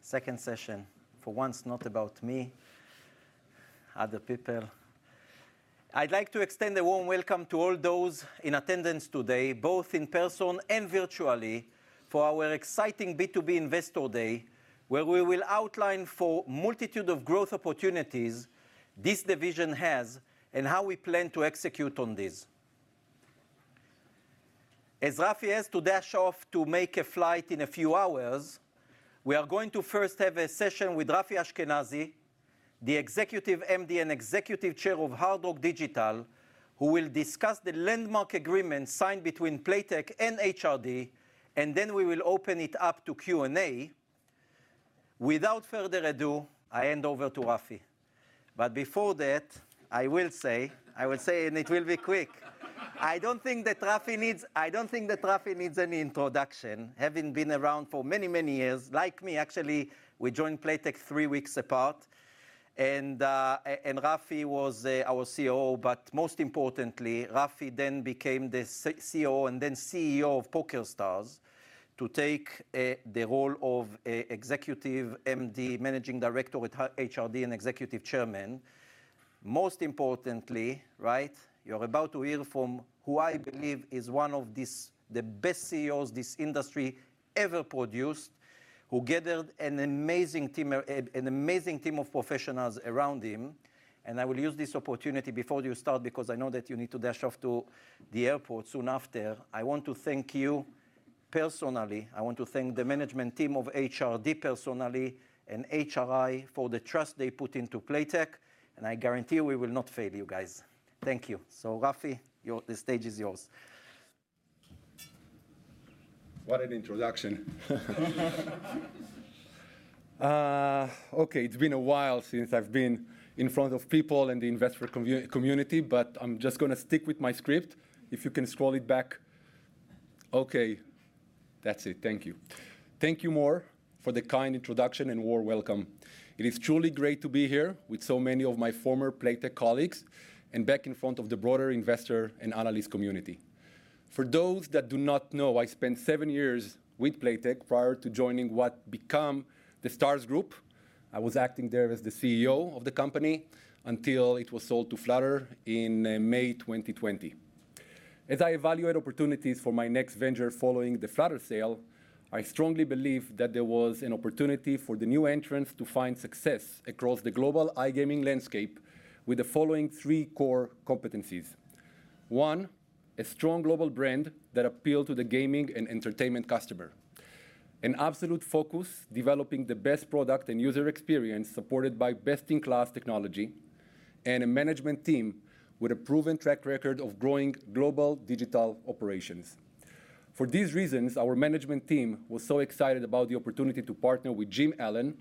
Second session. For once, not about me, other people. I'd like to extend a warm welcome to all those in attendance today, both in person and virtually, for our exciting B2B Investor Day, where we will outline for multitude of growth opportunities this division has and how we plan to execute on this. As Rafi has to dash off to make a flight in a few hours, we are going to first have a session with Rafi Ashkenazi, the Executive MD and Executive Chair of Hard Rock Digital, who will discuss the landmark agreement signed between Playtech and HRD, and then we will open it up to Q&A. Without further ado, I hand over to Rafi. Before that, I will say, it will be quick. I don't think that Rafi needs any introduction, having been around for many, many years. Like me, actually, we joined Playtech three weeks apart, and Rafi was our CEO. Most importantly, Rafi then became the CEO and then CEO of PokerStars to take the role of a executive MD, Managing Director with HRD and Executive Chairman. Most importantly, right, you're about to hear from who I believe is one of the best CEOs this industry ever produced, who gathered an amazing team of professionals around him. I will use this opportunity before you start because I know that you need to dash off to the airport soon after. I want to thank you personally. I want to thank the management team of HRD personally and HRI for the trust they put into Playtech, and I guarantee you we will not fail you guys. Thank you. Rafi, the stage is yours. What an introduction. Okay, it's been a while since I've been in front of people in the investor community, but I'm just gonna stick with my script. If you can scroll it back. Okay. That's it. Thank you. Thank you Mor for the kind introduction and warm welcome. It is truly great to be here with so many of my former Playtech colleagues and back in front of the broader investor and analyst community. For those that do not know, I spent seven years with Playtech prior to joining what become The Stars Group. I was acting there as the CEO of the company until it was sold to Flutter in May 2020. As I evaluate opportunities for my next venture following the Flutter sale, I strongly believe that there was an opportunity for the new entrants to find success across the global iGaming landscape with the following three core competencies. One, a strong global brand that appeal to the gaming and entertainment customer. An absolute focus developing the best product and user experience supported by best-in-class technology, and a management team with a proven track record of growing global digital operations. For these reasons, our management team was so excited about the opportunity to partner with Jim Allen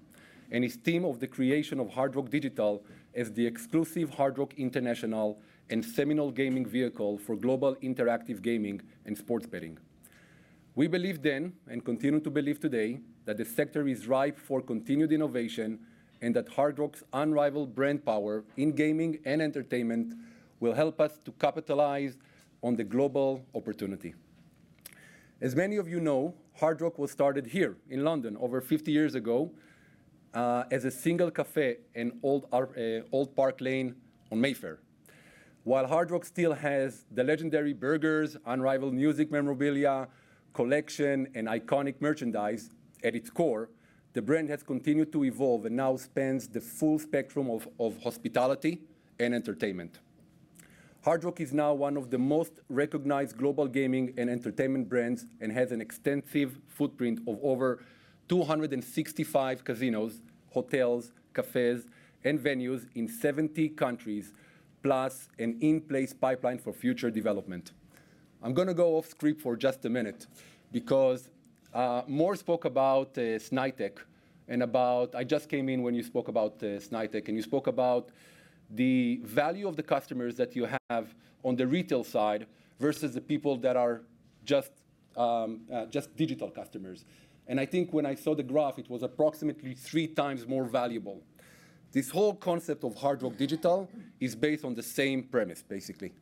and his team of the creation of Hard Rock Digital as the exclusive Hard Rock International and Seminole Gaming vehicle for global interactive gaming and sports betting. We believed then, and continue to believe today, that the sector is ripe for continued innovation and that Hard Rock's unrivaled brand power in gaming and entertainment will help us to capitalize on the global opportunity. As many of you know, Hard Rock was started here in London over 50 years ago, as a single cafe in Old Park Lane on Mayfair. While Hard Rock still has the legendary burgers, unrivaled music memorabilia, collection, and iconic merchandise at its core, the brand has continued to evolve and now spans the full spectrum of hospitality and entertainment. Hard Rock is now one of the most recognized global gaming and entertainment brands and has an extensive footprint of over 265 casinos, hotels, cafes, and venues in 70 countries, plus an in-place pipeline for future development. I'm gonna go off script for just a minute because Mor spoke about Snaitech. I just came in when you spoke about Snaitech, and you spoke about the value of the customers that you have on the retail side versus the people that are just digital customers. I think when I saw the graph, it was approximately three times more valuable. This whole concept of Hard Rock Digital is based on the same premise, basically.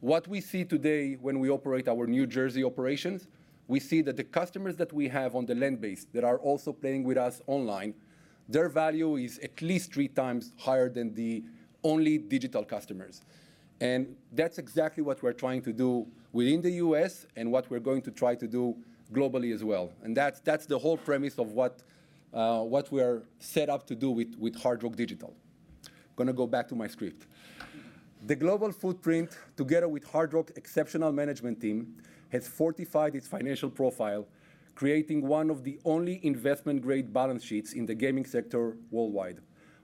What we see today when we operate our New Jersey operations, we see that the customers that we have on the land base that are also playing with us online, their value is at least three times higher than the only digital customers. That's exactly what we're trying to do within the U.S. and what we're going to try to do globally as well. That's the whole premise of what we are set up to do with Hard Rock Digital. Gonna go back to my script. The global footprint, together with Hard Rock's exceptional management team, has fortified its financial profile, creating one of the only investment-grade balance sheets in the gaming sector worldwide.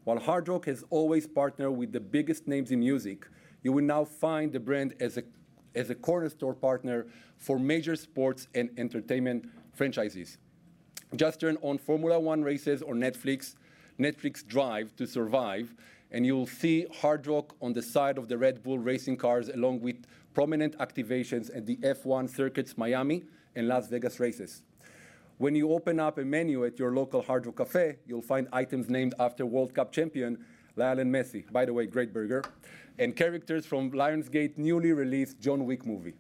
While Hard Rock has always partnered with the biggest names in music, you will now find the brand as a cornerstone partner for major sports and entertainment franchises. Just turn on Formula 1 races or Netflix Drive to Survive, and you'll see Hard Rock on the side of the Red Bull racing cars, along with prominent activations at the F1 circuits Miami and Las Vegas races. When you open up a menu at your local Hard Rock Cafe, you'll find items named after World Cup champion Lionel Messi, by the way, great burger, and characters from Lionsgate's newly released John Wick movie.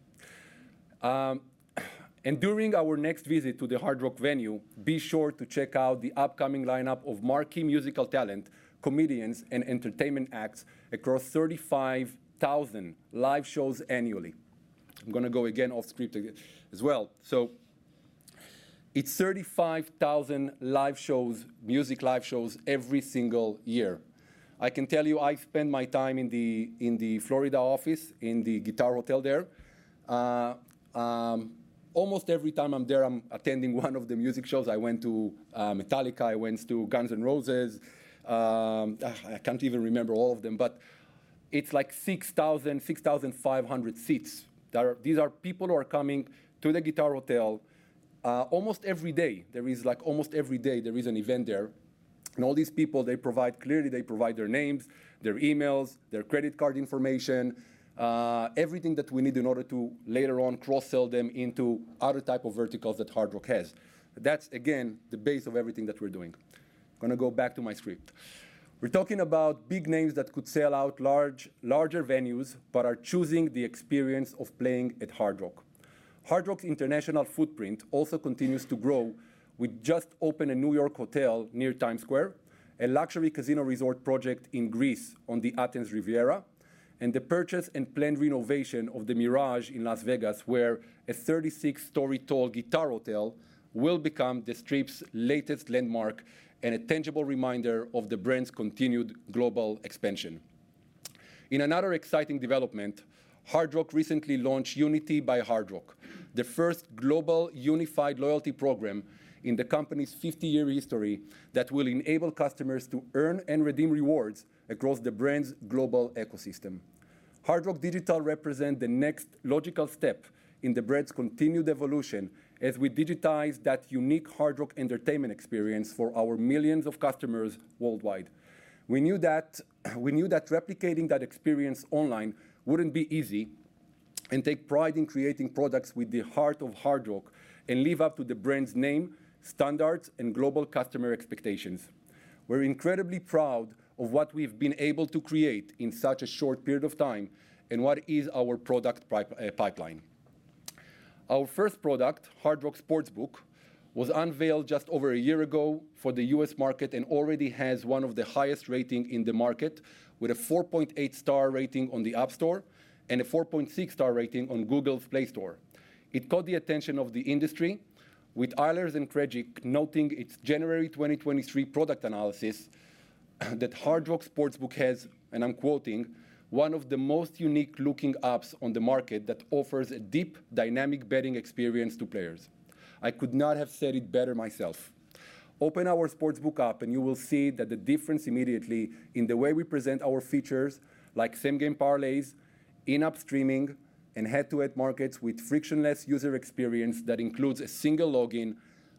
And during our next visit to the Hard Rock venue, be sure to check out the upcoming lineup of marquee musical talent, comedians, and entertainment acts across 35,000 live shows annually. I'm gonna go again off-script as well. It's 35,000 live shows, music live shows every single year. I can tell you, I've spent my time in the, in the Florida office, in the Guitar Hotel there. Almost every time I'm there, I'm attending one of the music shows. I went to Metallica, I went to Guns N' Roses. I can't even remember all of them, but it's like 6,000, 6,500 seats. These are people who are coming to the Guitar Hotel almost every day. There is, like, almost every day, there is an event there. All these people, clearly they provide their names, their emails, their credit card information, everything that we need in order to later on cross-sell them into other type of verticals that Hard Rock has. That's, again, the base of everything that we're doing. I'm gonna go back to my script. We're talking about big names that could sell out large, larger venues, but are choosing the experience of playing at Hard Rock. Hard Rock's international footprint also continues to grow. We just opened a New York hotel near Times Square, a luxury casino resort project in Greece on the Athens Riviera, and the purchase and planned renovation of The Mirage in Las Vegas, where a 36-story tall Guitar Hotel will become the Strip's latest landmark and a tangible reminder of the brand's continued global expansion. In another exciting development, Hard Rock recently launched Unity by Hard Rock, the first global unified loyalty program in the company's 50-year history that will enable customers to earn and redeem rewards across the brand's global ecosystem. Hard Rock Digital represent the next logical step in the brand's continued evolution as we digitize that unique Hard Rock entertainment experience for our millions of customers worldwide. We knew that replicating that experience online wouldn't be easy, and take pride in creating products with the heart of Hard Rock, and live up to the brand's name, standards, and global customer expectations. We're incredibly proud of what we've been able to create in such a short period of time, and what is our product pipeline. Our first product, Hard Rock Sportsbook, was unveiled just over a year ago for the U.S. market, and already has one of the highest rating in the market, with a 4.8 star rating on the App Store and a 4.6 star rating on Google Play Store. It caught the attention of the industry, with Eilers & Krejcik noting its January 2023 product analysis, that Hard Rock Sportsbook has, and I'm quoting, "One of the most unique-looking apps on the market that offers a deep, dynamic betting experience to players." I could not have said it better myself. Open our Sportsbook app and you will see that the difference immediately in the way we present our features, like same game parlays, in-app streaming, and head-to-head markets with frictionless user experience that includes a single login,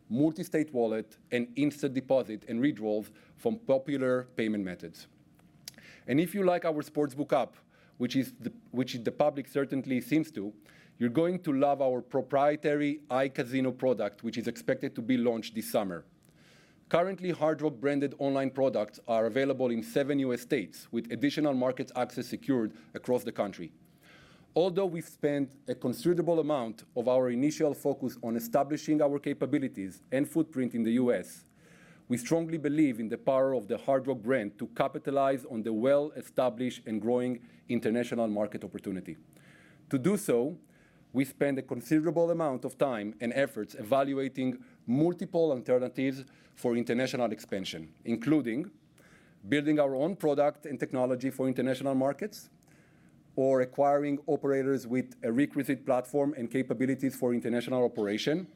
multi-state wallet, and instant deposit and withdrawals from popular payment methods. If you like our Sportsbook app, which the public certainly seems to, you're going to love our proprietary iCasino product, which is expected to be launched this summer. Currently, Hard Rock branded online products are available in seven U.S. states, with additional market access secured across the country. Although we've spent a considerable amount of our initial focus on establishing our capabilities and footprint in the U.S., we strongly believe in the power of the Hard Rock brand to capitalize on the well-established and growing international market opportunity. To do so, we spent a considerable amount of time and efforts evaluating multiple alternatives for international expansion, including building our own product and technology for international markets, or acquiring operators with a requisite platform and capabilities for international operation,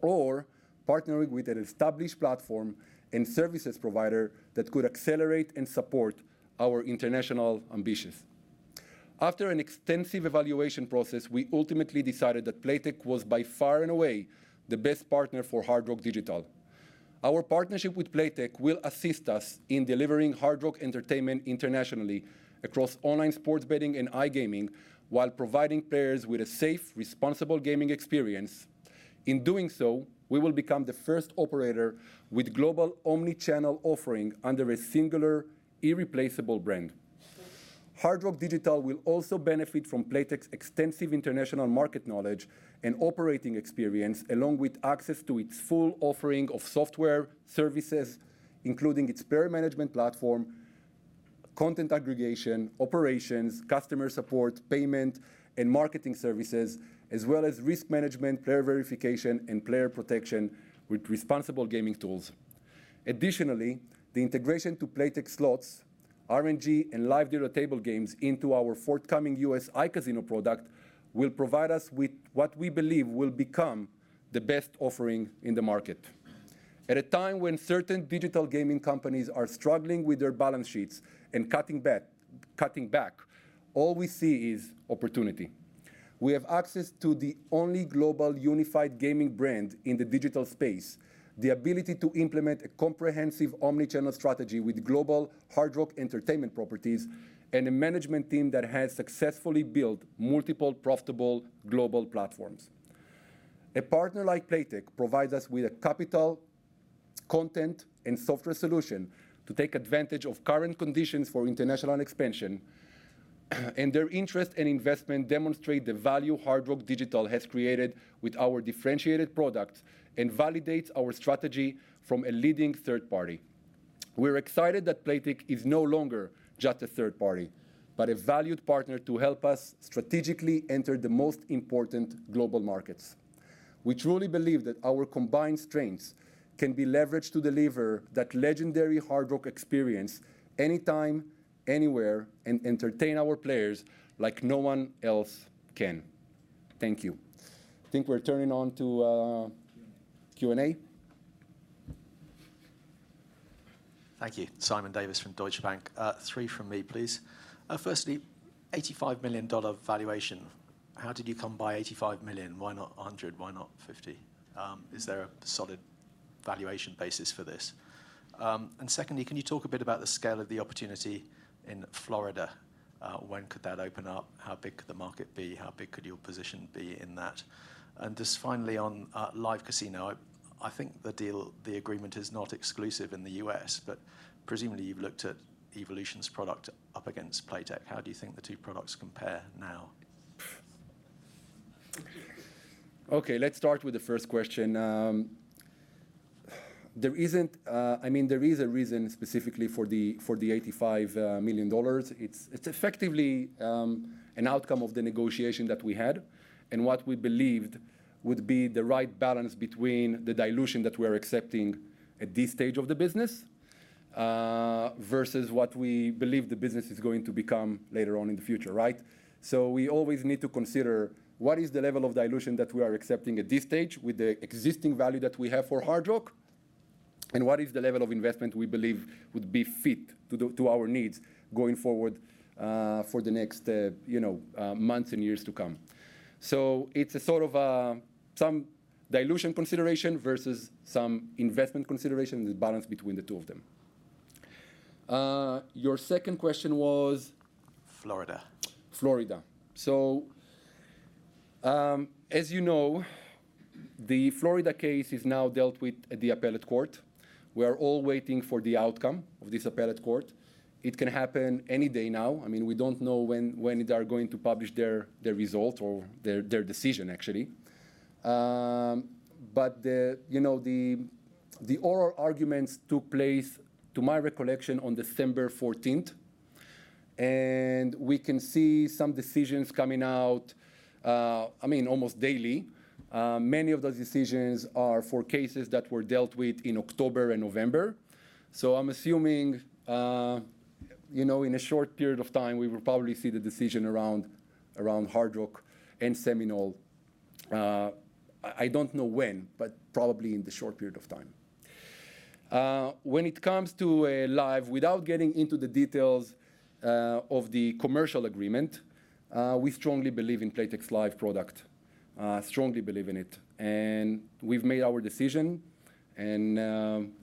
or partnering with an established platform and services provider that could accelerate and support our international ambitions. After an extensive evaluation process, we ultimately decided that Playtech was, by far and away, the best partner for Hard Rock Digital. Our partnership with Playtech will assist us in delivering Hard Rock entertainment internationally across online sports betting and iGaming, while providing players with a safe, responsible gaming experience. In doing so, we will become the first operator with global omni-channel offering under a singular, irreplaceable brand. Hard Rock Digital will also benefit from Playtech's extensive international market knowledge and operating experience, along with access to its full offering of software services, including its player management platform, content aggregation, operations, customer support, payment, and marketing services, as well as risk management, player verification, and player protection with responsible gaming tools. Additionally, the integration to Playtech slots, RNG, and live dealer table games into our forthcoming U.S. iCasino product will provide us with what we believe will become the best offering in the market. At a time when certain digital gaming companies are struggling with their balance sheets and cutting back, all we see is opportunity. We have access to the only global unified gaming brand in the digital space. The ability to implement a comprehensive omni-channel strategy with global Hard Rock entertainment properties, and a management team that has successfully built multiple profitable global platforms. A partner like Playtech provides us with a capital, content, and software solution to take advantage of current conditions for international expansion. Their interest and investment demonstrate the value Hard Rock Digital has created with our differentiated product and validates our strategy from a leading third party. We're excited that Playtech is no longer just a third party, but a valued partner to help us strategically enter the most important global markets. We truly believe that our combined strengths can be leveraged to deliver that legendary Hard Rock experience anytime, anywhere, and entertain our players like no one else can. Thank you. Think we're turning on to- Q&A.... Q&A. Thank you. Simon Davies from Deutsche Bank. Three from me, please. Firstly, $85 million valuation. How did you come by $85 million? Why not 100? Why not 50? Is there a solid valuation basis for this? Secondly, can you talk a bit about the scale of the opportunity in Florida? When could that open up? How big could the market be? How big could your position be in that? Just finally, on, Live Casino. I think the deal, the agreement is not exclusive in the U.S., but presumably you've looked at Evolution's product up against Playtech. How do you think the two products compare now? Okay, let's start with the first question. There isn't, I mean, there is a reason specifically for the, for the $85 million. It's, it's effectively an outcome of the negotiation that we had and what we believed would be the right balance between the dilution that we're accepting at this stage of the business, versus what we believe the business is going to become later on in the future, right? So we always need to consider what is the level of dilution that we are accepting at this stage with the existing value that we have for Hard Rock, and what is the level of investment we believe would be fit to the, to our needs going forward, for the next, you know, months and years to come. So it's a sort of, some dilution consideration versus some investment consideration. The balance between the two of them. Your second question was? Florida. Florida. As you know, the Florida case is now dealt with at the appellate court. We are all waiting for the outcome of this appellate court. It can happen any day now. I mean, we don't know when they are going to publish their result or their decision, actually. But the, you know, the oral arguments took place, to my recollection, on December 14th, and we can see some decisions coming out, I mean, almost daily. Many of those decisions are for cases that were dealt with in October and November. I'm assuming, you know, in a short period of time, we will probably see the decision around Hard Rock and Seminole. I don't know when, but probably in the short period of time. When it comes to Live, without getting into the details of the commercial agreement, we strongly believe in Playtech's Live product. Strongly believe in it. We've made our decision, and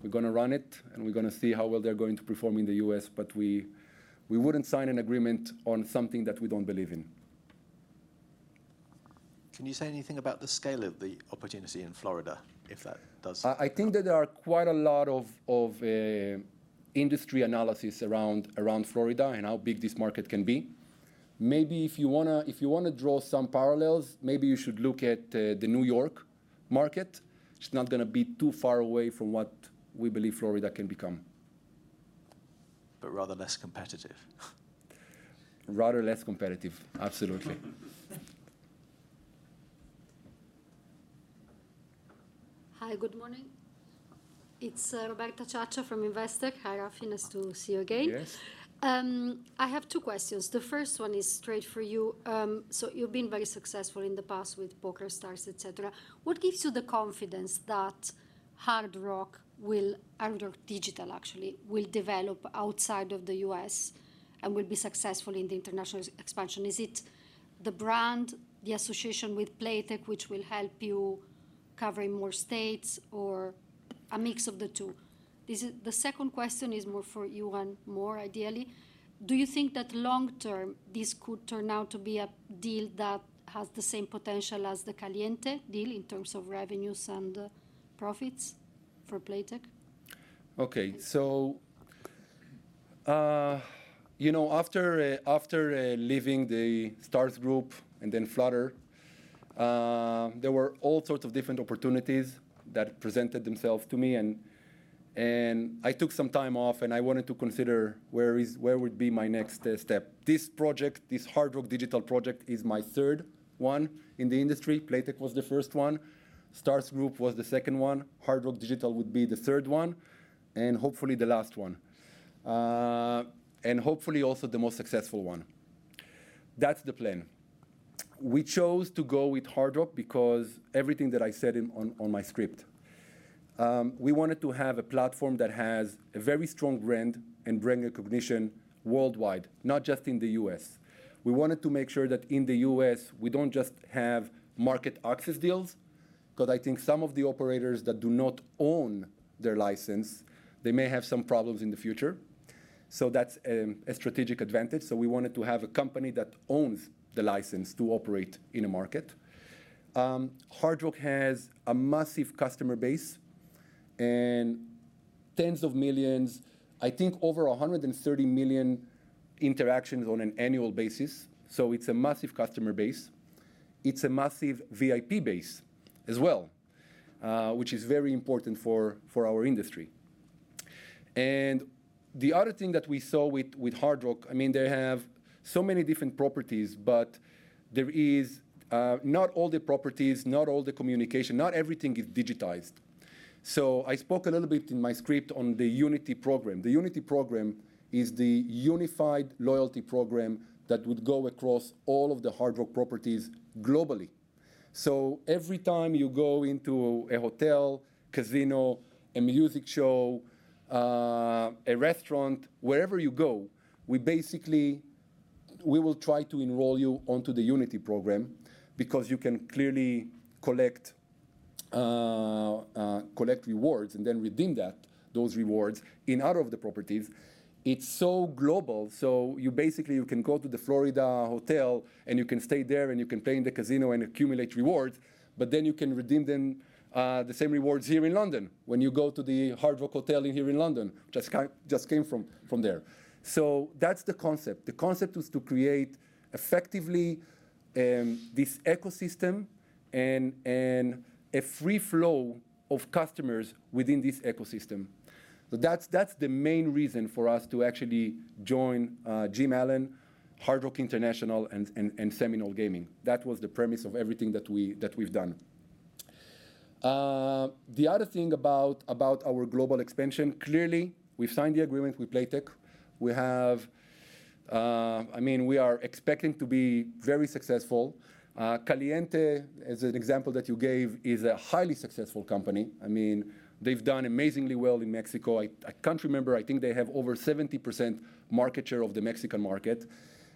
we're gonna run it, and we're gonna see how well they're going to perform in the U.S. We wouldn't sign an agreement on something that we don't believe in. Can you say anything about the scale of the opportunity in Florida, if that does... I think that there are quite a lot of industry analysis around Florida and how big this market can be. Maybe if you wanna draw some parallels, maybe you should look at the New York market. It's not gonna be too far away from what we believe Florida can become. Rather less competitive. Rather less competitive. Absolutely. Hi, good morning. It's Roberta Ciaccia from Investec. Hi, Rafi. Nice to see you again. Yes. I have two questions. The first one is straight for you. You've been very successful in the past with PokerStars, et cetera. What gives you the confidence that Hard Rock will, Hard Rock Digital actually, will develop outside of the U.S. and will be successful in the international expansion? Is it the brand, the association with Playtech, which will help you covering more states or a mix of the two? The second question is more for you and Mor, ideally. Do you think that long-term, this could turn out to be a deal that has the same potential as the Caliente deal in terms of revenues and profits for Playtech? Okay. You know, after after leaving The Stars Group and then Flutter, there were all sorts of different opportunities that presented themselves to me, and I took some time off, and I wanted to consider where would be my next step. This project, this Hard Rock Digital project, is my third one in the industry. Playtech was the first one. The Stars Group was the second one. Hard Rock Digital would be the third one, and hopefully the last one. Hopefully also the most successful one. That's the plan. We chose to go with Hard Rock because everything that I said in, on my script. We wanted to have a platform that has a very strong brand and brand recognition worldwide, not just in the U.S. We wanted to make sure that in the U.S. we don't just have market access deals, because I think some of the operators that do not own their license, they may have some problems in the future. That's a strategic advantage. We wanted to have a company that owns the license to operate in a market. Hard Rock has a massive customer base and tens of millions, I think over 130 million, interactions on an annual basis. It's a massive customer base. It's a massive VIP base as well, which is very important for our industry. The other thing that we saw with Hard Rock, I mean, they have so many different properties, but there is not all the properties, not all the communication, not everything is digitized. I spoke a little bit in my script on the Unity program. The Unity program is the unified loyalty program that would go across all of the Hard Rock properties globally. Every time you go into a hotel, casino, a music show, a restaurant, wherever you go, we will try to enroll you onto the Unity program because you can clearly collect rewards and then redeem those rewards in out of the properties. It's so global, so you basically, you can go to the Florida hotel, and you can stay there, and you can play in the casino and accumulate rewards, but then you can redeem them, the same rewards here in London when you go to the Hard Rock Hotel here in London. Just came from there. That's the concept. The concept was to create effectively, this ecosystem and a free flow of customers within this ecosystem. That's the main reason for us to actually join Jim Allen, Hard Rock International, and Seminole Gaming. That was the premise of everything that we've done. The other thing about our global expansion, clearly, we've signed the agreement with Playtech. We have. I mean, we are expecting to be very successful. Caliente, as an example that you gave, is a highly successful company. I mean, they've done amazingly well in Mexico. I can't remember, I think they have over 70% market share of the Mexican market.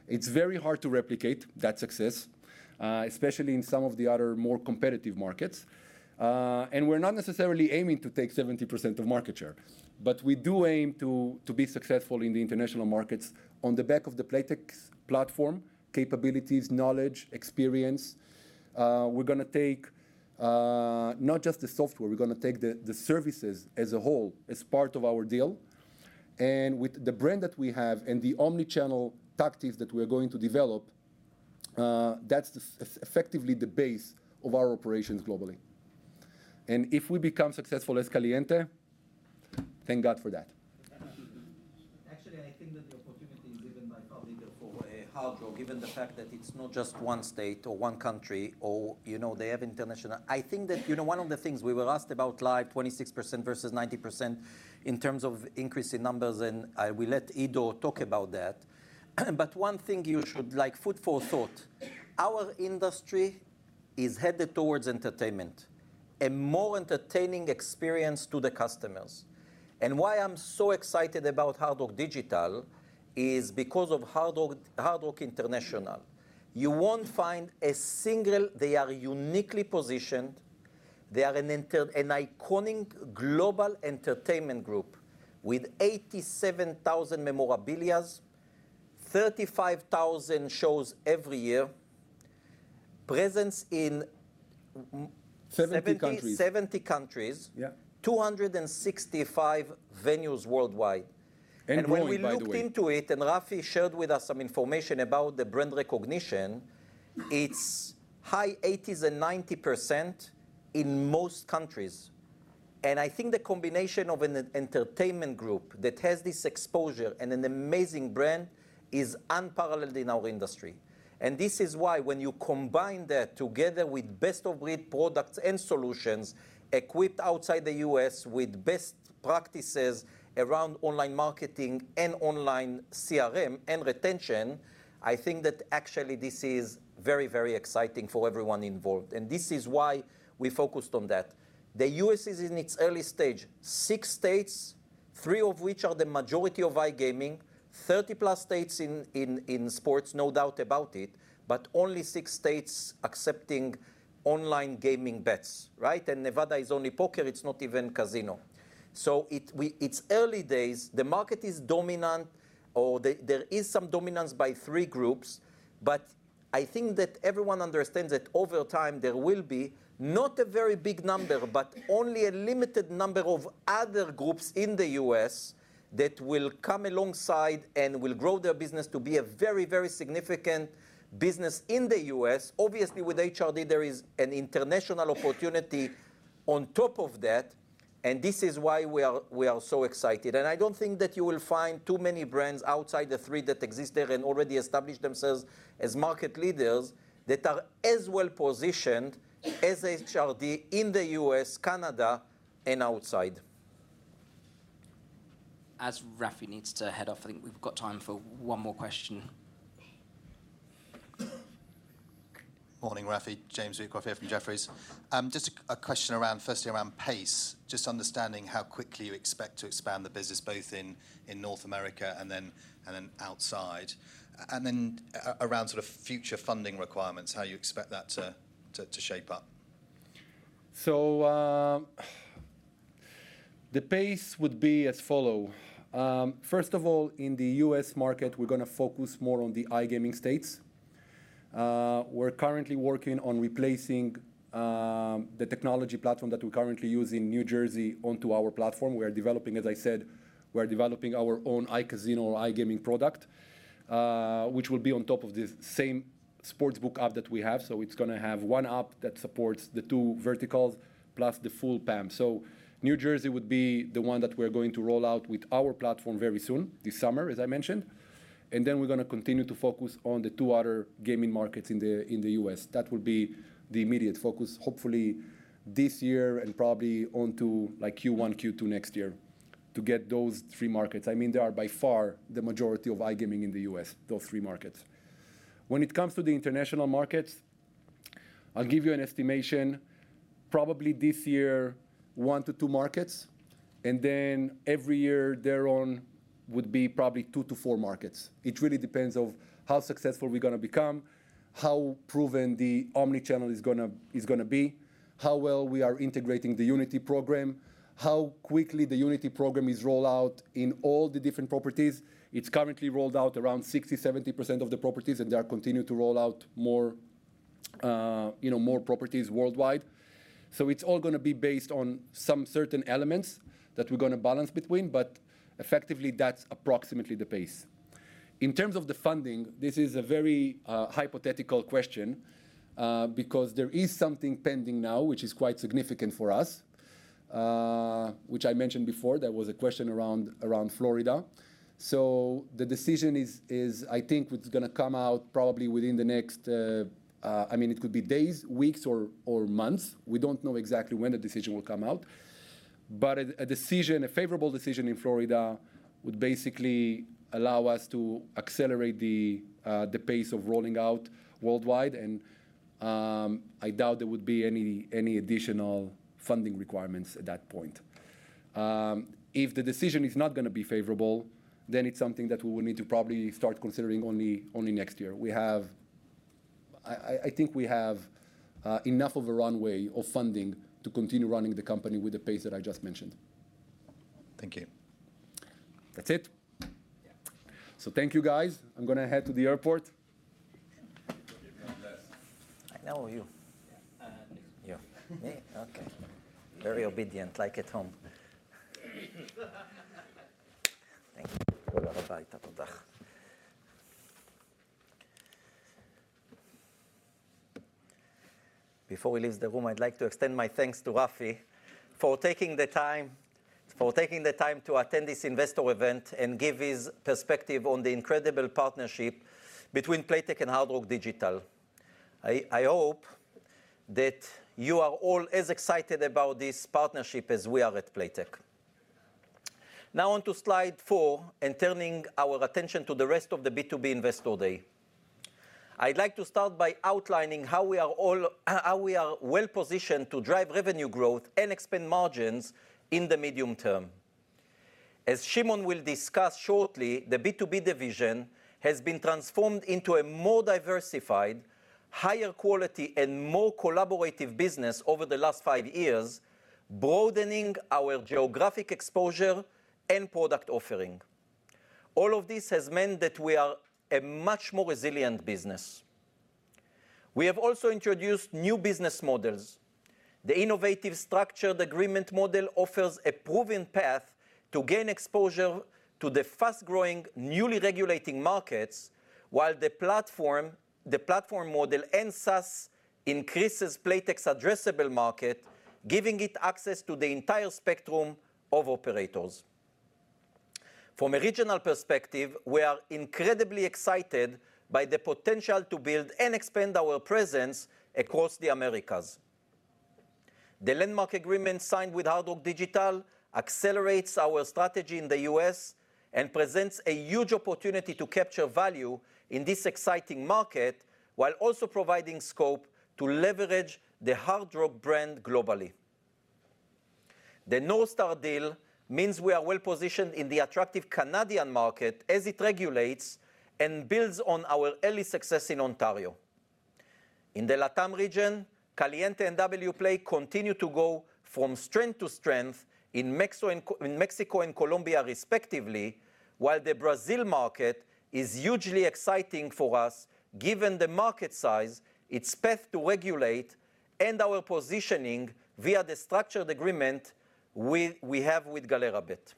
It's very hard to replicate that success, especially in some of the other more competitive markets. We're not necessarily aiming to take 70% of market share, but we do aim to be successful in the international markets on the back of the Playtech's platform, capabilities, knowledge, experience. We're gonna take not just the software, we're gonna take the services as a whole as part of our deal. With the brand that we have and the omni-channel tactics that we're going to develop, that's effectively the base of our operations globally. If we become successful as Caliente, thank God for that. Actually, I think that the opportunity is given by our leader for Hard Rock, given the fact that it's not just one state or one country or, you know, they have international. I think that, you know, one of the things we were asked about Live, 26% versus 90% in terms of increase in numbers, and I will let Edo talk about that. One thing you should... like food for thought, our industry is headed towards entertainment, a more entertaining experience to the customers. Why I'm so excited about Hard Rock Digital is because of Hard Rock International. You won't find a single... They are uniquely positioned. They are an iconic global entertainment group with 87,000 memorabilias, 35,000 shows every year, presence in- 70 countries.... 70 countries- Yeah.... 265 venues worldwide. Growing, by the way. When we looked into it, Rafi shared with us some information about the brand recognition, it's high 80s and 90% in most countries. I think the combination of an entertainment group that has this exposure and an amazing brand is unparalleled in our industry. This is why when you combine that together with best-of-breed products and solutions, equipped outside the U.S. with best practices around online marketing and online CRM and retention, I think that actually this is very, very exciting for everyone involved. This is why we focused on that. The U.S. is in its early stage, six states, three of which are the majority of iGaming, 30+ states in sports, no doubt about it, but only six states accepting online gaming bets, right? Nevada is only poker, it's not even casino. So it's early days. The market is dominant, or there is some dominance by three groups. I think that everyone understands that over time, there will be not a very big number, but only a limited number of other groups in the U.S. that will come alongside and will grow their business to be a very, very significant business in the U.S. Obviously, with HRD, there is an international opportunity on top of that. This is why we are so excited. I don't think that you will find too many brands outside the three that existed and already established themselves as market leaders that are as well-positioned as HRD in the U.S., Canada, and outside. As Rafi needs to head off, I think we've got time for one more question. Morning, Rafi. James Wheatcroft here from Jefferies. Just a question around, firstly around pace, just understanding how quickly you expect to expand the business both in North America and then outside. And then around sort of future funding requirements, how you expect that to shape up. The pace would be as follows. First of all, in the U.S. market, we're going to focus more on the iGaming states. We're currently working on replacing the technology platform that we currently use in New Jersey onto our platform. We are developing, as I said, we are developing our own iCasino or iGaming product, which will be on top of the same Sportsbook app that we have. It's going to have one app that supports the two verticals, plus the full PAM. New Jersey would be the one that we're going to roll out with our platform very soon, this summer, as I mentioned, and then we're going to continue to focus on the two other gaming markets in the U.S. That will be the immediate focus, hopefully this year and probably onto like Q1, Q2 next year, to get those three markets. I mean, they are by far the majority of iGaming in the U.S., those three markets. When it comes to the international markets, I'll give you an estimation, probably this year, one to two markets, and then every year thereon would be probably two to four markets. It really depends of how successful we're gonna become, how proven the omni-channel is gonna be, how well we are integrating the Unity program, how quickly the Unity program is rolled out in all the different properties. It's currently rolled out around 60%, 70% of the properties, and they are continuing to roll out more, you know, more properties worldwide. It's all gonna be based on some certain elements that we're gonna balance between, but effectively that's approximately the pace. In terms of the funding, this is a very hypothetical question because there is something pending now, which is quite significant for us, which I mentioned before. There was a question around Florida. The decision is I think it's gonna come out probably within the next... I mean, it could be days, weeks or months. We don't know exactly when the decision will come out. A decision, a favorable decision in Florida would basically allow us to accelerate the pace of rolling out worldwide and I doubt there would be any additional funding requirements at that point. If the decision is not gonna be favorable, it's something that we will need to probably start considering only next year. I think we have enough of a runway of funding to continue running the company with the pace that I just mentioned. Thank you. That's it. Thank you guys. I'm gonna head to the airport. God bless. I know you... Yeah. Yes. You. Me? Okay. Very obedient, like at home. Thank you. Before he leaves the room, I'd like to extend my thanks to Rafi for taking the time to attend this investor event and give his perspective on the incredible partnership between Playtech and Hard Rock Digital. I hope that you are all as excited about this partnership as we are at Playtech. Now on to slide 4, and turning our attention to the rest of the B2B Investor Day. I'd like to start by outlining how we are well-positioned to drive revenue growth and expand margins in the medium term. As Shimon will discuss shortly, the B2B division has been transformed into a more diversified, higher quality and more collaborative business over the last five years, broadening our geographic exposure and product offering. All of this has meant that we are a much more resilient business. We have also introduced new business models. The innovative structured agreement model offers a proven path to gain exposure to the fast-growing, newly regulating markets, while the platform model and SaaS increases Playtech's addressable market, giving it access to the entire spectrum of operators. From a regional perspective, we are incredibly excited by the potential to build and expand our presence across the Americas. The landmark agreement signed with Hard Rock Digital accelerates our strategy in the U.S. and presents a huge opportunity to capture value in this exciting market, while also providing scope to leverage the Hard Rock brand globally. The NorthStar deal means we are well positioned in the attractive Canadian market as it regulates and builds on our early success in Ontario. In the LatAm region, Caliente and Wplay continue to go from strength to strength in Mexico and Colombia, respectively. While the Brazil market is hugely exciting for us, given the market size, its path to regulate, and our positioning via the structured agreement we have with Galera.bet.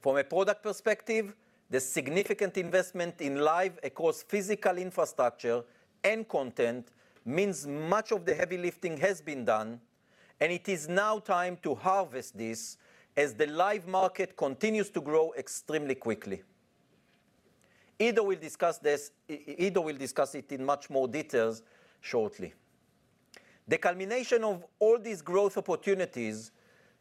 From a product perspective, the significant investment in live across physical infrastructure and content means much of the heavy lifting has been done, and it is now time to harvest this as the live market continues to grow extremely quickly. Edo will discuss it in much more details shortly. The culmination of all these growth opportunities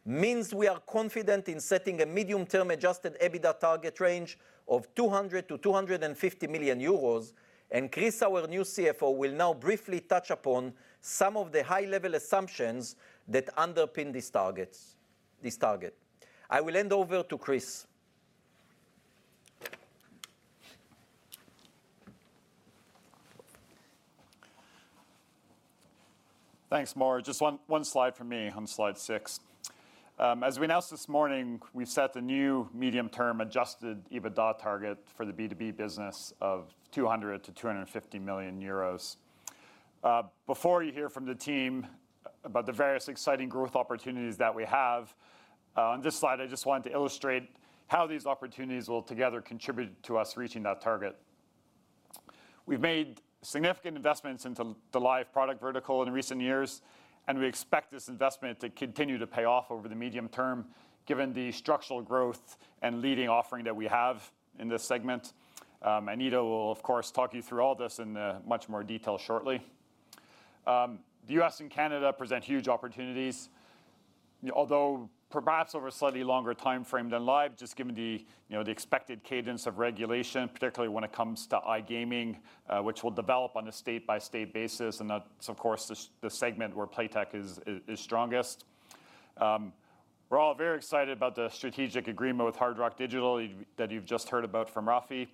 means we are confident in setting a medium-term adjusted EBITDA target range of 200 million-250 million euros, and Chris, our new CFO, will now briefly touch upon some of the high-level assumptions that underpin these targets, this target. I will hand over to Chris. Thanks, Mor. Just one slide for me, on slide 6. As we announced this morning, we've set a new medium-term adjusted EBITDA target for the B2B business of 200 million-250 million euros. Before you hear from the team about the various exciting growth opportunities that we have, on this slide I just wanted to illustrate how these opportunities will together contribute to us reaching that target. We've made significant investments into the Live product vertical in recent years, and we expect this investment to continue to pay off over the medium term given the structural growth and leading offering that we have in this segment. Edo will of course talk you through all this in much more detail shortly. The U.S. and Canada present huge opportunities, although perhaps over a slightly longer timeframe than Live, just given the, you know, the expected cadence of regulation, particularly when it comes to iGaming, which will develop on a state-by-state basis, and that's of course the segment where Playtech is strongest. We're all very excited about the strategic agreement with Hard Rock Digital that you've just heard about from Rafi.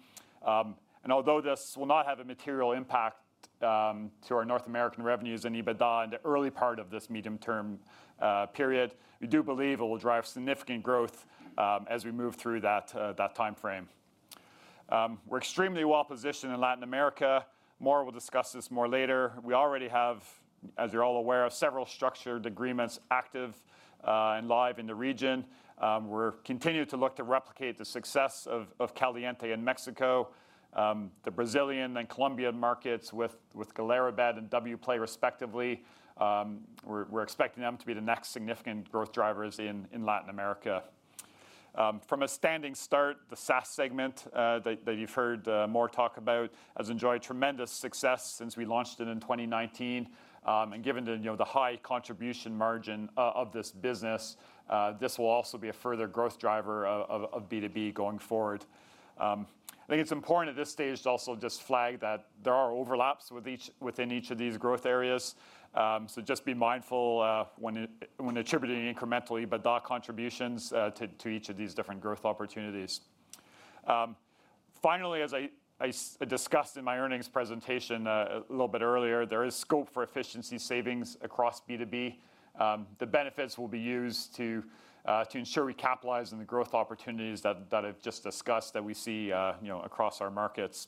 Although this will not have a material impact to our North American revenues and EBITDA in the early part of this medium term period, we do believe it will drive significant growth as we move through that timeframe. We're extremely well-positioned in Latin America. Mor will discuss this more later. We already have, as you're all aware, several structured agreements active and live in the region. We're continuing to look to replicate the success of Caliente in Mexico, the Brazilian and Colombian markets with Galera.bet and Wplay, respectively. We're expecting them to be the next significant growth drivers in Latin America. From a standing start, the SaaS segment that you've heard Mor talk about has enjoyed tremendous success since we launched it in 2019. Given the, you know, the high contribution margin of this business, this will also be a further growth driver of B2B going forward. I think it's important at this stage to also just flag that there are overlaps within each of these growth areas, so just be mindful when attributing incrementally, but that contributions to each of these different growth opportunities. Finally, as I discussed in my earnings presentation a little bit earlier, there is scope for efficiency savings across B2B. The benefits will be used to ensure we capitalize on the growth opportunities that I've just discussed that we see, you know, across our markets.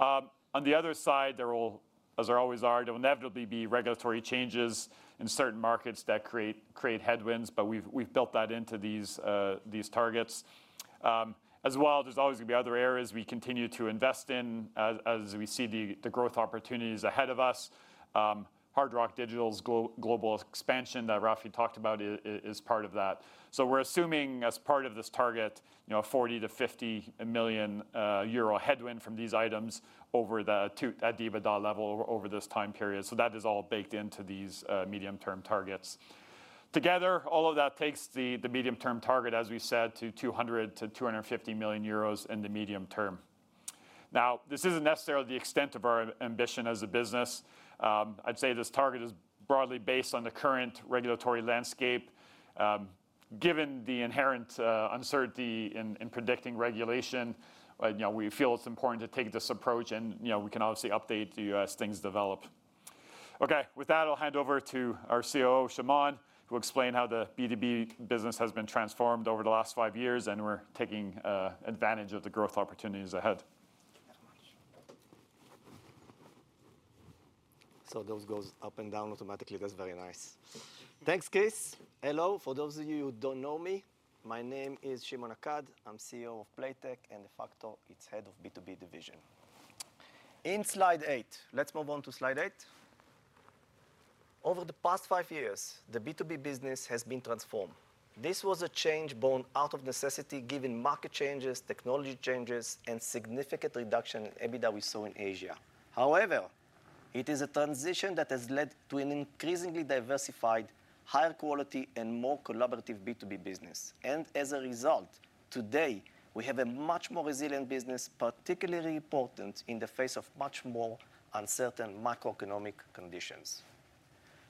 On the other side, there will, as there always are, there will inevitably be regulatory changes in certain markets that create headwinds, but we've built that into these targets. As well, there's always gonna be other areas we continue to invest in as we see the growth opportunities ahead of us. Hard Rock Digital's global expansion that Rafi talked about is part of that. We're assuming as part of this target, you know, a 40 million-50 million euro headwind from these items at the EBITDA level over this time period. That is all baked into these medium-term targets. Together, all of that takes the medium-term target, as we said, to 200 million-250 million euros in the medium term. This isn't necessarily the extent of our ambition as a business. I'd say this target is broadly based on the current regulatory landscape. Given the inherent uncertainty in predicting regulation, you know, we feel it's important to take this approach and, you know, we can obviously update you as things develop. Okay. With that, I'll hand over to our COO, Shimon, who will explain how the B2B business has been transformed over the last five years. We're taking advantage of the growth opportunities ahead. Those goes up and down automatically. That's very nice. Thanks, Chris. Hello, for those of you who don't know me, my name is Shimon Akad. I'm CEO of Playtech, and de facto, its Head of B2B division. In slide 8, let's move on to slide 8. Over the past five years, the B2B business has been transformed. This was a change born out of necessity given market changes, technology changes, and significant reduction in EBITDA we saw in Asia. However, it is a transition that has led to an increasingly diversified, higher quality, and more collaborative B2B business. As a result, today, we have a much more resilient business, particularly important in the face of much more uncertain macroeconomic conditions.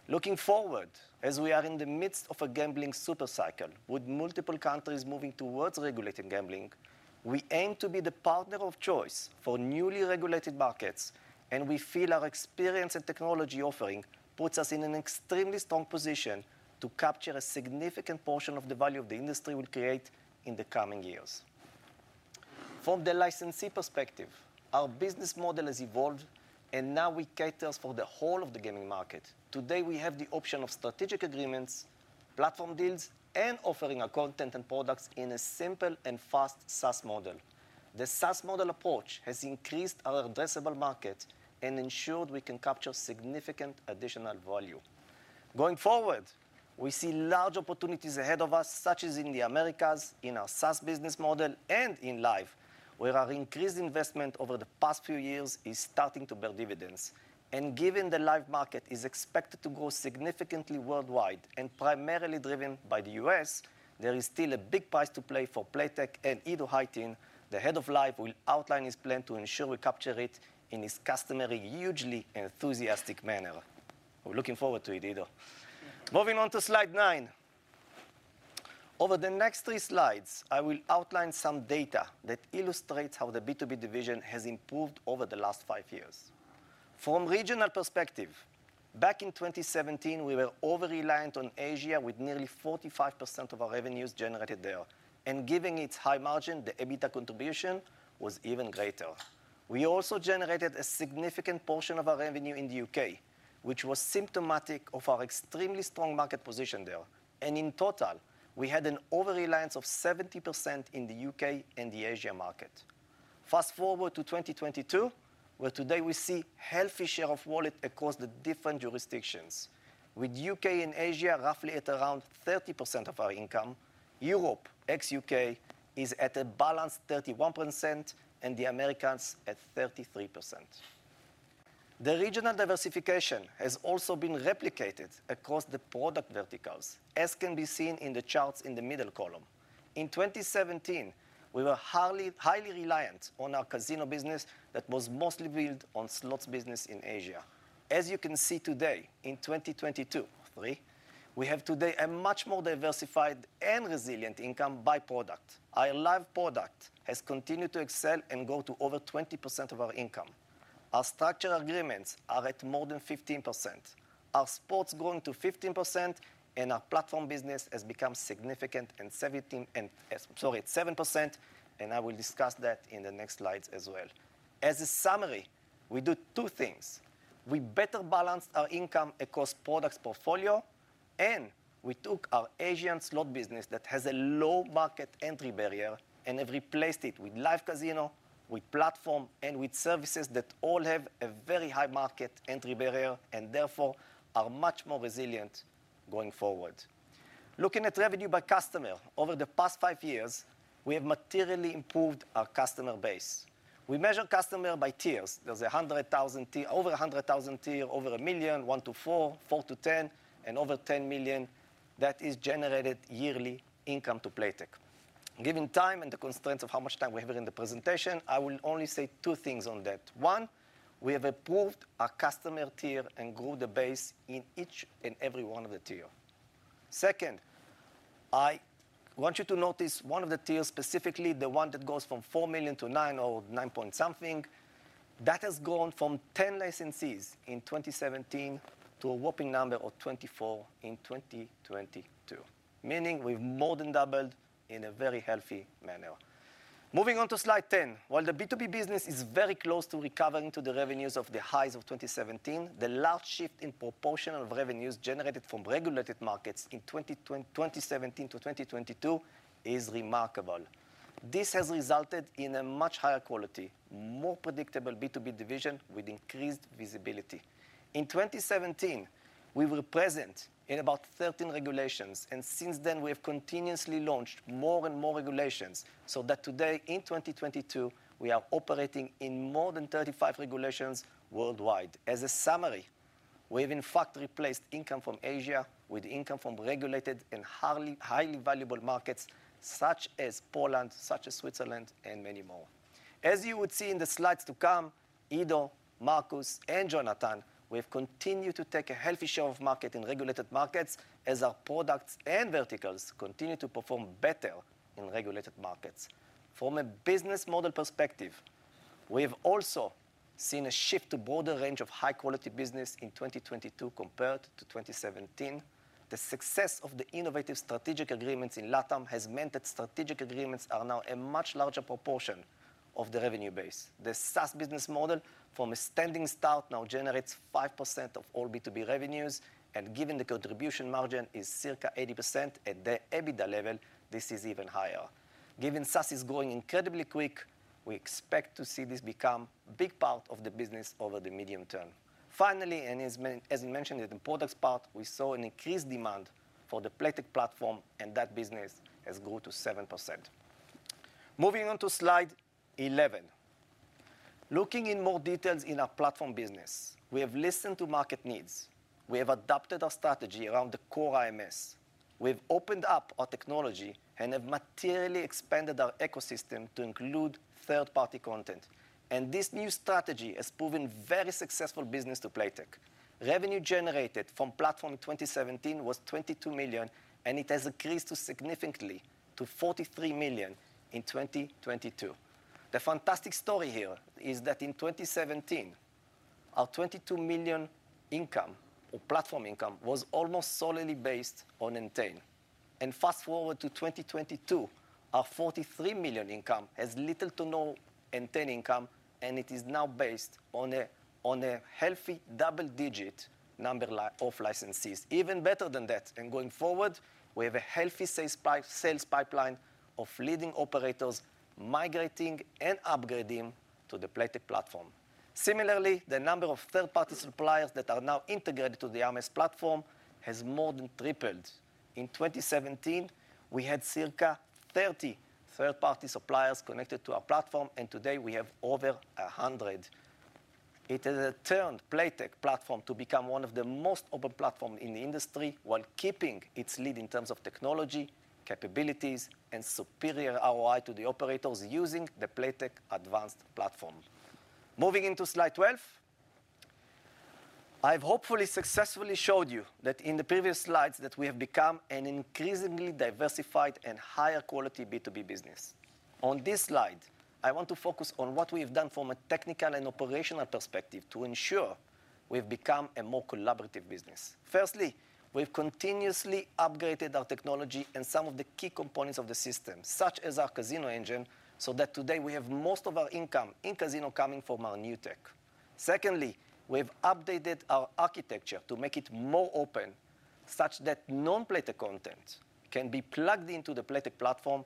Looking forward, as we are in the midst of a gambling super cycle with multiple countries moving towards regulated gambling, we feel our experience and technology offering puts us in an extremely strong position to capture a significant portion of the value the industry will create in the coming years. From the licensee perspective, our business model has evolved. Now we cater for the whole of the gaming market. Today, we have the option of strategic agreements, platform deals, and offering our content and products in a simple and fast SaaS model. The SaaS model approach has increased our addressable market and ensured we can capture significant additional value. Going forward, we see large opportunities ahead of us, such as in the Americas, in our SaaS business model, and in Live, where our increased investment over the past few years is starting to bear dividends. Given the Live market is expected to grow significantly worldwide and primarily driven by the U.S., there is still a big prize to play for Playtech, and Edo Haitin, the head of Live, will outline his plan to ensure we capture it in his customary hugely enthusiastic manner. We're looking forward to it, Edo. Moving on to slide 9. Over the next three slides, I will outline some data that illustrates how the B2B division has improved over the last five years. From regional perspective, back in 2017, we were over-reliant on Asia with nearly 45% of our revenues generated there, and giving its high margin, the EBITDA contribution was even greater. We also generated a significant portion of our revenue in the U.K., which was symptomatic of our extremely strong market position there. In total, we had an over-reliance of 70% in the U.K. and the Asia market. Fast-forward to 2022, where today we see healthy share of wallet across the different jurisdictions. With U.K. and Asia roughly at around 30% of our income, Europe, ex-U.K., is at a balanced 31% and the Americans at 33%. The regional diversification has also been replicated across the product verticals, as can be seen in the charts in the middle column. In 2017, we were highly reliant on our casino business that was mostly built on slots business in Asia. As you can see today, in 2022, sorry, we have today a much more diversified and resilient income by product. Our Live product has continued to excel and grow to over 20% of our income. Our structural agreements are at more than 15%. Our sports growing to 15%, and our platform business has become significant and sorry, it's 7%, and I will discuss that in the next slides as well. As a summary, we do two things. We better balance our income across products portfolio, and we took our Asian slot business that has a low market entry barrier and have replaced it with Live Casino, with platform, and with services that all have a very high market entry barrier and therefore are much more resilient going forward. Looking at revenue by customer, over the past five years, we have materially improved our customer base. We measure customer by tiers. There's a 100,000 tier...over 100,000 tier, over 1 million, 1-4, 4-10, and over 10 million that is generated yearly income to Playtech. Given time and the constraints of how much time we have in the presentation, I will only say two things on that. One, we have improved our customer tier and grew the base in each and every one of the tier. Second, I want you to notice one of the tiers, specifically the one that goes from 4 million to 9 million or EUR 9-point-something million. That has gone from 10 licensees in 2017 to a whopping number of 24 in 2022. Meaning we've more than doubled in a very healthy manner. Moving on to slide 10. While the B2B business is very close to recovering to the revenues of the highs of 2017, the large shift in proportion of revenues generated from regulated markets in 2017 to 2022 is remarkable. This has resulted in a much higher quality, more predictable B2B division with increased visibility. In 2017, we were present in about 13 regulations. Since then we have continuously launched more and more regulations so that today in 2022, we are operating in more than 35 regulations worldwide. As a summary, we have in fact replaced income from Asia with income from regulated and highly valuable markets such as Poland, such as Switzerland, many more. As you would see in the slides to come, Edo, Marcus, and Jonathan, we've continued to take a healthy share of market in regulated markets as our products and verticals continue to perform better in regulated markets. From a business model perspective, we have also seen a shift to broader range of high-quality business in 2022 compared to 2017. The success of the innovative strategic agreements in LatAm has meant that strategic agreements are now a much larger proportion of the revenue base. The SaaS business model, from a standing start, now generates 5% of all B2B revenues, and given the contribution margin is circa 80% at the EBITDA level, this is even higher. Given SaaS is growing incredibly quick, we expect to see this become big part of the business over the medium term. Finally, as we mentioned in the products part, we saw an increased demand for the Playtech platform, and that business has grown to 7%. Moving on to slide 11. Looking in more details in our platform business, we have listened to market needs. We have adapted our strategy around the core IMS. We've opened up our technology and have materially expanded our ecosystem to include third-party content. This new strategy has proven very successful business to Playtech. Revenue generated from platform in 2017 was 22 million, and it has increased to significantly to 43 million in 2022. The fantastic story here is that in 2017, our 22 million income or platform income was almost solely based on Entain. Fast-forward to 2022, our 43 million income has little to no Entain income, and it is now based on a healthy double-digit number of licensees. Even better than that, going forward, we have a healthy sales pipeline of leading operators migrating and upgrading to the Playtech platform. Similarly, the number of third-party suppliers that are now integrated to the IMS platform has more than tripled. In 2017, we had circa 30 third-party suppliers connected to our platform, and today we have over 100. It has turned Playtech platform to become one of the most open platform in the industry while keeping its lead in terms of technology, capabilities, and superior ROI to the operators using the Playtech advanced platform. Moving into slide 12. I've hopefully successfully showed you that in the previous slides that we have become an increasingly diversified and higher quality B2B business. On this slide, I want to focus on what we have done from a technical and operational perspective to ensure we've become a more collaborative business. Firstly, we've continuously upgraded our technology and some of the key components of the system, such as our casino engine, so that today we have most of our income in casino coming from our new tech. Secondly, we've updated our architecture to make it more open, such that non-Playtech content can be plugged into the Playtech platform.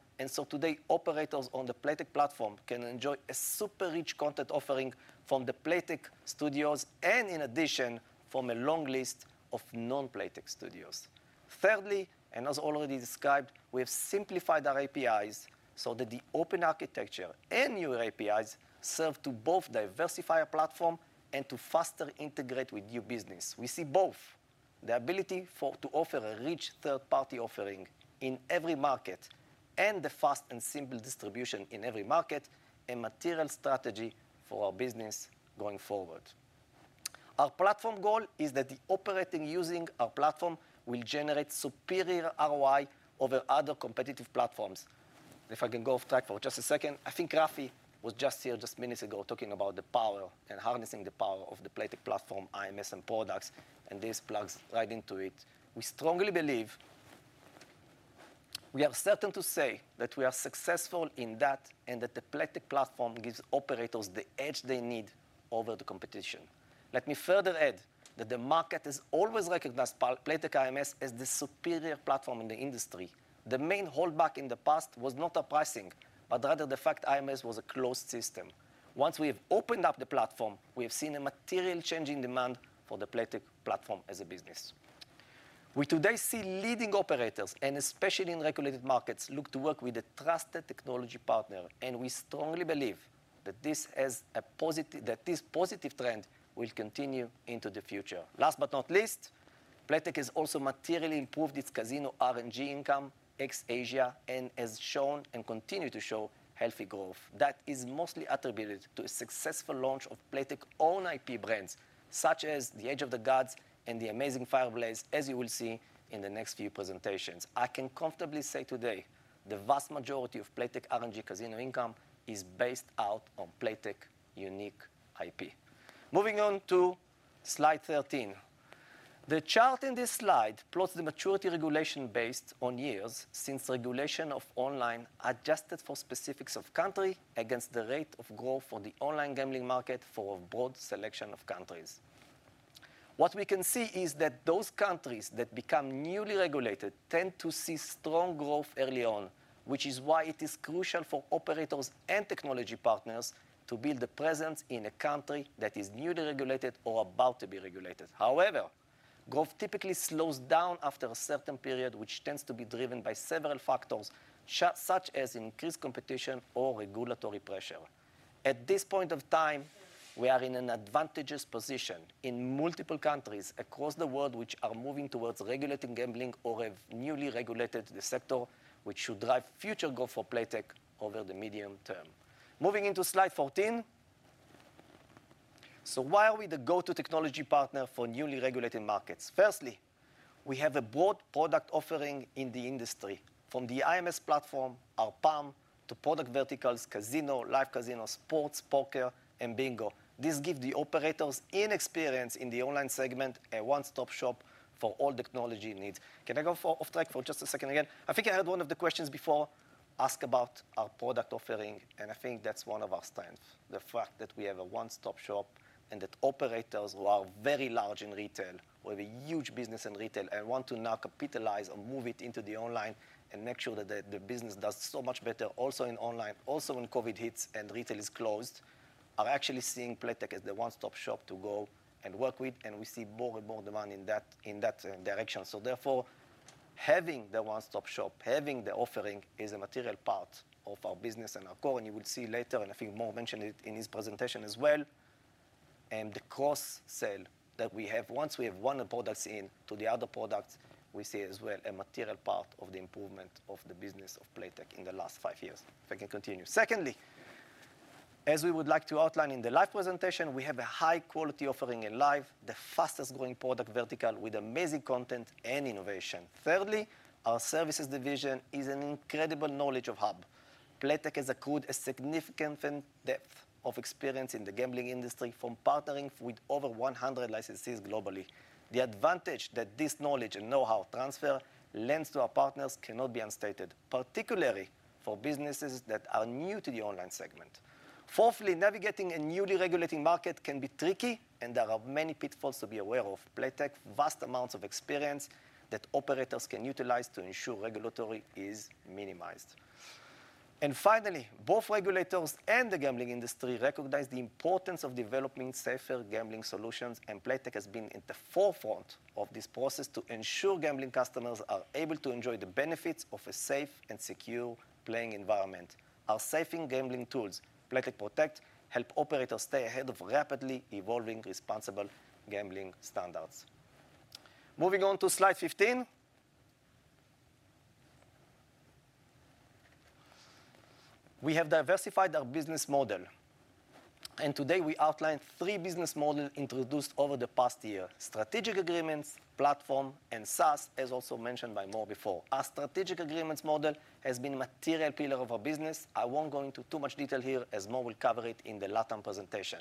Today, operators on the Playtech platform can enjoy a super rich content offering from the Playtech studios, and in addition, from a long list of non-Playtech studios. Thirdly, as already described, we have simplified our APIs so that the open architecture and new APIs serve to both diversify our platform and to faster integrate with new business. We see both the ability to offer a rich third-party offering in every market and the fast and simple distribution in every market, a material strategy for our business going forward. Our platform goal is that the operating using our platform will generate superior ROI over other competitive platforms. If I can go off track for just a second, I think Rafi was just here just minutes ago talking about the power and harnessing the power of the Playtech platform, IMS, and products, and this plugs right into it. We are certain to say that we are successful in that and that the Playtech platform gives operators the edge they need over the competition. Let me further add that the market has always recognized Playtech IMS as the superior platform in the industry. The main holdback in the past was not the pricing, but rather the fact IMS was a closed system. Once we have opened up the platform, we have seen a material change in demand for the Playtech platform as a business. We today see leading operators, and especially in regulated markets, look to work with a trusted technology partner, and we strongly believe that this positive trend will continue into the future. Last but not least, Playtech has also materially improved its Casino RNG income ex-Asia and has shown and continue to show healthy growth. That is mostly attributed to a successful launch of Playtech own IP brands, such as the Age of the Gods and the Amazing Fire Blaze, as you will see in the next few presentations. I can comfortably say today the vast majority of Playtech RNG Casino income is based out on Playtech unique IP. Moving on to slide 13. The chart in this slide plots the maturity regulation based on years since regulation of online, adjusted for specifics of country against the rate of growth for the online gambling market for a broad selection of countries. What we can see is that those countries that become newly regulated tend to see strong growth early on, which is why it is crucial for operators and technology partners to build a presence in a country that is newly regulated or about to be regulated. However, growth typically slows down after a certain period, which tends to be driven by several factors, such as increased competition or regulatory pressure. At this point of time, we are in an advantageous position in multiple countries across the world which are moving towards regulating gambling or have newly regulated the sector, which should drive future growth for Playtech over the medium term. Moving into slide 14. Why are we the go-to technology partner for newly regulated markets? Firstly, we have a broad product offering in the industry, from the IMS platform, our PAM, to product verticals, casino, Live Casino, sports, poker and bingo. This gives the operators inexperienced in the online segment a one-stop shop for all technology needs. Can I go for off track for just a second again? I think I had one of the questions before ask about our product offering, and I think that's one of our strengths, the fact that we have a one-stop shop and that operators who are very large in retail, who have a huge business in retail and want to now capitalize or move it into the online and make sure that the business does so much better also in online, also when COVID hits and retail is closed, are actually seeing Playtech as the one-stop shop to go and work with. We see more and more demand in that, in that direction. Therefore, having the one-stop shop, having the offering is a material part of our business and our goal, and you will see later, and I think Mor will mention it in his presentation as well, and the cross-sell that we have once we have one products into the other products, we see as well a material part of the improvement of the business of Playtech in the last five years. If I can continue. Secondly, as we would like to outline in the live presentation, we have a high quality offering in Live, the fastest-growing product vertical with amazing content and innovation. Thirdly, our services division is an incredible knowledge of hub. Playtech has accrued a significant and depth of experience in the gambling industry from partnering with over 100 licensees globally. The advantage that this knowledge and know-how transfer lends to our partners cannot be unstated, particularly for businesses that are new to the online segment. Fourthly, navigating a newly regulating market can be tricky, and there are many pitfalls to be aware of. Playtech's vast amounts of experience that operators can utilize to ensure regulatory is minimized. Finally, both regulators and the gambling industry recognize the importance of developing safer gambling solutions, and Playtech has been at the forefront of this process to ensure gambling customers are able to enjoy the benefits of a safe and secure playing environment. Our safer gambling tools, Playtech Protect, help operators stay ahead of rapidly evolving responsible gambling standards. Moving on to slide 15. We have diversified our business model. Today we outlined three business models introduced over the past year: strategic agreements, platform, and SaaS, as also mentioned by Mor before. Our strategic agreements model has been a material pillar of our business. I won't go into too much detail here, as Mor will cover it in the LatAm presentation.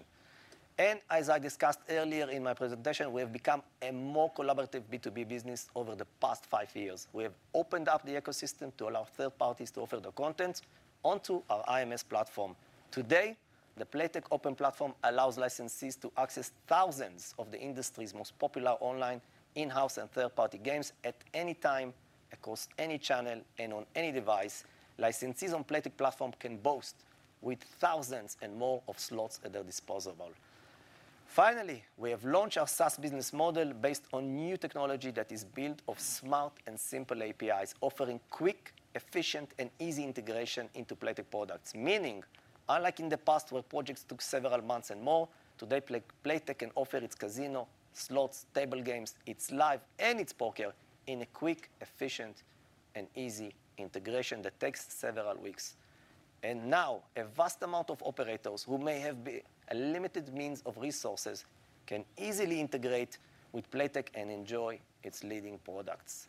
As I discussed earlier in my presentation, we have become a more collaborative B2B business over the past five years. We have opened up the ecosystem to allow third parties to offer their content onto our IMS platform. Today, the Playtech Open Platform allows licensees to access thousands of the industry's most popular online, in-house, and third-party games at any time, across any channel, and on any device. Licensees on Playtech platform can boast with thousands and more of slots at their disposal. Finally, we have launched our SaaS business model based on new technology that is built of smart and simple APIs, offering quick, efficient, and easy integration into Playtech products. Meaning, unlike in the past, where projects took several months and more, today Playtech can offer its casino, slots, table games, its live, and its poker in a quick, efficient, and easy integration that takes several weeks. Now, a vast amount of operators who may have a limited means of resources can easily integrate with Playtech and enjoy its leading products.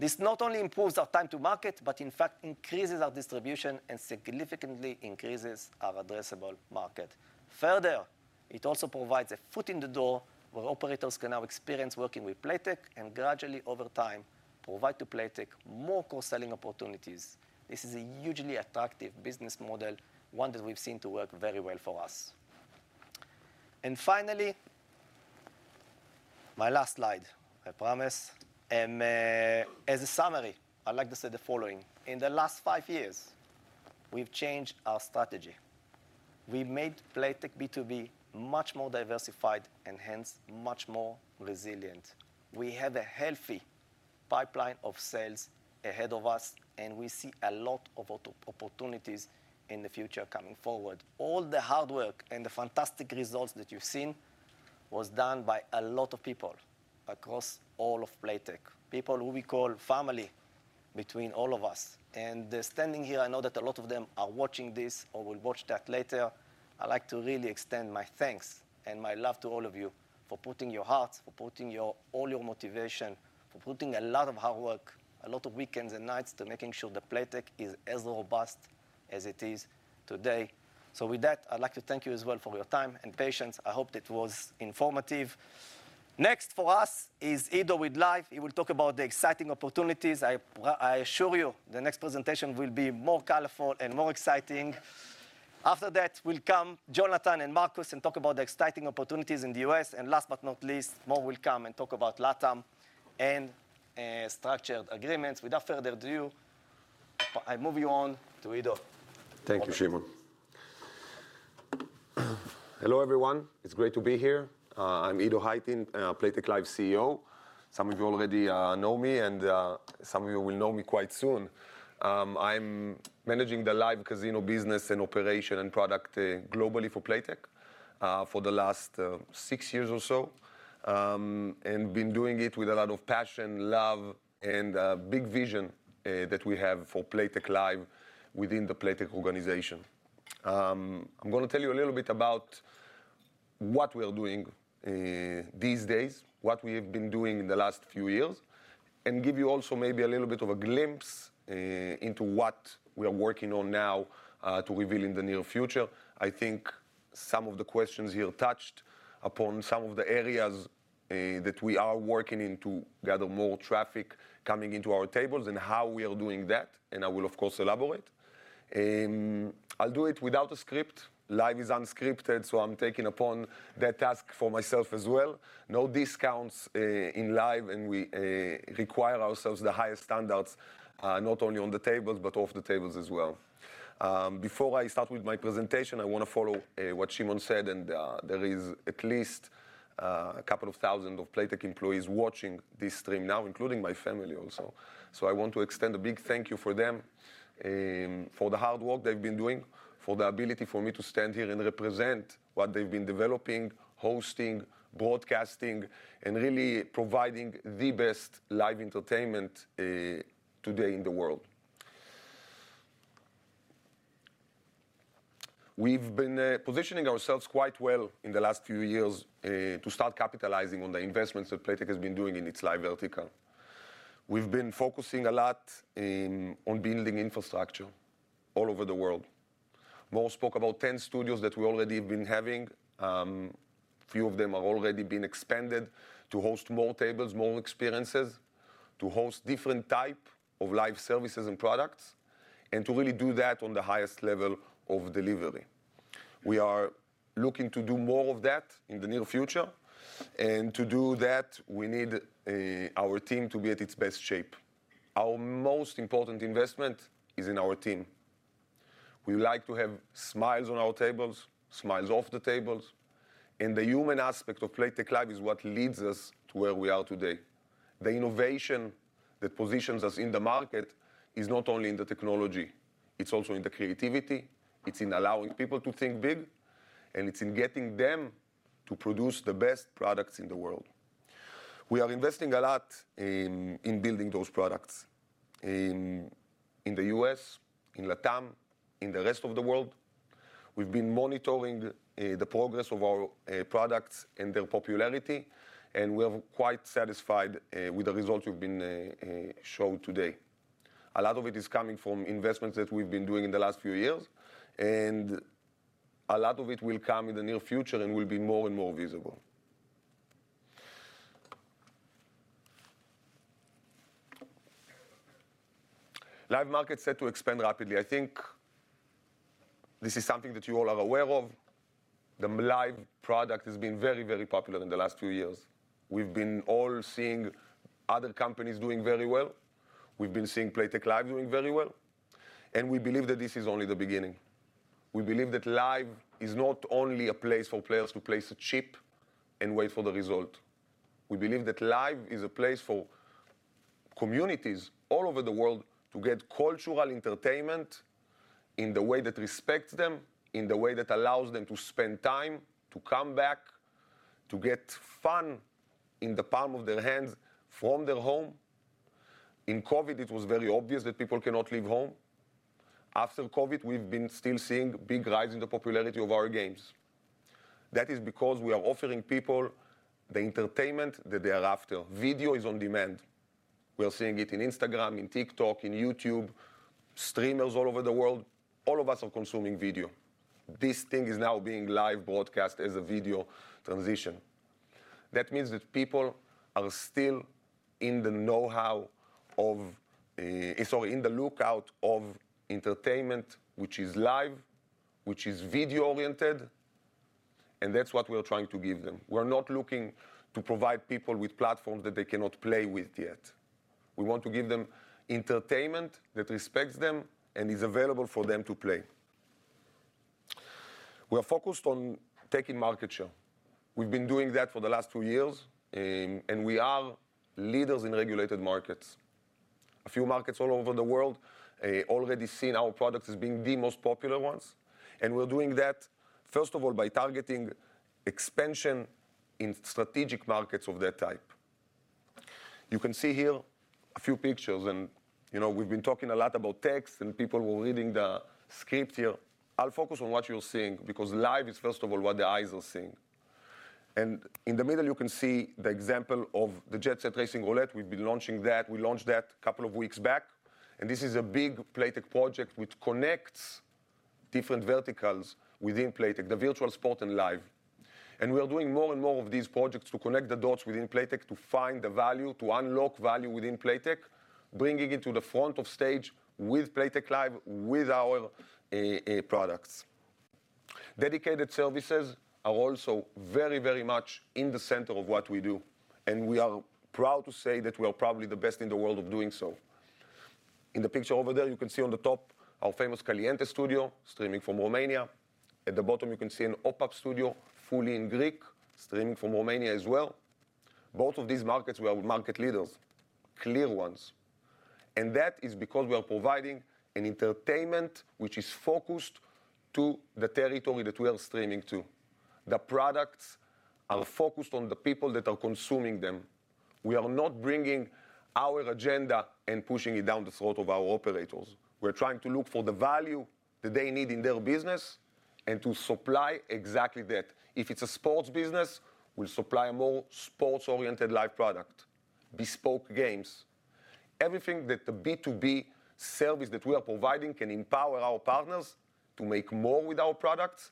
This not only improves our time to market, but in fact increases our distribution and significantly increases our addressable market. Further, it also provides a foot in the door where operators can now experience working with Playtech and gradually over time, provide to Playtech more cross-selling opportunities. This is a hugely attractive business model, one that we've seen to work very well for us. Finally, my last slide, I promise. As a summary, I'd like to say the following. In the last five years, we've changed our strategy. We made Playtech B2B much more diversified and hence much more resilient. We have a healthy pipeline of sales ahead of us, and we see a lot of opportunities in the future coming forward. All the hard work and the fantastic results that you've seen was done by a lot of people across all of Playtech, people who we call family between all of us. Standing here, I know that a lot of them are watching this or will watch that later. I'd like to really extend my thanks and my love to all of you for putting your hearts, for putting your all your motivation, for putting a lot of hard work, a lot of weekends and nights to making sure that Playtech is as robust as it is today. With that, I'd like to thank you as well for your time and patience. I hope that was informative. Next for us is Edo with Live. He will talk about the exciting opportunities. I assure you the next presentation will be more colorful and more exciting. After that will come Jonathan and Marcus and talk about the exciting opportunities in the U.S. Last but not least, Mor will come and talk about LatAm and structured agreements. Without further ado, I move you on to Edo. Thank you, Shimon. Hello, everyone. It's great to be here. I'm Edo Haitin, Playtech Live CEO. Some of you already know me, and some of you will know me quite soon. I'm managing the Live Casino business and operation and product globally for Playtech, for the last six years or so. Been doing it with a lot of passion, love, and big vision that we have for Playtech Live within the Playtech organization. I'm gonna tell you a little bit about what we are doing these days, what we have been doing in the last few years, and give you also maybe a little bit of a glimpse into what we are working on now to reveal in the near future. I think some of the questions you touched upon some of the areas that we are working in to gather more traffic coming into our tables and how we are doing that, and I will of course elaborate. I'll do it without a script. Live is unscripted, so I'm taking upon that task for myself as well. No discounts in Live, and we require ourselves the highest standards not only on the tables, but off the tables as well. Before I start with my presentation, I want to follow what Shimon said, and there is at least a couple of thousand of Playtech employees watching this stream now, including my family also. I want to extend a big thank you for them, for the hard work they've been doing, for the ability for me to stand here and represent what they've been developing, hosting, broadcasting, and really providing the best live entertainment today in the world. We've been positioning ourselves quite well in the last few years to start capitalizing on the investments that Playtech has been doing in its live vertical. We've been focusing a lot on building infrastructure all over the world. Mor spoke about 10 studios that we already have been having. Few of them are already been expanded to host more tables, more experiences, to host different type of live services and products, and to really do that on the highest level of delivery. We are looking to do more of that in the near future. To do that, we need our team to be at its best shape. Our most important investment is in our team. We like to have smiles on our tables, smiles off the tables, and the human aspect of Playtech Live is what leads us to where we are today. The innovation that positions us in the market is not only in the technology, it's also in the creativity, it's in allowing people to think big, and it's in getting them to produce the best products in the world. We are investing a lot in building those products in the U.S., in LatAm, in the rest of the world. We've been monitoring the progress of our products and their popularity, and we are quite satisfied with the results we've been show today. A lot of it is coming from investments that we've been doing in the last few years. A lot of it will come in the near future and will be more and more visible. Live market set to expand rapidly. I think this is something that you all are aware of. The Live product has been very, very popular in the last few years. We've been all seeing other companies doing very well. We've been seeing Playtech Live doing very well. We believe that this is only the beginning. We believe that Live is not only a place for players to place a chip and wait for the result. We believe that Live is a place for communities all over the world to get cultural entertainment in the way that respects them, in the way that allows them to spend time, to come back, to get fun in the palm of their hands from their home. In COVID, it was very obvious that people cannot leave home. After COVID, we've been still seeing big rise in the popularity of our games. That is because we are offering people the entertainment that they are after. Video is on demand. We are seeing it in Instagram, in TikTok, in YouTube, streamers all over the world. All of us are consuming video. This thing is now being live broadcast as a video transition. That means that people are still in the know-how of, sorry, in the lookout of entertainment, which is live, which is video-oriented, and that's what we are trying to give them. We're not looking to provide people with platforms that they cannot play with yet. We want to give them entertainment that respects them and is available for them to play. We are focused on taking market share. We've been doing that for the last two years and we are leaders in regulated markets. A few markets all over the world, already seen our products as being the most popular ones, and we're doing that, first of all, by targeting expansion in strategic markets of that type. You can see here a few pictures and, you know, we've been talking a lot about text, and people were reading the script here. I'll focus on what you're seeing because Live is, first of all, what the eyes are seeing. In the middle, you can see the example of the Jet Set Racing Roulette. We've been launching that. We launched that two weeks back, and this is a big Playtech project which connects different verticals within Playtech, the virtual sport and Live. We are doing more and more of these projects to connect the dots within Playtech to find the value, to unlock value within Playtech, bringing it to the front of stage with Playtech Live, with our products. Dedicated services are also very much in the center of what we do, and we are proud to say that we are probably the best in the world of doing so. In the picture over there, you can see on the top our famous Caliente Studio streaming from Romania. At the bottom, you can see an OPAP Studio, fully in Greek, streaming from Romania as well. Both of these markets, we are market leaders, clear ones. That is because we are providing an entertainment which is focused to the territory that we are streaming to. The products are focused on the people that are consuming them. We are not bringing our agenda and pushing it down the throat of our operators. We're trying to look for the value that they need in their business and to supply exactly that. If it's a sports business, we'll supply a more sports-oriented Live product, bespoke games. Everything that the B2B service that we are providing can empower our partners to make more with our products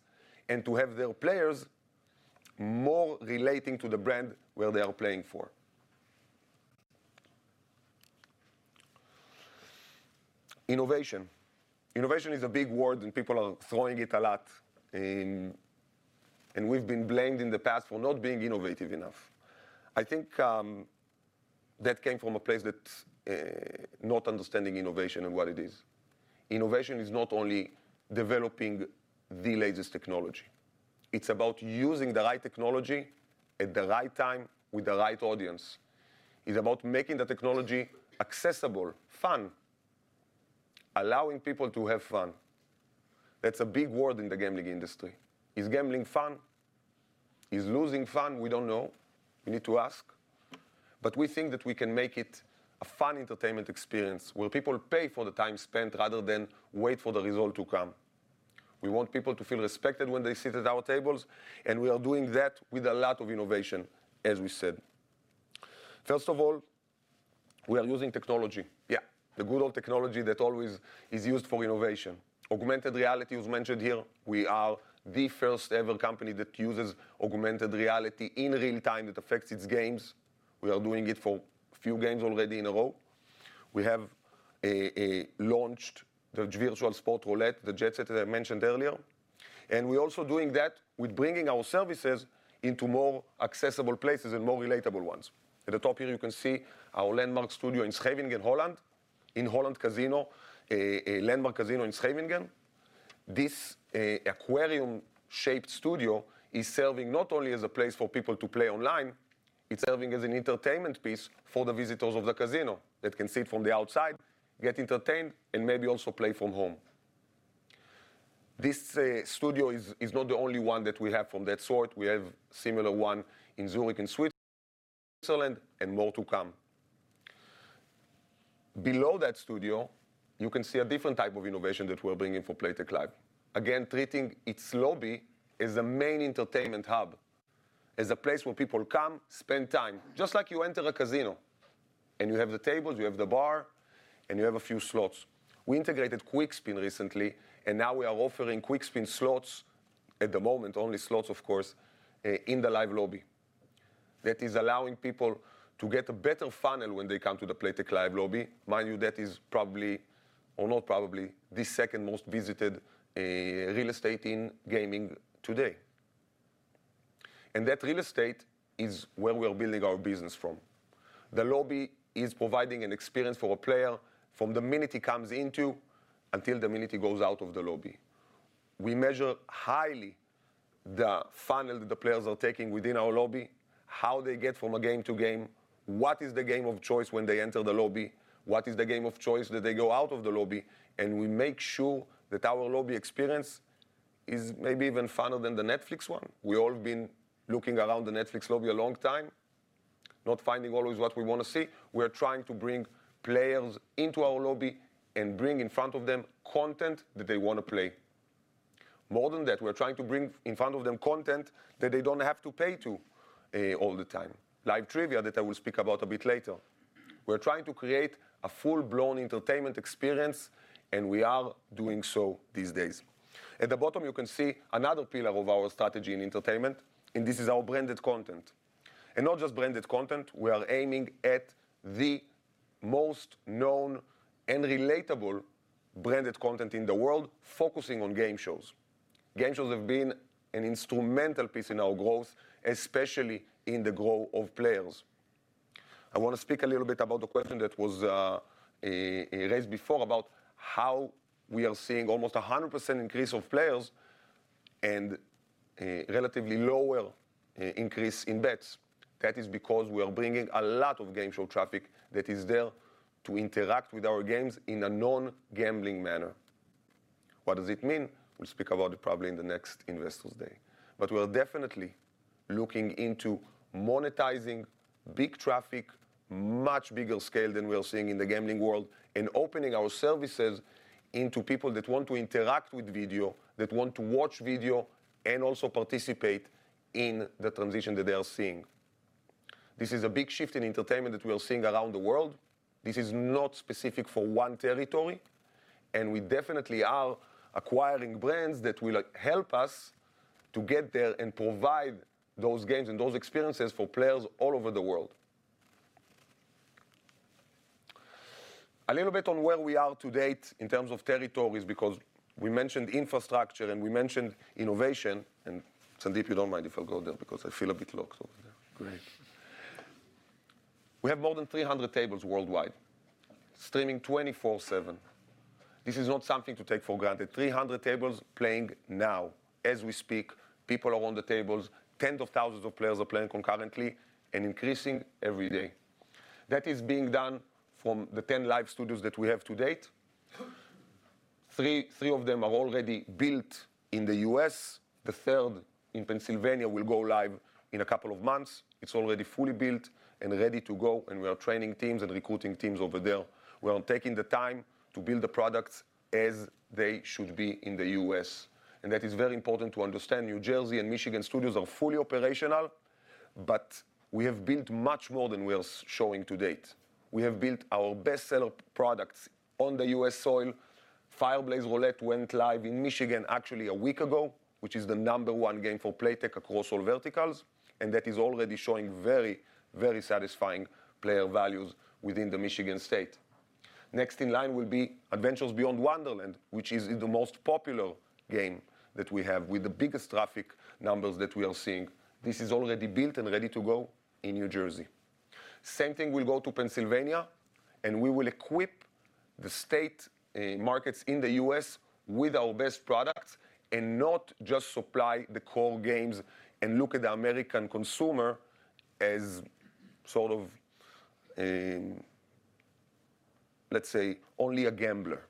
and to have their players more relating to the brand where they are playing for. Innovation. Innovation is a big word, people are throwing it a lot, and we've been blamed in the past for not being innovative enough. I think that came from a place that's not understanding innovation and what it is. Innovation is not only developing the latest technology. It's about using the right technology at the right time with the right audience. It's about making the technology accessible, fun, allowing people to have fun. That's a big word in the gambling industry. Is gambling fun? Is losing fun? We don't know. We need to ask. We think that we can make it a fun entertainment experience where people pay for the time spent rather than wait for the result to come. We want people to feel respected when they sit at our tables, we are doing that with a lot of innovation, as we said. First of all, we are using technology. Yeah, the good old technology that always is used for innovation. Augmented reality was mentioned here. We are the first-ever company that uses augmented reality in real-time that affects its games. We are doing it for few games already in a row. We have launched the virtual sport roulette, the Jet Set that I mentioned earlier. We're also doing that with bringing our services into more accessible places and more relatable ones. At the top here, you can see our landmark studio in Scheveningen, Holland. In Holland Casino, a landmark casino in Scheveningen. This aquarium-shaped studio is serving not only as a place for people to play online, it's serving as an entertainment piece for the visitors of the casino that can see it from the outside, get entertained, and maybe also play from home. This studio is not the only one that we have from that sort. We have similar one in Zurich, in Switzerland, and more to come. Below that studio, you can see a different type of innovation that we're bringing for Playtech Live. Again, treating its lobby as a main entertainment hub, as a place where people come, spend time, just like you enter a casino, and you have the tables, you have the bar, and you have a few slots. We integrated Quickspin recently, and now we are offering Quickspin slots, at the moment, only slots of course, in the Live lobby. That is allowing people to get a better funnel when they come to the Playtech Live lobby. Mind you, that is probably, or not probably, the second most visited real estate in gaming today. That real estate is where we're building our business from. The lobby is providing an experience for a player from the minute he comes into until the minute he goes out of the lobby. We measure highly the funnel that the players are taking within our lobby, how they get from a game to game, what is the game of choice when they enter the lobby, what is the game of choice that they go out of the lobby. We make sure that our lobby experience is maybe even funner than the Netflix one. We all have been looking around the Netflix lobby a long time, not finding always what we wanna see. We are trying to bring players into our lobby and bring in front of them content that they wanna play. More than that, we're trying to bring in front of them content that they don't have to pay to all the time. Live trivia that I will speak about a bit later. We're trying to create a full-blown entertainment experience. We are doing so these days. At the bottom, you can see another pillar of our strategy in entertainment, and this is our branded content. Not just branded content, we are aiming at the most known and relatable branded content in the world, focusing on game shows. Game shows have been an instrumental piece in our growth, especially in the growth of players. I wanna speak a little bit about the question that was raised before about how we are seeing almost a 100% increase of players and a relatively lower increase in bets. That is because we are bringing a lot of game show traffic that is there to interact with our games in a non-gambling manner. What does it mean? We'll speak about it probably in the next Investors Day. We're definitely looking into monetizing big traffic, much bigger scale than we are seeing in the gambling world, and opening our services into people that want to interact with video, that want to watch video, and also participate in the transition that they are seeing. This is a big shift in entertainment that we are seeing around the world. This is not specific for one territory, we definitely are acquiring brands that will help us to get there and provide those games and those experiences for players all over the world. A little bit on where we are to date in terms of territories, because we mentioned infrastructure, and we mentioned innovation. Sandeep, you don't mind if I go there, because I feel a bit locked over there. Go ahead. We have more than 300 tables worldwide, streaming 24/7. This is not something to take for granted. 300 tables playing now. As we speak, people are on the tables, tens of thousands of players are playing concurrently, and increasing every day. That is being done from the 10 Live studios that we have to date. Three of them are already built in the U.S. The third in Pennsylvania will go live in a couple of months. It's already fully built and ready to go, and we are training teams and recruiting teams over there. We are taking the time to build the products as they should be in the U.S., and that is very important to understand. New Jersey and Michigan studios are fully operational, but we have built much more than we are showing to date. We have built our best seller products on the U.S. soil. Fire Blaze Roulette went live in Michigan actually a week ago, which is the number one game for Playtech across all verticals. That is already showing very, very satisfying player values within the Michigan State. Next in line will be Adventures Beyond Wonderland, which is the most popular game that we have, with the biggest traffic numbers that we are seeing. This is already built and ready to go in New Jersey. Same thing will go to Pennsylvania. We will equip the state markets in the U.S. with our best products and not just supply the core games and look at the American consumer as sort of, let's say, only a gambler.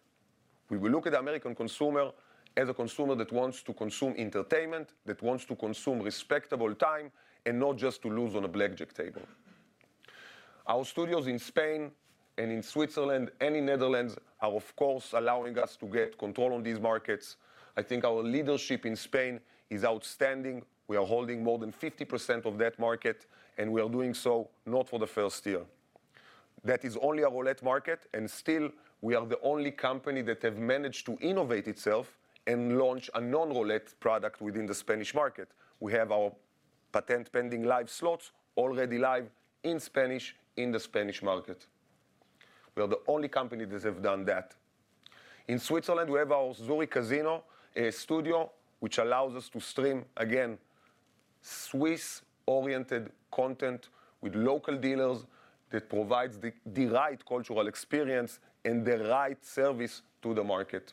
We will look at the American consumer as a consumer that wants to consume entertainment, that wants to consume respectable time, not just to lose on a blackjack table. Our studios in Spain and in Switzerland and in Netherlands are of course allowing us to get control on these markets. I think our leadership in Spain is outstanding. We are holding more than 50% of that market. We are doing so not for the first year. That is only a roulette market. Still we are the only company that have managed to innovate itself and launch a non-roulette product within the Spanish market. We have our patent-pending Live Slots already live in Spanish in the Spanish market. We are the only company that have done that. In Switzerland, we have our Zurich Casino, a studio which allows us to stream, again, Swiss-oriented content with local dealers that provides the right cultural experience and the right service to the market.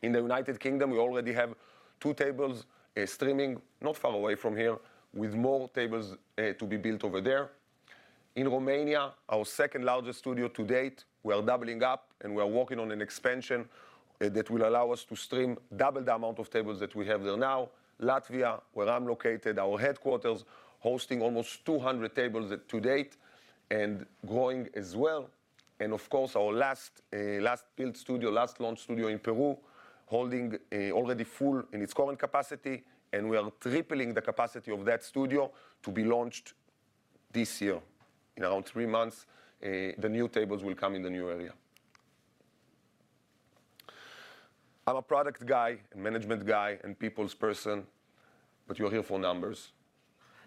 In the United Kingdom, we already have two tables streaming not far away from here, with more tables to be built over there. In Romania, our second largest studio to date, we are doubling up, and we are working on an expansion that will allow us to stream double the amount of tables that we have there now. Latvia, where I'm located, our headquarters, hosting almost 200 tables to date and growing as well. Of course, our last last built studio, last launched studio in Peru, holding already full in its current capacity, and we are tripling the capacity of that studio to be launched this year. In around three months, the new tables will come in the new area. I'm a product guy, a management guy, and people's person, but you're here for numbers.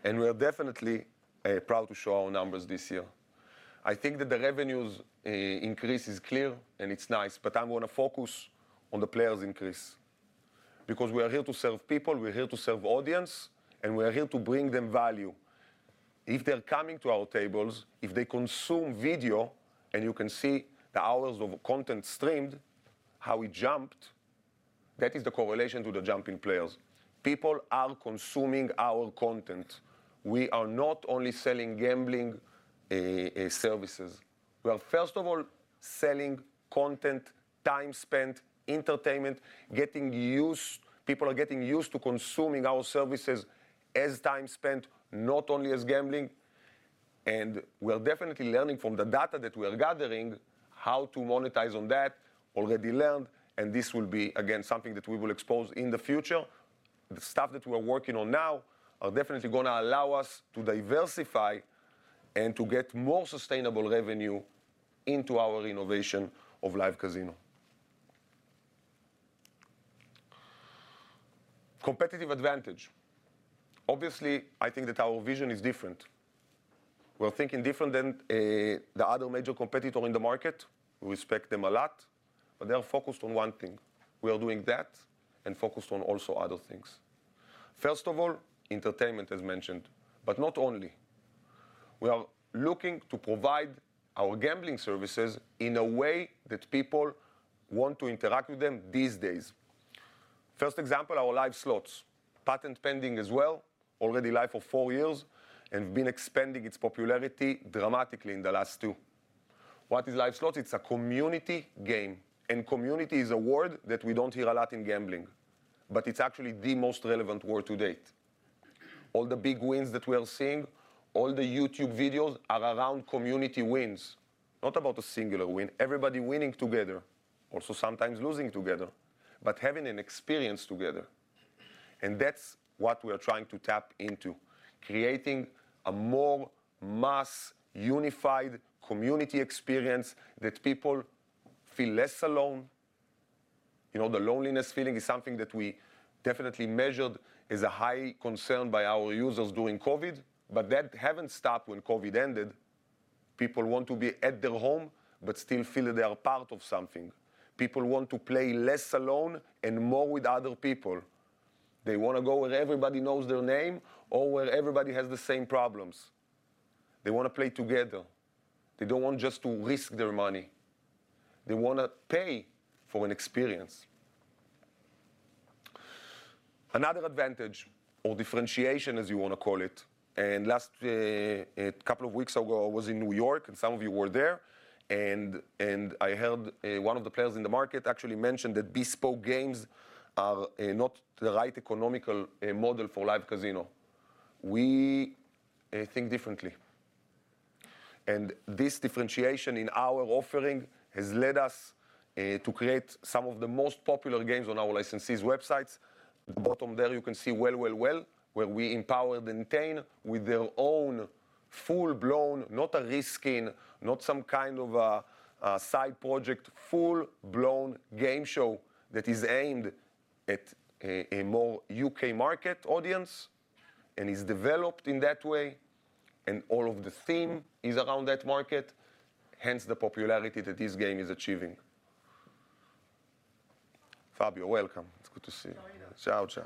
We are definitely proud to show our numbers this year. I think that the revenues increase is clear, and it's nice, but I'm gonna focus on the players increase because we are here to serve people, we're here to serve audience, and we're here to bring them value. If they're coming to our tables, if they consume video, and you can see the hours of content streamed, how it jumped, that is the correlation to the jumping players. People are consuming our content. We are not only selling gambling services. We are, first of all, selling content, time spent, entertainment, getting used... People are getting used to consuming our services as time spent, not only as gambling. We are definitely learning from the data that we are gathering how to monetize on that. Already learned. This will be, again, something that we will expose in the future. The stuff that we are working on now are definitely gonna allow us to diversify and to get more sustainable revenue into our innovation of Live Casino. Competitive advantage. Obviously, I think that our vision is different. We're thinking different than the other major competitor in the market. We respect them a lot. They are focused on one thing. We are doing that and focused on also other things. First of all, entertainment, as mentioned, but not only. We are looking to provide our gambling services in a way that people want to interact with them these days. First example, our Live Slots. Patent pending as well. Already live for four years and been expanding its popularity dramatically in the last two. What is Live Slots? It's a community game. Community is a word that we don't hear a lot in gambling, but it's actually the most relevant word to date. All the big wins that we are seeing, all the YouTube videos are around community wins, not about a singular win. Everybody winning together, also sometimes losing together, but having an experience together. That's what we are trying to tap into, creating a more mass, unified community experience that people feel less alone. You know, the loneliness feeling is something that we definitely measured is a high concern by our users during COVID, but that haven't stopped when COVID ended. People want to be at their home but still feel that they are part of something. People want to play less alone and more with other people. They wanna go where everybody knows their name or where everybody has the same problems. They wanna play together. They don't want just to risk their money. They wanna pay for an experience. Another advantage or differentiation, as you wanna call it, and last, couple of weeks ago, I was in New York, and some of you were there, and I heard one of the players in the market actually mention that bespoke games are not the right economical model for Live Casino. We think differently, and this differentiation in our offering has led us to create some of the most popular games on our licensees' websites. Bottom there you can see Well Well Well, where we empowered Entain with their own full-blown, not a reskin, not some kind of a side project, full-blown game show that is aimed at a more U.K. market audience and is developed in that way, and all of the theme is around that market. Hence, the popularity that this game is achieving. Fabio, welcome. It's good to see you. Ciao. Ciao, ciao.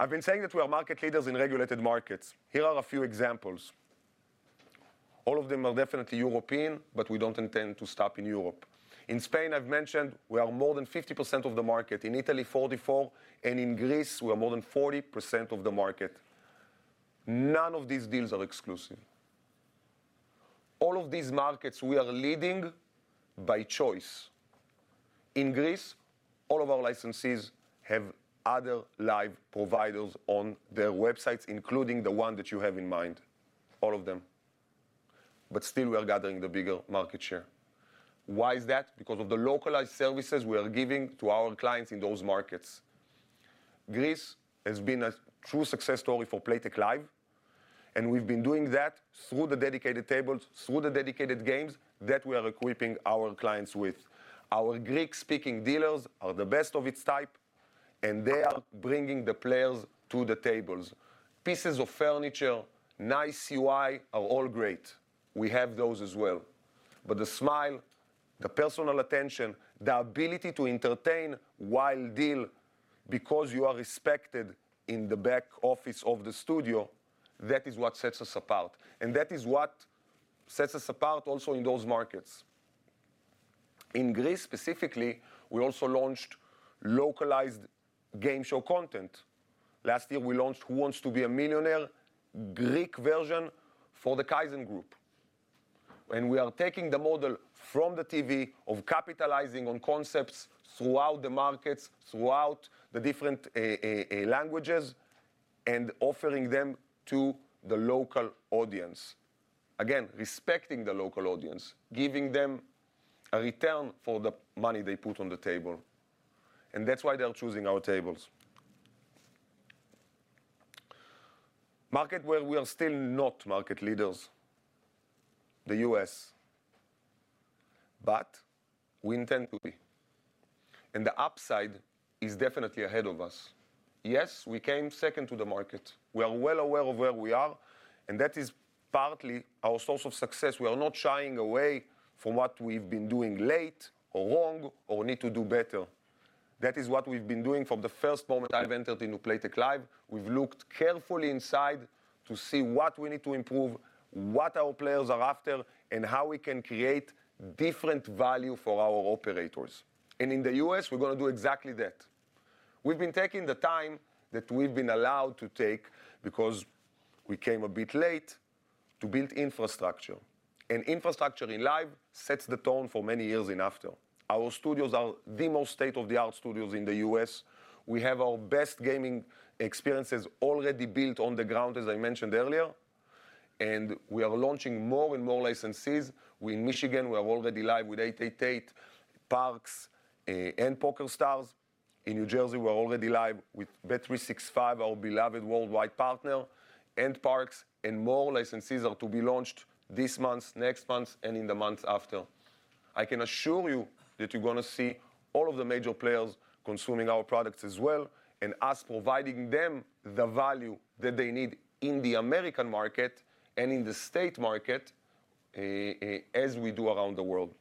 I've been saying that we are market leaders in regulated markets. Here are a few examples. All of them are definitely European, but we don't intend to stop in Europe. In Spain, I've mentioned we are more than 50% of the market. In Italy, 44%, and in Greece, we are more than 40% of the market. None of these deals are exclusive. All of these markets, we are leading by choice. In Greece, all of our licensees have other live providers on their websites, including the one that you have in mind, all of them. Still, we are gathering the bigger market share. Why is that? Because of the localized services we are giving to our clients in those markets. Greece has been a true success story for Playtech Live, and we've been doing that through the dedicated tables, through the dedicated games that we are equipping our clients with. Our Greek-speaking dealers are the best of its type, and they are bringing the players to the tables. Pieces of furniture, nice UI are all great. We have those as well. The smile, the personal attention, the ability to entertain while deal because you are respected in the back office of the studio, that is what sets us apart, and that is what sets us apart also in those markets. In Greece specifically, we also launched localized game show content. Last year, we launched Who Wants to Be a Millionaire Greek version for the Kaizen Group. We are taking the model from the TV of capitalizing on concepts throughout the markets, throughout the different languages, and offering them to the local audience. Respecting the local audience, giving them a return for the money they put on the table, and that's why they are choosing our tables. Market where we are still not market leaders, the U.S., but we intend to be, and the upside is definitely ahead of us. Yes, we came second to the market. We are well aware of where we are, and that is partly our source of success. We are not shying away from what we've been doing late or wrong or need to do better. That is what we've been doing from the first moment I entered into Playtech Live. We've looked carefully inside to see what we need to improve, what our players are after, and how we can create different value for our operators. In the U.S., we're gonna do exactly that. We've been taking the time that we've been allowed to take because we came a bit late to build infrastructure. Infrastructure in Live sets the tone for many years in after. Our studios are the most state-of-the-art studios in the U.S. We have our best gaming experiences already built on the ground, as I mentioned earlier, and we are launching more and more licenses. In Michigan, we are already live with 888, Parx and PokerStars. In New Jersey, we are already live with bet365, our beloved worldwide partner, and Parx, and more licenses are to be launched this month, next month, and in the months after. I can assure you that you're gonna see all of the major players consuming our products as well, and us providing them the value that they need in the American market and in the state market as we do around the world.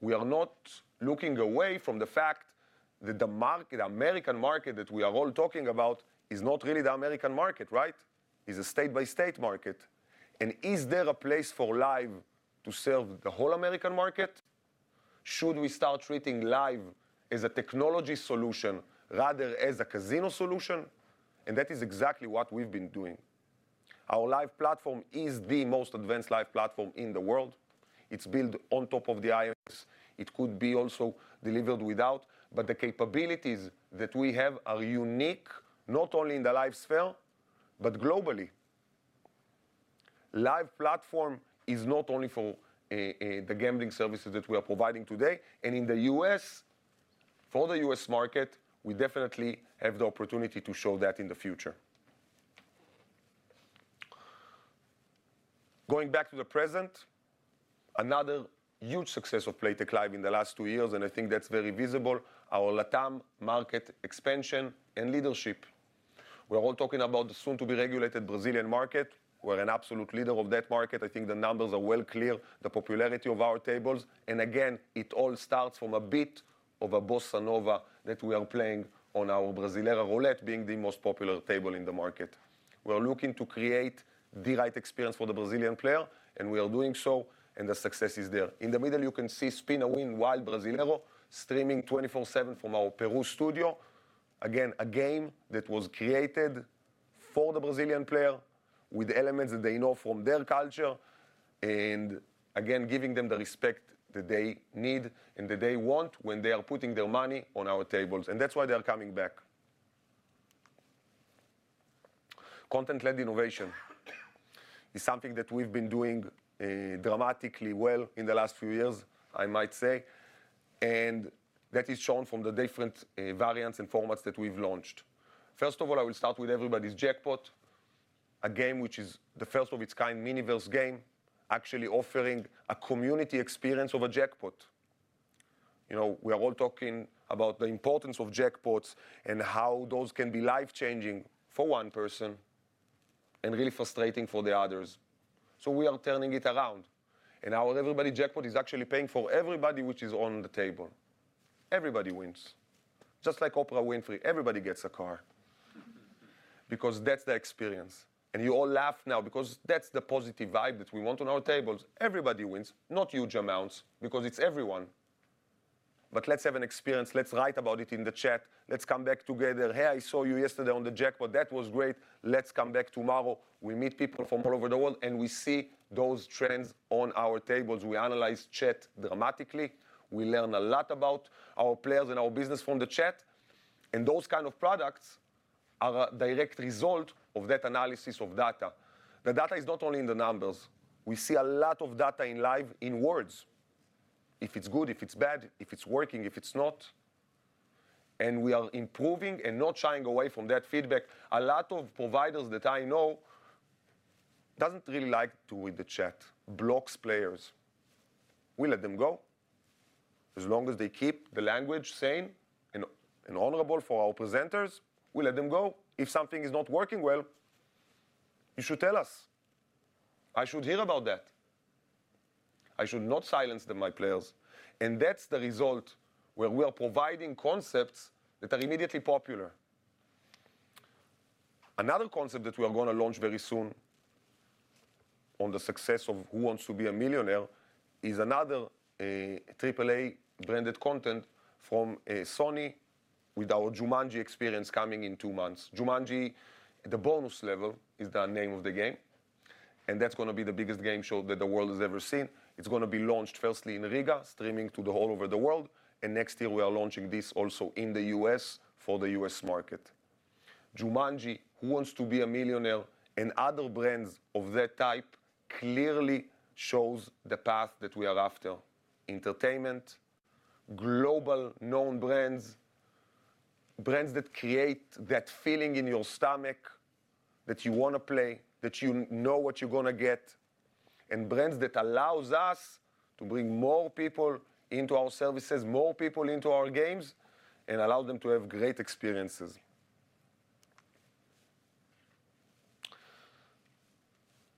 We are not looking away from the fact that the market, American market that we are all talking about is not really the American market, right? It's a state-by-state market. Is there a place for Live to serve the whole American market? Should we start treating Live as a technology solution rather as a casino solution? That is exactly what we've been doing. Our Live platform is the most advanced Live platform in the world. It's built on top of the iOS. It could be also delivered without. The capabilities that we have are unique, not only in the Live sphere, but globally. Live platform is not only for the gambling services that we are providing today, in the U.S., for the U.S. market, we definitely have the opportunity to show that in the future. Going back to the present, another huge success of Playtech Live in the last two years, and I think that's very visible, our LatAm market expansion and leadership. We're all talking about the soon to be regulated Brazilian market. We're an absolute leader of that market. I think the numbers are well clear, the popularity of our tables, and again, it all starts from a bit of a bossa nova that we are playing on our Brasileiro Roulette being the most popular table in the market. We are looking to create the right experience for the Brazilian player, and we are doing so, and the success is there. In the middle, you can see Spin A Win Wild Brasileiro streaming 24/7 from our Peru studio. Again, a game that was created for the Brazilian player with elements that they know from their culture, and again, giving them the respect that they need and that they want when they are putting their money on our tables, and that's why they are coming back. Content-led innovation is something that we've been doing dramatically well in the last few years, I might say, and that is shown from the different variants and formats that we've launched. First of all, I will start with Everybody's Jackpot, a game which is the first of its kind Miniverse game, actually offering a community experience of a jackpot. You know, we are all talking about the importance of jackpots and how those can be life-changing for one person and really frustrating for the others. We are turning it around, and our Everybody's Jackpot is actually paying for everybody which is on the table. Everybody wins. Just like Oprah Winfrey, everybody gets a car because that's the experience. You all laugh now because that's the positive vibe that we want on our tables. Everybody wins, not huge amounts because it's everyone. Let's have an experience. Let's write about it in the chat. Let's come back together. "Hey, I saw you yesterday on the jackpot. That was great. Let's come back tomorrow." We meet people from all over the world, and we see those trends on our tables. We analyze chat dramatically. We learn a lot about our players and our business from the chat. Those kind of products are a direct result of that analysis of data. The data is not only in the numbers. We see a lot of data in Live in words, if it's good, if it's bad, if it's working, if it's not. We are improving and not shying away from that feedback. A lot of providers that I know doesn't really like to read the chat, blocks players. We let them go. As long as they keep the language sane and honorable for our presenters, we let them go. If something is not working well, you should tell us. I should hear about that. I should not silence them, my players. That's the result where we are providing concepts that are immediately popular. Another concept that we are gonna launch very soon on the success of Who Wants to Be a Millionaire is another AAA branded content from Sony with our Jumanji experience coming in two months. Jumanji: The Bonus Level is the name of the game. That's gonna be the biggest game show that the world has ever seen. It's gonna be launched firstly in Riga, streaming to the whole over the world. Next year we are launching this also in the U.S. for the U.S. market. Jumanji, Who Wants to Be a Millionaire, and other brands of that type clearly shows the path that we are after. Entertainment, global known brands that create that feeling in your stomach that you wanna play, that you know what you're gonna get, and brands that allows us to bring more people into our services, more people into our games, and allow them to have great experiences.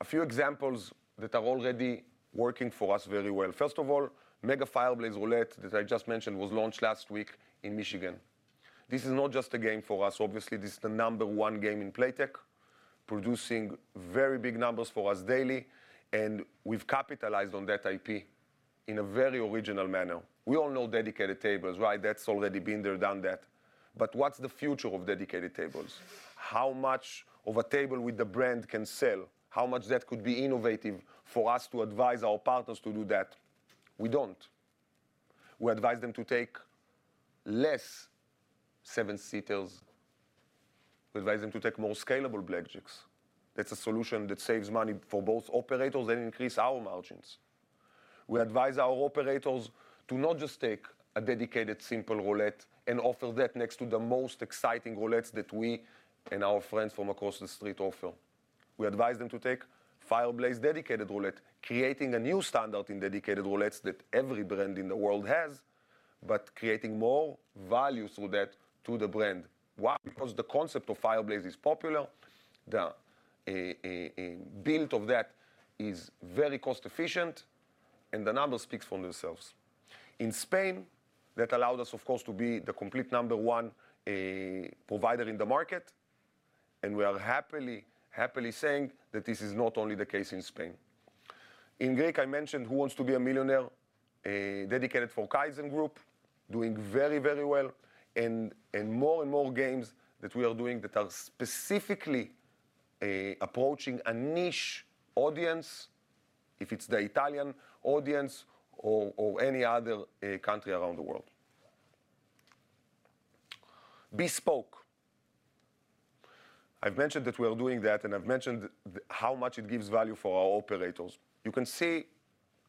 A few examples that are already working for us very well. First of all, Mega Fire Blaze Roulette, that I just mentioned, was launched last week in Michigan. This is not just a game for us. Obviously, this is the number one game in Playtech, producing very big numbers for us daily, and we've capitalized on that IP in a very original manner. We all know dedicated tables, right? That's already been there, done that. What's the future of dedicated tables? How much of a table with the brand can sell? How much that could be innovative for us to advise our partners to do that? We don't. We advise them to take less seven seaters. We advise them to take more scalable blackjacks. That's a solution that saves money for both operators and increase our margins. We advise our operators to not just take a dedicated simple roulette and offer that next to the most exciting roulettes that we and our friends from across the street offer. We advise them to take Fire Blaze dedicated roulette, creating a new standard in dedicated roulettes that every brand in the world has, but creating more value through that to the brand. Why? Because the concept of Fire Blaze is popular, the build of that is very cost efficient, and the numbers speaks for themselves. In Spain, that allowed us, of course, to be the complete number one provider in the market, and we are happily saying that this is not only the case in Spain. In Greek, I mentioned Who Wants to Be a Millionaire, a dedicated for Kaizen Gaming, doing very well. More and more games that we are doing that are specifically approaching a niche audience, if it's the Italian audience or any other country around the world. Bespoke. I've mentioned that we are doing that, and I've mentioned how much it gives value for our operators. You can see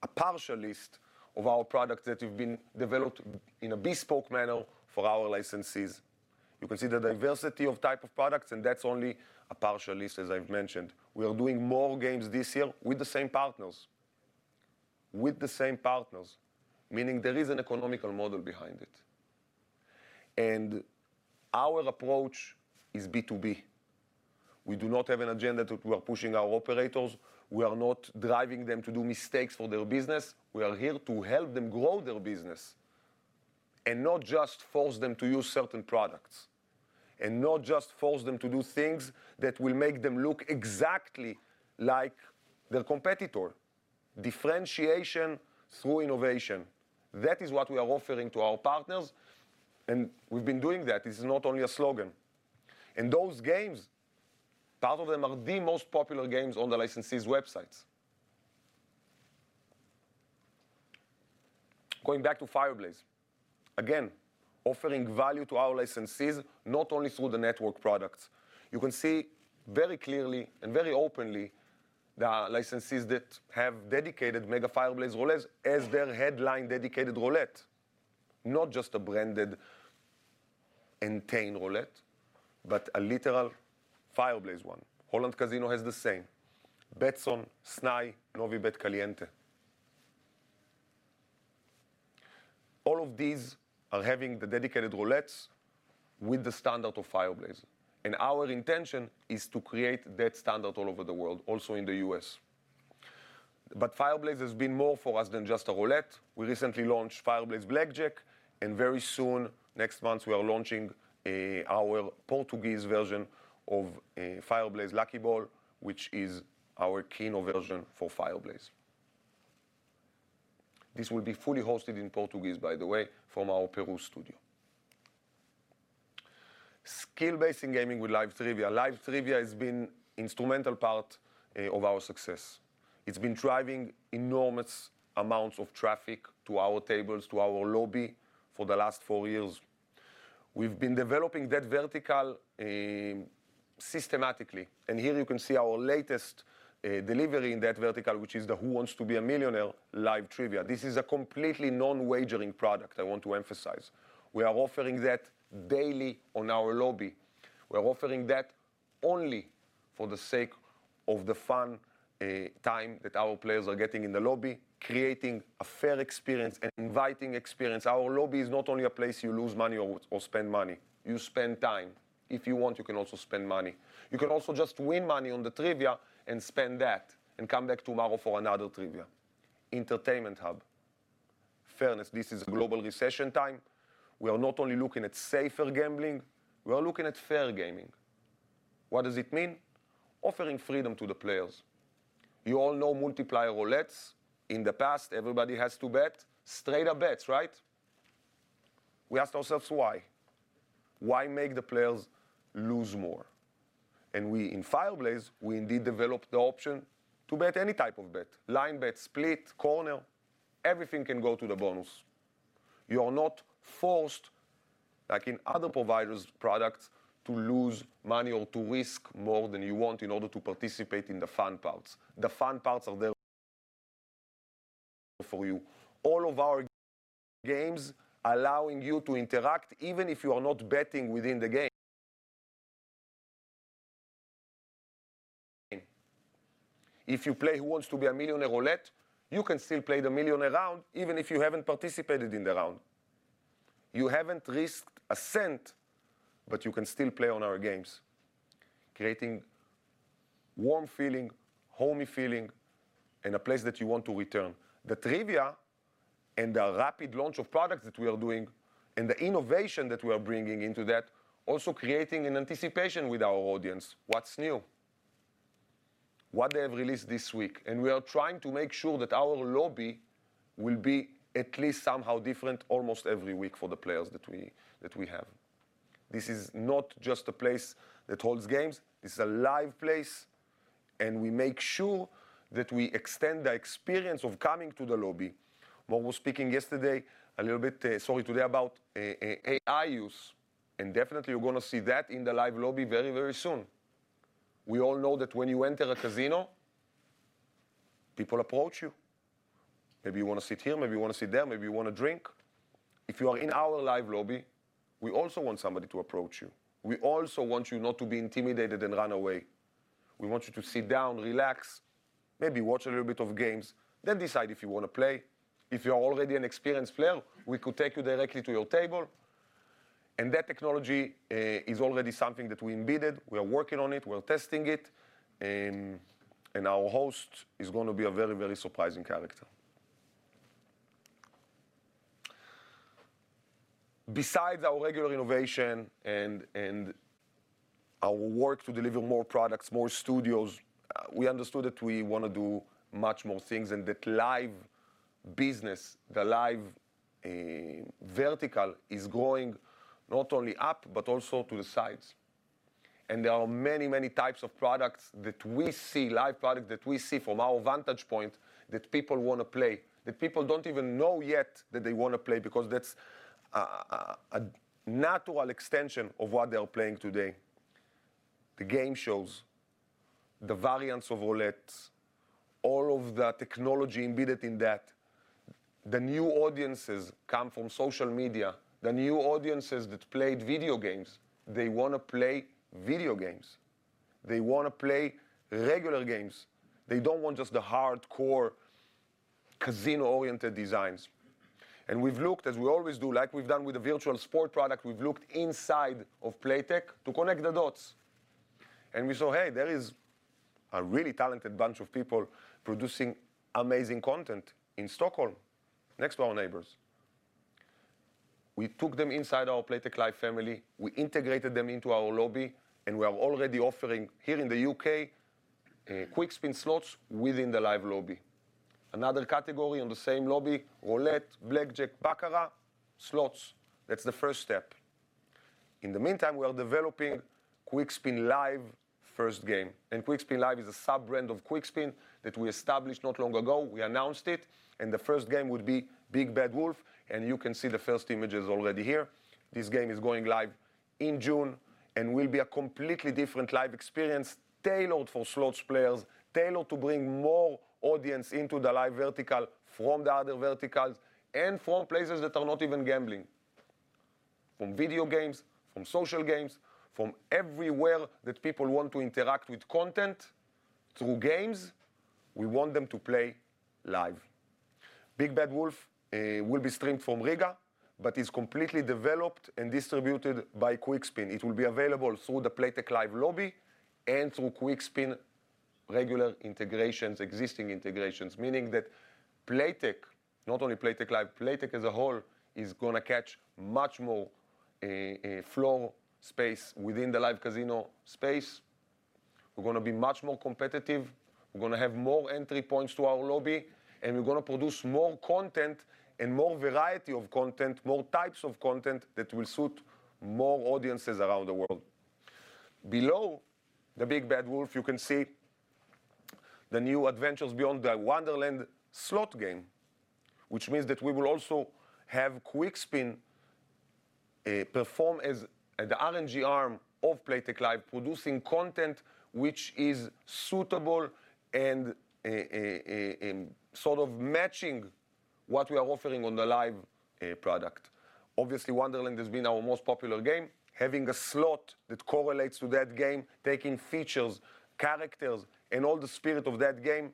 a partial list of our products that have been developed in a Bespoke manner for our licensees. You can see the diversity of type of products, and that's only a partial list, as I've mentioned. We are doing more games this year with the same partners. With the same partners, meaning there is an economical model behind it. Our approach is B2B. We do not have an agenda. We are pushing our operators. We are not driving them to do mistakes for their business. We are here to help them grow their business and not just force them to use certain products, and not just force them to do things that will make them look exactly like their competitor. Differentiation through innovation. That is what we are offering to our partners, and we've been doing that. This is not only a slogan. Those games, part of them are the most popular games on the licensee's websites. Going back to Fire Blaze. Again, offering value to our licensees, not only through the network products. You can see very clearly and very openly the licensees that have dedicated Mega Fire Blaze Roulette as their headline dedicated roulette. Not just a branded Entain roulette, but a literal Fire Blaze one. Holland Casino has the same. Betsson, Snai, Novibet, Caliente. All of these are having the dedicated roulettes with the standard of Fire Blaze. Our intention is to create that standard all over the world, also in the U.S. Fire Blaze has been more for us than just a roulette. We recently launched Fire Blaze Blackjack, and very soon, next month, we are launching our Portuguese version of Fire Blaze Lucky Ball, which is our keynote version for Fire Blaze. This will be fully hosted in Portuguese, by the way, from our Peru studio. Skill-based in gaming with live trivia. Live trivia has been instrumental part of our success. It's been driving enormous amounts of traffic to our tables, to our lobby for the last four years. We've been developing that vertical systematically. Here you can see our latest delivery in that vertical, which is the Who Wants to Be a Millionaire live trivia. This is a completely non-wagering product, I want to emphasize. We are offering that daily on our lobby. We are offering that only for the sake of the fun time that our players are getting in the lobby, creating a fair experience, an inviting experience. Our lobby is not only a place you lose money or spend money. You spend time. If you want, you can also spend money. You can also just win money on the trivia and spend that and come back tomorrow for another trivia. Entertainment hub. Fairness, this is global recession time. We are not only looking at safer gambling, we are looking at fair gaming. What does it mean? Offering freedom to the players. You all know multiplier roulettes. In the past, everybody has to bet straight up bets, right? We asked ourselves why. Why make the players lose more? We, in Fire Blaze, we indeed developed the option to bet any type of bet. Line bet, split, corner, everything can go to the bonus. You are not forced, like in other providers' products, to lose money or to risk more than you want in order to participate in the fun parts. The fun parts are there for you. All of our games allowing you to interact, even if you are not betting within the game. If you play Who Wants To Be A Millionaire roulette, you can still play the Millionaire round, even if you haven't participated in the round. You haven't risked a cent, but you can still play on our games, creating warm feeling, homey feeling, and a place that you want to return. The trivia and the rapid launch of products that we are doing, and the innovation that we are bringing into that, also creating an anticipation with our audience. What's new? What they have released this week? We are trying to make sure that our lobby will be at least somehow different almost every week for the players that we have. This is not just a place that holds games, this is a live place, we make sure that we extend the experience of coming to the lobby. Mor was speaking yesterday a little bit, sorry, today about AI use, and definitely you're gonna see that in the live lobby very, very soon. We all know that when you enter a casino, people approach you. Maybe you wanna sit here, maybe you wanna sit there, maybe you want a drink. If you are in our live lobby, we also want somebody to approach you. We also want you not to be intimidated and run away. We want you to sit down, relax, maybe watch a little bit of games, then decide if you wanna play. If you are already an experienced player, we could take you directly to your table, and that technology is already something that we embedded. We are working on it, we are testing it. Our host is gonna be a very, very surprising character. Besides our regular innovation and our work to deliver more products, more studios, we understood that we wanna do much more things in that live business. The live vertical is going not only up, but also to the sides. There are many, many types of products that we see, live product that we see from our vantage point that people wanna play, that people don't even know yet that they wanna play because that's a natural extension of what they are playing today. The game shows, the variance of roulettes, all of the technology embedded in that. The new audiences come from social media. The new audiences that played video games, they wanna play video games. They wanna play regular games. They don't want just the hardcore casino-oriented designs. We've looked, as we always do, like we've done with the virtual sport product, we've looked inside of Playtech to connect the dots. We saw, hey, there is a really talented bunch of people producing amazing content in Stockholm, next to our neighbors. We took them inside our Playtech Live family. We integrated them into our lobby, and we are already offering, here in the U.K., Quickspin slots within the live lobby. Another category on the same lobby, roulette, blackjack, baccarat, slots. That's the first step. In the meantime, we are developing Quickspin Live first game, and Quickspin Live is a sub-brand of Quickspin that we established not long ago. We announced it, and the first game would be Big Bad Wolf, and you can see the first images already here. This game is going live in June, and will be a completely different live experience tailored for slots players, tailored to bring more audience into the live vertical from the other verticals, and from places that are not even gambling. From video games, from social games, from everywhere that people want to interact with content through games, we want them to play live. Big Bad Wolf will be streamed from Riga, but is completely developed and distributed by Quickspin. It will be available through the Playtech Live lobby and through Quickspin regular integrations, existing integrations. Meaning that Playtech, not only Playtech Live, Playtech as a whole is gonna catch much more floor space within the Live Casino space. We're gonna be much more competitive, we're gonna have more entry points to our lobby, and we're gonna produce more content and more variety of content, more types of content that will suit more audiences around the world. Below the Big Bad Wolf, you can see the new Adventures Beyond the Wonderland slot game, which means that we will also have Quickspin, perform as the RNG arm of Playtech Live, producing content which is suitable and sort of matching what we are offering on the live product. Obviously, Wonderland has been our most popular game. Having a slot that correlates to that game, taking features, characters, and all the spirit of that game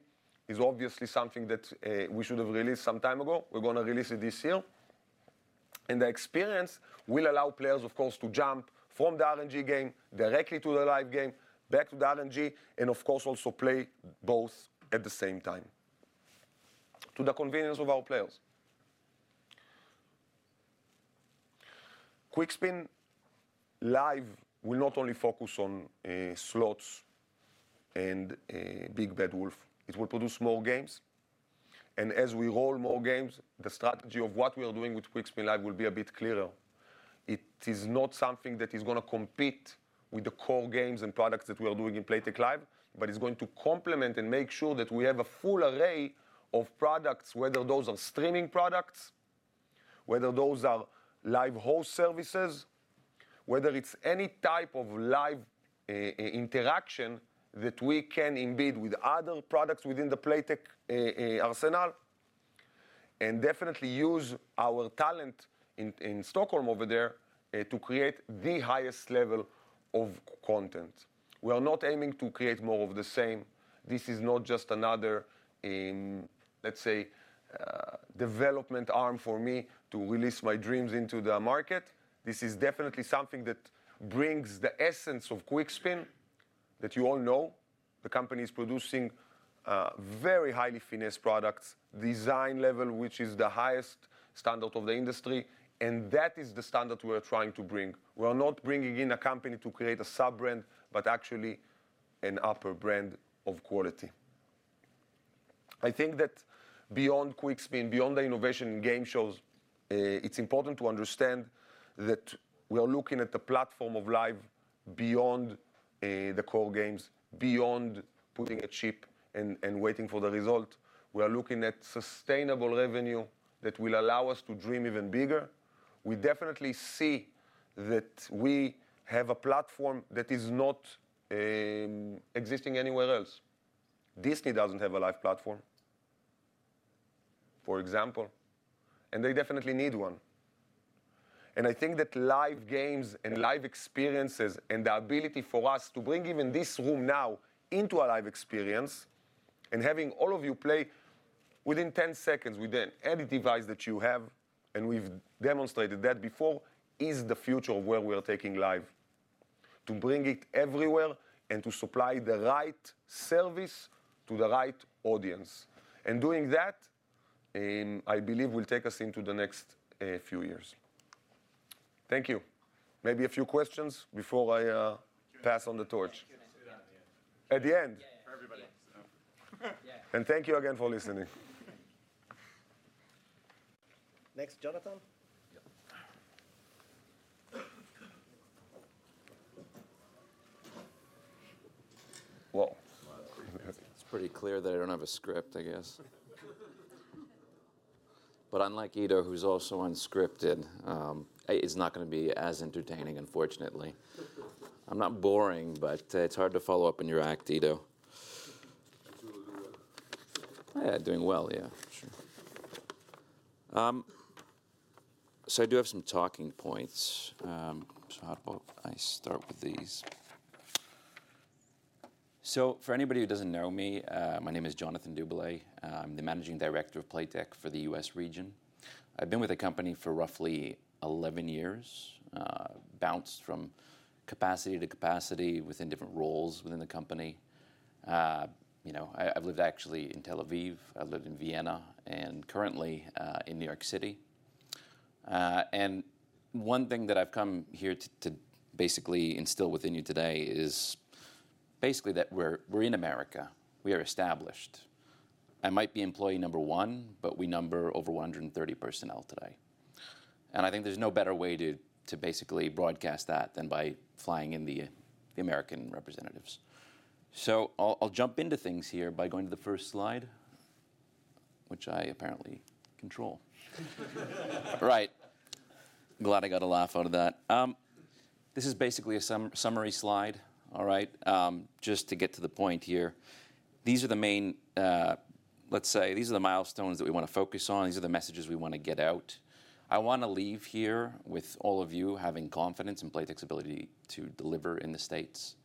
is obviously something that, we should have released some time ago. We're gonna release it this year. The experience will allow players, of course, to jump from the RNG game directly to the live game, back to the RNG, and of course, also play both at the same time to the convenience of our players. Quickspin Live will not only focus on slots and Big Bad Wolf, it will produce more games. As we roll more games, the strategy of what we are doing with Quickspin Live will be a bit clearer. It is not something that is gonna compete with the core games and products that we are doing in Playtech Live, but it's going to complement and make sure that we have a full array of products, whether those are streaming products, whether those are live host services, whether it's any type of live interaction that we can embed with other products within the Playtech arsenal, and definitely use our talent in Stockholm over there, to create the highest level of content. We are not aiming to create more of the same. This is not just another, let's say, development arm for me to release my dreams into the market. This is definitely something that brings the essence of Quickspin that you all know. The company's producing very highly finessed products, design level, which is the highest standard of the industry. That is the standard we're trying to bring. We're not bringing in a company to create a sub-brand, but actually an upper brand of quality. I think that beyond Quickspin, beyond the innovation in game shows, it's important to understand that we are looking at the platform of live beyond the core games, beyond putting a chip and waiting for the result. We are looking at sustainable revenue that will allow us to dream even bigger. We definitely see that we have a platform that is not existing anywhere else. Disney doesn't have a live platform, for example. They definitely need one. I think that live games and live experiences and the ability for us to bring even this room now into a live experience and having all of you play within 10 seconds with any device that you have, and we've demonstrated that before, is the future of where we are taking live. To bring it everywhere and to supply the right service to the right audience. Doing that, I believe will take us into the next few years. Thank you. Maybe a few questions before I pass on the torch. At the end. At the end? Yeah, yeah. For everybody, so. Yeah. Thank you again for listening. Next, Jonathan. Yep. Whoa. It's pretty clear that I don't have a script, I guess. Unlike Edo, who's also unscripted, it is not gonna be as entertaining, unfortunately. I'm not boring, but it's hard to follow up in your act, Edo. You're doing well. I'm doing well, yeah. Sure. I do have some talking points. How about I start with these? For anybody who doesn't know me, my name is Jonathan Doubilet. I'm the Managing Director of Playtech for the U.S. region. I've been with the company for roughly 11 years, bounced from capacity to capacity within different roles within the company. you know, I've lived actually in Tel Aviv, I've lived in Vienna, and currently, in New York City. One thing that I've come here to basically instill within you today is basically that we're in America, we are established. I might be employee number one, but we number over 130 personnel today. I think there's no better way to basically broadcast that than by flying in the American representatives. I'll jump into things here by going to the first slide, which I apparently control. Right. Glad I got a laugh out of that. This is basically a summary slide, all right? Just to get to the point here. These are the main, let's say, these are the milestones that we wanna focus on. These are the messages we wanna get out. I wanna leave here with all of you having confidence in Playtech's ability to deliver in the States.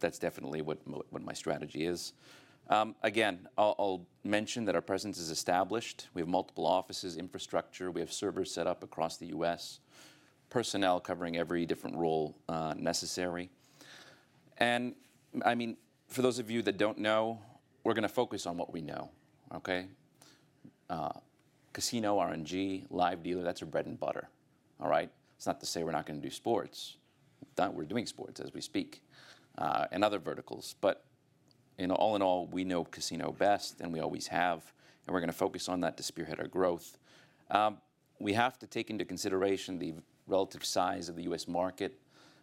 That's definitely what my strategy is. Again, I'll mention that our presence is established. We have multiple offices, infrastructure, we have servers set up across the U.S., personnel covering every different role necessary. I mean, for those of you that don't know, we're gonna focus on what we know. Okay? Casino, RNG, Live dealer, that's our bread and butter. All right? It's not to say we're not gonna do sports. In fact, we're doing sports as we speak, and other verticals. You know, all in all, we know casino best, and we always have, and we're gonna focus on that to spearhead our growth. We have to take into consideration the relative size of the U.S. market.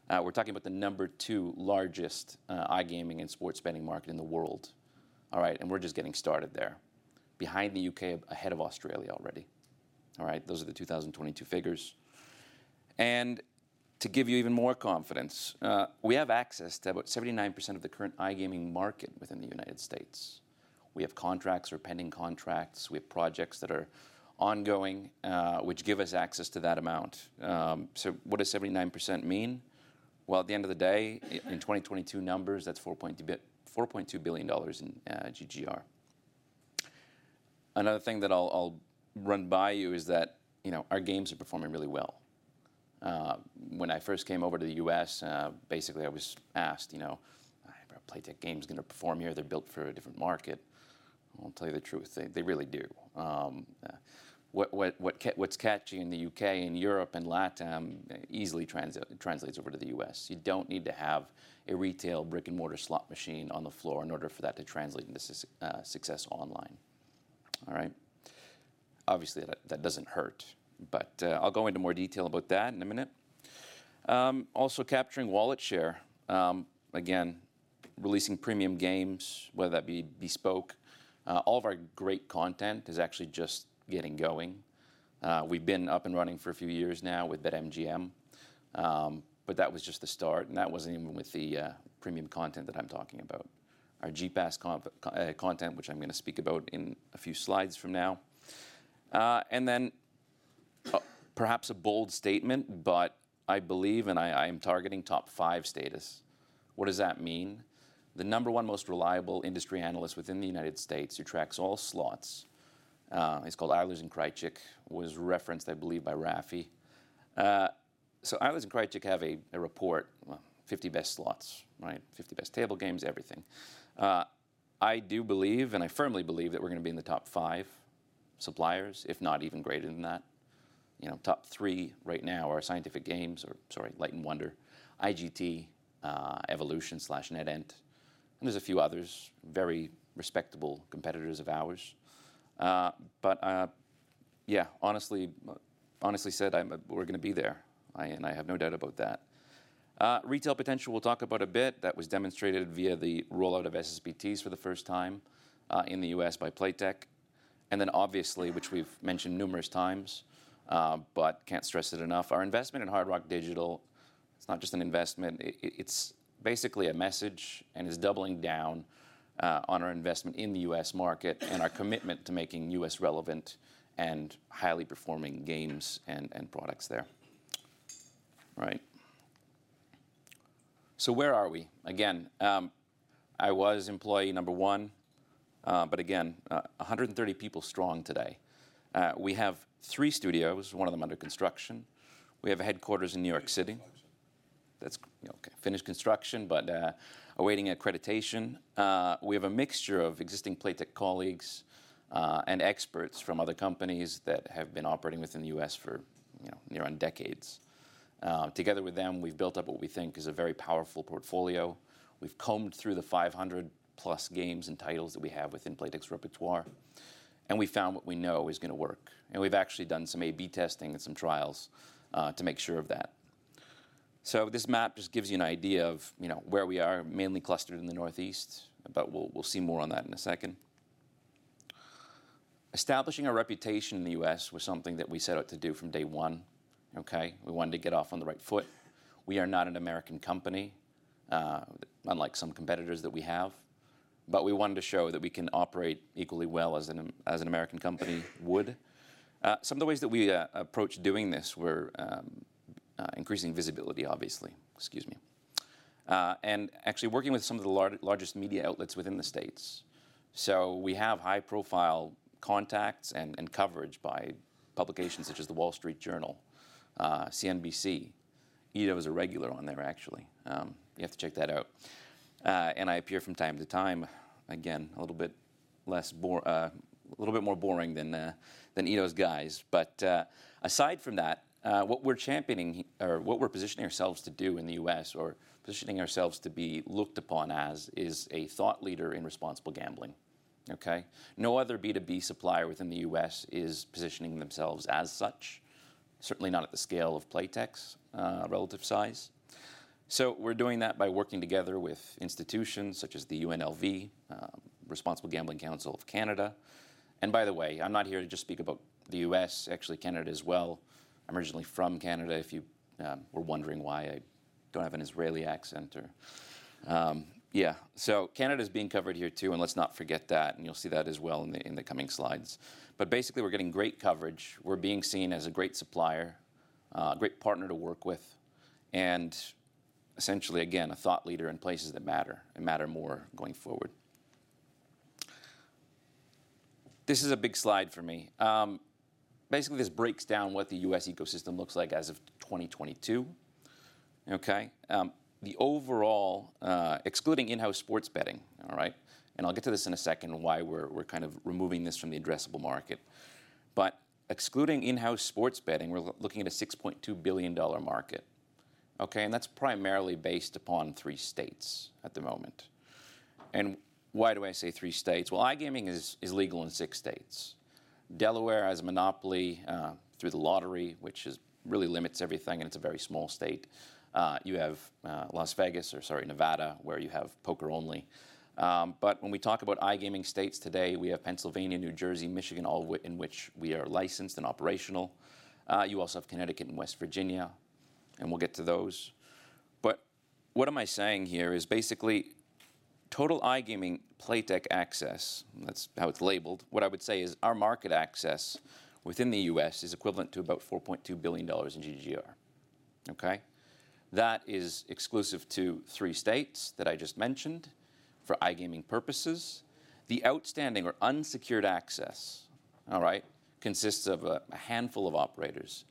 We're talking about the number two largest, iGaming and sports betting market in the world. All right? We're just getting started there. Behind the U.K., ahead of Australia already. All right? Those are the 2022 figures. To give you even more confidence, we have access to about 79% of the current iGaming market within the United States. We have contracts or pending contracts, we have projects that are ongoing, which give us access to that amount. What does 79% mean? Well, at the end of the day, in 2022 numbers, that's $4.2 billion in GGR. Another thing that I'll run by you is that, you know, our games are performing really well. When I first came over to the U.S., basically I was asked, you know, "If Playtech games are gonna perform here, they're built for a different market." Well, I'll tell you the truth, they really do. What's catchy in the U.K. and Europe and LatAm easily translates over to the U.S. You don't need to have a retail brick-and-mortar slot machine on the floor in order for that to translate into success online. All right? Obviously, that doesn't hurt, but I'll go into more detail about that in a minute. Also capturing wallet share. Again, releasing premium games, whether that be bespoke, all of our great content is actually just getting going. We've been up and running for a few years now with BetMGM, but that was just the start, and that wasn't even with the premium content that I'm talking about. Our GPAS content, which I'm gonna speak about in a few slides from now. Perhaps a bold statement, but I believe, and I am targeting top five status. What does that mean? The number one most reliable industry analyst within the United States who tracks all slots is called Eilers & Krejcik, was referenced, I believe, by Rafi. Eilers & Krejcik have a report, well, 50 best slots, right? 50 best table games, everything. I do believe, and I firmly believe, that we're gonna be in the top five suppliers, if not even greater than that. You know, top three right now are Light & Wonder, IGT, Evolution/NetEnt, and there's a few others, very respectable competitors of ours. Yeah, honestly said, we're gonna be there. I have no doubt about that. Retail potential, we'll talk about a bit. That was demonstrated via the rollout of SSBTs for the first time in the U.S. by Playtech. Obviously, which we've mentioned numerous times, but can't stress it enough, our investment in Hard Rock Digital, it's not just an investment. It's basically a message, and is doubling down on our investment in the U.S. market and our commitment to making U.S. relevant and highly performing games and products there. Right. Where are we? Again, I was employee number one, but again, 130 people strong today. We have three studios, one of them under construction. We have a headquarters in New York City. That's, you know, okay, finished construction, but awaiting accreditation. We have a mixture of existing Playtech colleagues, and experts from other companies that have been operating within the U.S. for, you know, near on decades. Together with them, we've built up what we think is a very powerful portfolio. We've combed through the 500 plus games and titles that we have within Playtech's repertoire, and we found what we know is gonna work. We've actually done some A/B testing and some trials to make sure of that. This map just gives you an idea of, you know, where we are, mainly clustered in the Northeast, but we'll see more on that in a second. Establishing a reputation in the U.S. was something that we set out to do from day one, okay? We wanted to get off on the right foot. We are not an American company, unlike some competitors that we have, but we wanted to show that we can operate equally well as an American company would. Some of the ways that we approached doing this were increasing visibility, obviously. Excuse me. Actually working with some of the largest media outlets within the States. We have high-profile contacts and coverage by publications such as The Wall Street Journal, CNBC. Edo is a regular on there, actually. You have to check that out. And I appear from time to time, again, a little bit less boring, a little bit more boring than Edo's guys. Aside from that, what we're championing, or what we're positioning ourselves to do in the U.S., or positioning ourselves to be looked upon as, is a thought leader in responsible gambling. Okay? No other B2B supplier within the U.S. is positioning themselves as such, certainly not at the scale of Playtech's relative size. We're doing that by working together with institutions such as the UNLV, Responsible Gambling Council of Canada. By the way, I'm not here to just speak about the U.S., actually Canada as well. I'm originally from Canada, if you were wondering why I don't have an Israeli accent or. Yeah. Canada's being covered here too, and let's not forget that, and you'll see that as well in the, in the coming slides. Basically, we're getting great coverage. We're being seen as a great supplier, a great partner to work with, and essentially, again, a thought leader in places that matter, and matter more going forward. This is a big slide for me. Basically this breaks down what the US ecosystem looks like as of 2022. Okay? The overall, excluding in-house sports betting, all right? I'll get to this in a second, why we're kind of removing this from the addressable market. Excluding in-house sports betting, we're looking at a $6.2 billion market, okay? That's primarily based upon three states at the moment. Why do I say three states? Well, iGaming is legal in six states. Delaware has a monopoly through the lottery, which is, really limits everything, and it's a very small state. You have Las Vegas, or sorry, Nevada, where you have poker only. When we talk about iGaming states today, we have Pennsylvania, New Jersey, Michigan, all in which we are licensed and operational. You also have Connecticut and West Virginia, and we'll get to those. What am I saying here is basically Total iGaming Playtech access, that's how it's labeled. What I would say is our market access within the U.S. is equivalent to about $4.2 billion in GGR. Okay. That is exclusive to three states that I just mentioned for iGaming purposes. The outstanding or unsecured access, all right, consists of a handful of operators.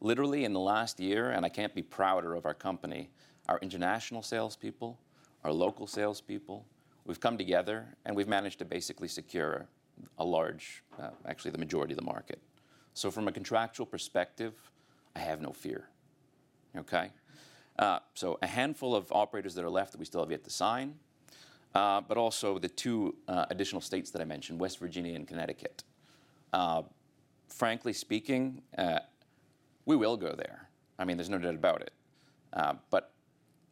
Literally in the last year, I can't be prouder of our company, our international salespeople, our local salespeople, we've come together, we've managed to basically secure a large, actually the majority of the market. From a contractual perspective, I have no fear. Okay. A handful of operators that are left that we still have yet to sign, also the two additional states that I mentioned, West Virginia and Connecticut. Frankly speaking, we will go there. I mean, there's no doubt about it.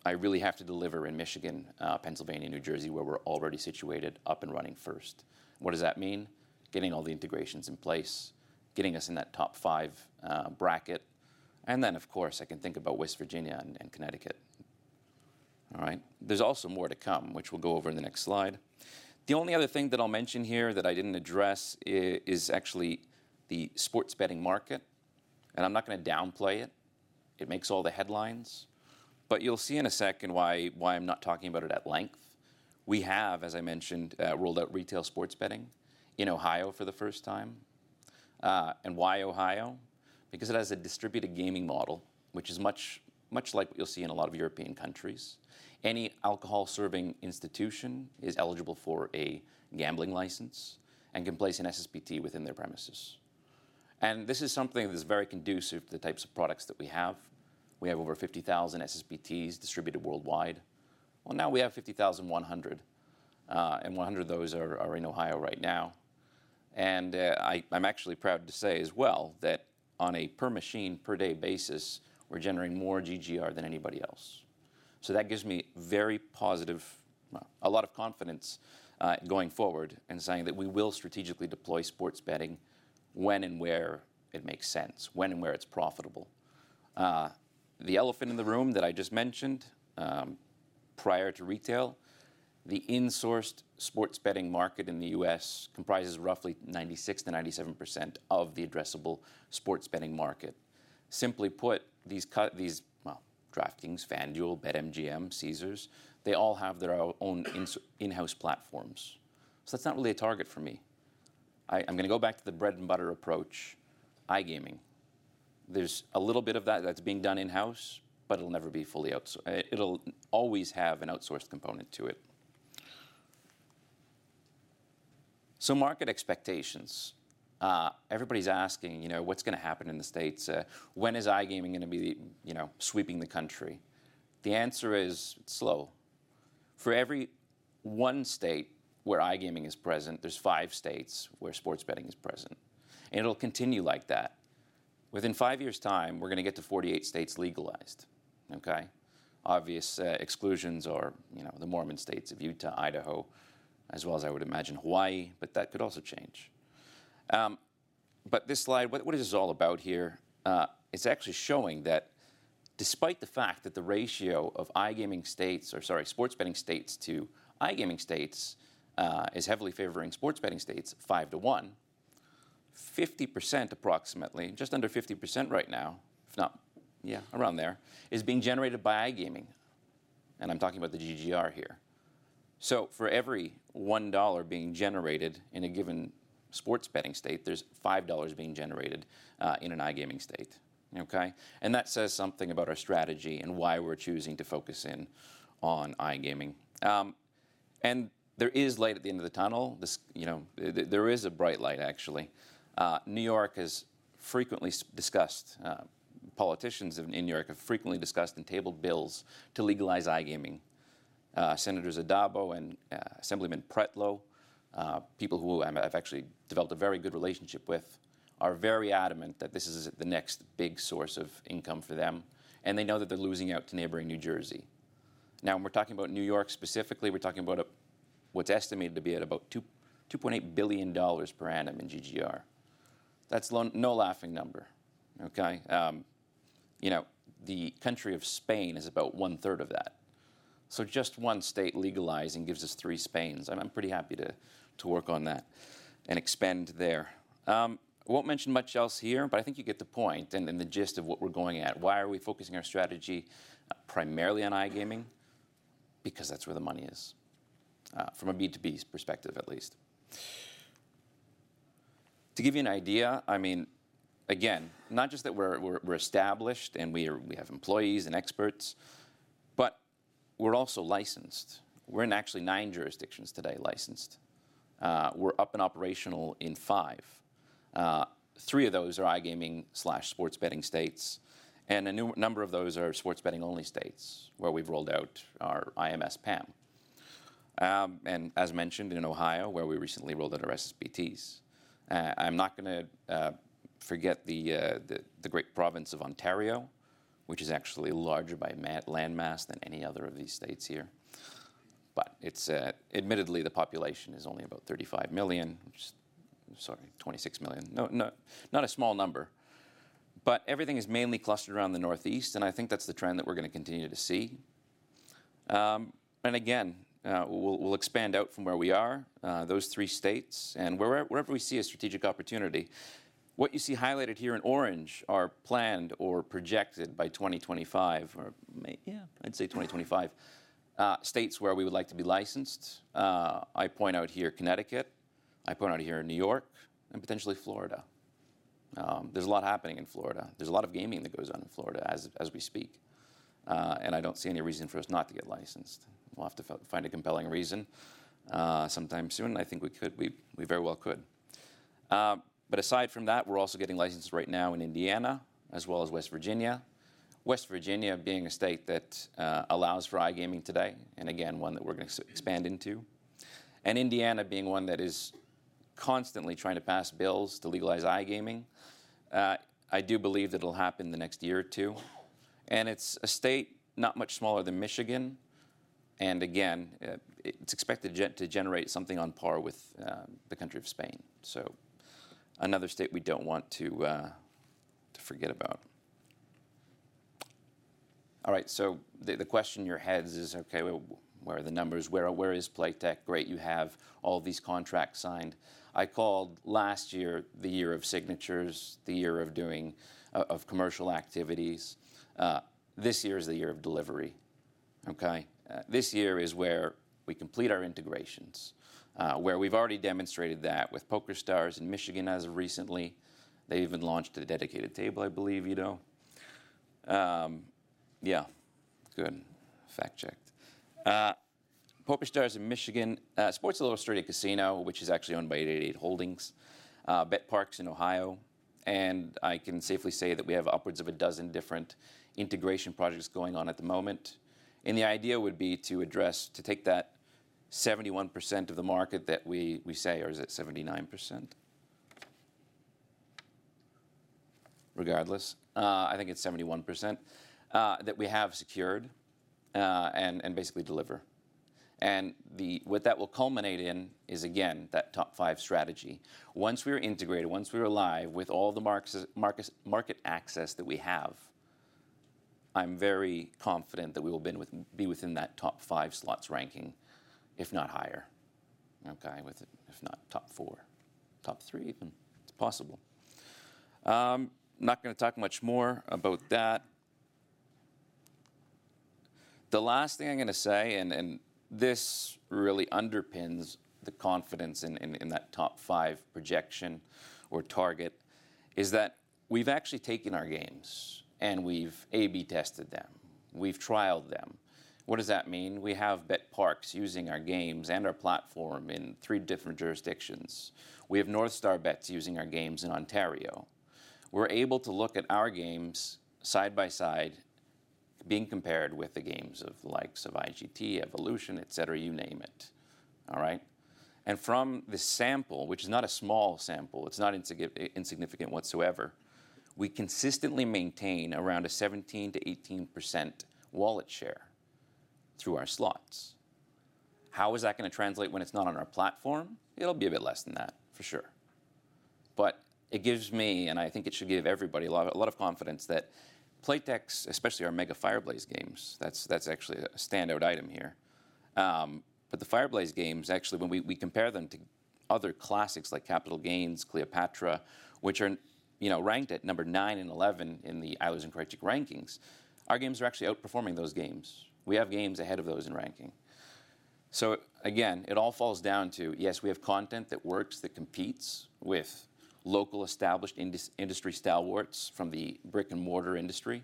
I really have to deliver in Michigan, Pennsylvania, New Jersey, where we're already situated, up and running first. What does that mean? Getting all the integrations in place, getting us in that top five bracket, and then of course, I can think about West Virginia and Connecticut. All right? There's also more to come, which we'll go over in the next slide. The only other thing that I'll mention here that I didn't address is actually the sports betting market, and I'm not gonna downplay it. It makes all the headlines. You'll see in a second why I'm not talking about it at length. We have, as I mentioned, rolled out retail sports betting in Ohio for the first time. Why Ohio? Because it has a distributed gaming model, which is much, much like what you'll see in a lot of European countries. Any alcohol-serving institution is eligible for a gambling license and can place an SSBT within their premises. This is something that is very conducive to the types of products that we have. We have over 50,000 SSBTs distributed worldwide. Well, now we have 50,100, and 100 of those are in Ohio right now. I'm actually proud to say as well that on a per machine, per day basis we're generating more GGR than anybody else. That gives me a lot of confidence, going forward in saying that we will strategically deploy sports betting when and where it makes sense, when and where it's profitable. The elephant in the room that I just mentioned, prior to retail, the insourced sports betting market in the U.S. comprises roughly 96%-97% of the addressable sports betting market. Simply put, these, well, DraftKings, FanDuel, BetMGM, Caesars, they all have their own in-house platforms. That's not really a target for me. I'm gonna go back to the bread and butter approach, iGaming. There's a little bit of that that's being done in-house, but it'll never be fully, it'll always have an outsourced component to it. Market expectations. Everybody's asking, you know, what's gonna happen in the States? When is iGaming gonna be, you know, sweeping the country? The answer is slow. For every one state where iGaming is present, there's five states where sports betting is present, and it'll continue like that. Within five years' time, we're gonna get to 48 states legalized. Okay? Obvious exclusions are, you know, the Mormon states of Utah, Idaho, as well as I would imagine Hawaii, but that could also change. This slide, what is this all about here? It's actually showing that despite the fact that the ratio of iGaming states, or sorry, sports betting states to iGaming states, is heavily favoring sports betting states 5-to-1, 50% approximately, just under 50% right now, if not, yeah, around there, is being generated by iGaming, and I'm talking about the GGR here. For every $1 being generated in a given sports betting state, there's $5 being generated in an iGaming state. Okay? That says something about our strategy and why we're choosing to focus in on iGaming. There is light at the end of the tunnel. You know, there is a bright light, actually. New York has frequently discussed, politicians in New York have frequently discussed and tabled bills to legalize iGaming. Senators Addabbo and Assemblyman Pretlow, people who I've actually developed a very good relationship with, are very adamant that this is the next big source of income for them, and they know that they're losing out to neighboring New Jersey. When we're talking about New York specifically, we're talking about what's estimated to be at about $2.8 billion per annum in GGR. That's no laughing number. Okay? You know, the country of Spain is about 1/3 of that. Just one state legalizing gives us three Spains. I'm pretty happy to work on that and expand there. I won't mention much else here, but I think you get the point and the gist of what we're going at. Why are we focusing our strategy primarily on iGaming? Because that's where the money is, from a B2B perspective, at least. To give you an idea, I mean, again, not just that we're established, and we have employees and experts, but we're also licensed. We're in actually nine9 jurisdictions today, licensed. We're up and operational in five. Three of those are iGaming/sports betting states, and a number of those are sports betting only states, where we've rolled out our IMS PAM. As mentioned in Ohio, where we recently rolled out our SSBTs. I'm not gonna forget the great province of Ontario, which is actually larger by landmass than any other of these states here. It's admittedly, the population is only about 35 million, which is Sorry, 26 million. No, not a small number. Everything is mainly clustered around the Northeast, and I think that's the trend that we're gonna continue to see. Again, we'll expand out from where we are, those three states and wherever we see a strategic opportunity. What you see highlighted here in orange are planned or projected by 2025 or Yeah, I'd say 2025, states where we would like to be licensed. I point out here Connecticut, I point out here New York, and potentially Florida. There's a lot happening in Florida. There's a lot of gaming that goes on in Florida as we speak. I don't see any reason for us not to get licensed. We'll have to find a compelling reason sometime soon, and I think we very well could. Aside from that, we're also getting licensed right now in Indiana as well as West Virginia. West Virginia being a state that allows for iGaming today, and again, one that we're gonna expand into, and Indiana being one that is constantly trying to pass bills to legalize iGaming. I do believe that it'll happen in the next year or two. It's a state not much smaller than Michigan, and again, it's expected to generate something on par with the country of Spain. Another state we don't want to forget about. All right, the question in your heads is, "Okay, well, where are the numbers? Where is Playtech? Great, you have all these contracts signed." I called last year the year of signatures, the year of commercial activities. This year is the year of delivery, okay? This year is where we complete our integrations, where we've already demonstrated that with PokerStars in Michigan as of recently. They even launched a dedicated table, I believe, you know? Yeah. Good. Fact-checked. PokerStars in Michigan, Sports Illustrated Casino, which is actually owned by 888 Holdings, betPARX in Ohio, I can safely say that we have upwards of a dozen different integration projects going on at the moment. The idea would be to take that 71% of the market that we say... Or is it 79%? Regardless, I think it's 71% that we have secured and basically deliver. What that will culminate in is, again, that top five strategy. Once we're integrated, once we're live with all the market access that we have, I'm very confident that we will be within that top five slots ranking, if not higher, okay? With, if not top four, top three even. It's possible. Not gonna talk much more about that. The last thing I'm gonna say, and this really underpins the confidence in that top five projection or target, is that we've actually taken our games and we've A/B tested them. We've trialed them. What does that mean? We have betPARX using our games and our platform in three different jurisdictions. We have NorthStar Bets using our games in Ontario. We're able to look at our games side by side being compared with the games of the likes of IGT, Evolution, et cetera, you name it. All right? From the sample, which is not a small sample, it's not insignificant whatsoever, we consistently maintain around a 17%-18% wallet share through our slots. How is that gonna translate when it's not on our platform? It'll be a bit less than that, for sure. It gives me, and I think it should give everybody, a lot of confidence that Playtech's, especially our Mega Fire Blaze games, that's actually a standout item here. The Fire Blaze games, actually, when we compare them to other classics like Capital Gains, Cleopatra, which are, you know, ranked at number nine and 11 in the Eilers & Krejcik rankings, our games are actually outperforming those games. We have games ahead of those in ranking. Again, it all falls down to, yes, we have content that works, that competes with local established industry stalwarts from the brick-and-mortar industry.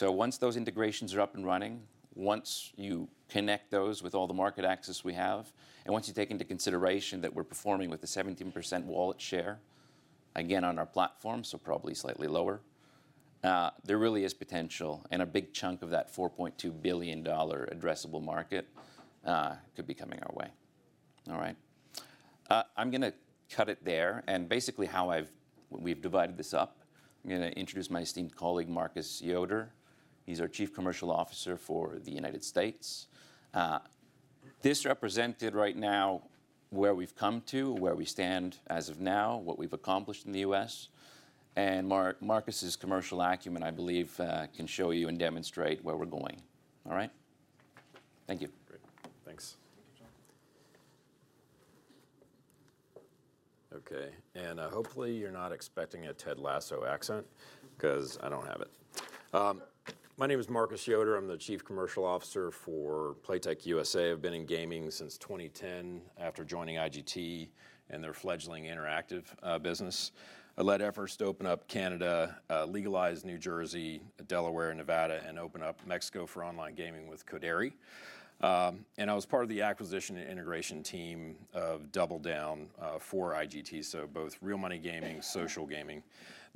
Once those integrations are up and running, once you connect those with all the market access we have, and once you take into consideration that we're performing with a 17% wallet share, again, on our platform, so probably slightly lower, there really is potential, and a big chunk of that $4.2 billion addressable market, could be coming our way. All right. I'm gonna cut it there, and basically how we've divided this up, I'm gonna introduce my esteemed colleague, Marcus Yoder. He's our Chief Commercial Officer for the United States. This represented right now where we've come to, where we stand as of now, what we've accomplished in the U.S., and Marcus' commercial acumen, I believe, can show you and demonstrate where we're going. All right? Thank you. Great. Thanks. Thank you, Jonathan. Okay, and hopefully you're not expecting a Ted Lasso accent, 'cause I don't have it. My name is Marcus Yoder. I'm the Chief Commercial Officer for Playtech USA. I've been in gaming since 2010 after joining IGT and their fledgling interactive business. I led efforts to open up Canada, legalize New Jersey, Delaware, Nevada, and open up Mexico for online gaming with Codere. I was part of the acquisition and integration team of DoubleDown for IGT, so both real money gaming, social gaming.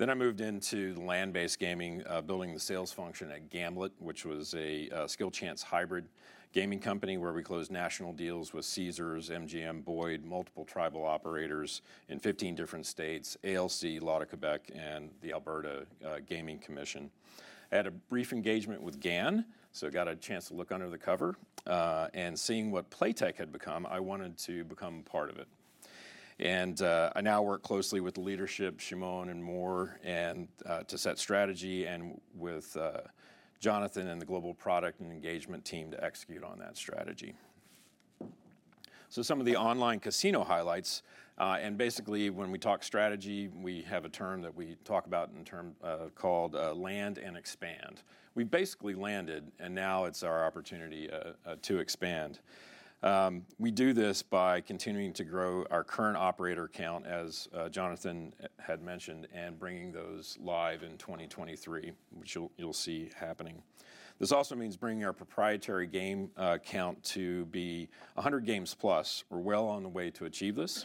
Then I moved into land-based gaming, building the sales function at Gametwist, which was a skill chance hybrid gaming company where we closed national deals with Caesars, MGM, Boyd, multiple tribal operators in 15 different states, ALC, Loto-Québec, and the Alberta Gaming Commission. I had a brief engagement with GAN, so got a chance to look under the cover, and seeing what Playtech had become, I wanted to become part of it. I now work closely with leadership, Shimon and Mor, to set strategy, with Jonathan and the global product and engagement team to execute on that strategy. Some of the online casino highlights, and basically when we talk strategy, we have a term that we talk about in term, called land and expand. We basically landed, and now it's our opportunity to expand. We do this by continuing to grow our current operator count, as Jonathan had mentioned, and bringing those live in 2023, which you'll see happening. This also means bringing our proprietary game count to be 100+ games. We're well on the way to achieve this.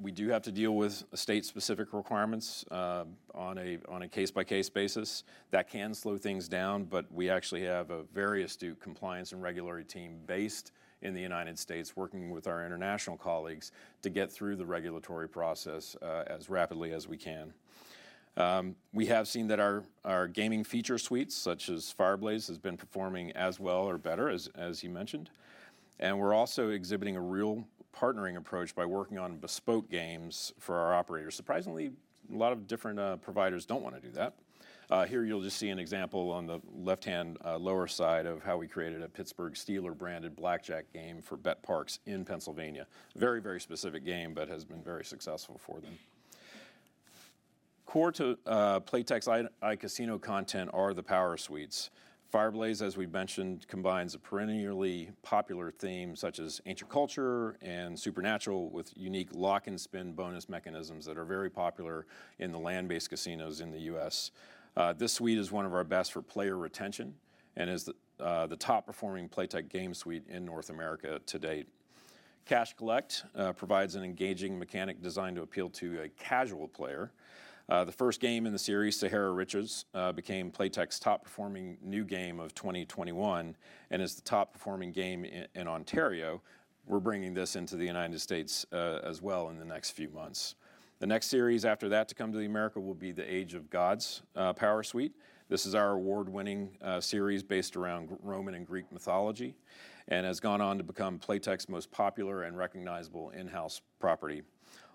We do have to deal with state-specific requirements on a case-by-case basis. That can slow things down, but we actually have a very astute compliance and regulatory team based in the United States working with our international colleagues to get through the regulatory process as rapidly as we can. We have seen that our gaming feature suites, such as Fire Blaze, has been performing as well or better, as he mentioned. We're also exhibiting a real partnering approach by working on bespoke games for our operators. Surprisingly, a lot of different providers don't wanna do that. Here you'll just see an example on the left-hand lower side of how we created a Pittsburgh Steelers branded blackjack game for betPARX in Pennsylvania. Very, very specific game, but has been very successful for them. Core to Playtech's iCasino content are the power suites. Fire Blaze, as we've mentioned, combines a perennially popular theme, such as ancient culture and supernatural, with unique lock-and-spin bonus mechanisms that are very popular in the land-based casinos in the U.S. This suite is one of our best for player retention and is the top-performing Playtech game suite in North America to date. Cash Collect provides an engaging mechanic designed to appeal to a casual player. The first game in the series, Sahara Riches became Playtech's top-performing new game of 2021 and is the top-performing game in Ontario. We're bringing this into the United States as well in the next few months. The next series after that to come to the U.S. will be the Age of the Gods power suite. This is our award-winning series based around Greco-Roman and Greek mythology and has gone on to become Playtech's most popular and recognizable in-house property.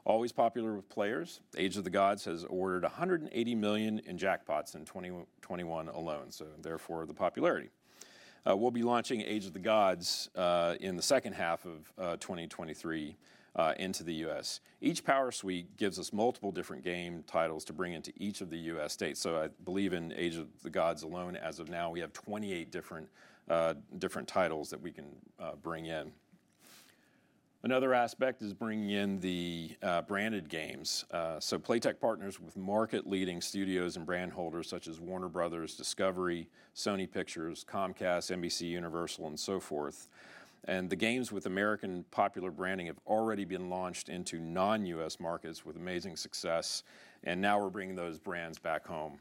Always popular with players, Age of the Gods has awarded $180 million in jackpots in 2021 alone, so therefore the popularity. We'll be launching Age of the Gods in the second half of 2023 into the U.S. Each power suite gives us multiple different game titles to bring into each of the U.S. states, so I believe in Age of the Gods alone, as of now, we have 28 different titles that we can bring in. Another aspect is bringing in the branded games. Playtech partners with market-leading studios and brand holders such as Warner Bros. Discovery, Sony Pictures, Comcast, NBCUniversal, and so forth. The games with American popular branding have already been launched into non-U.S markets with amazing success, and now we're bringing those brands back home.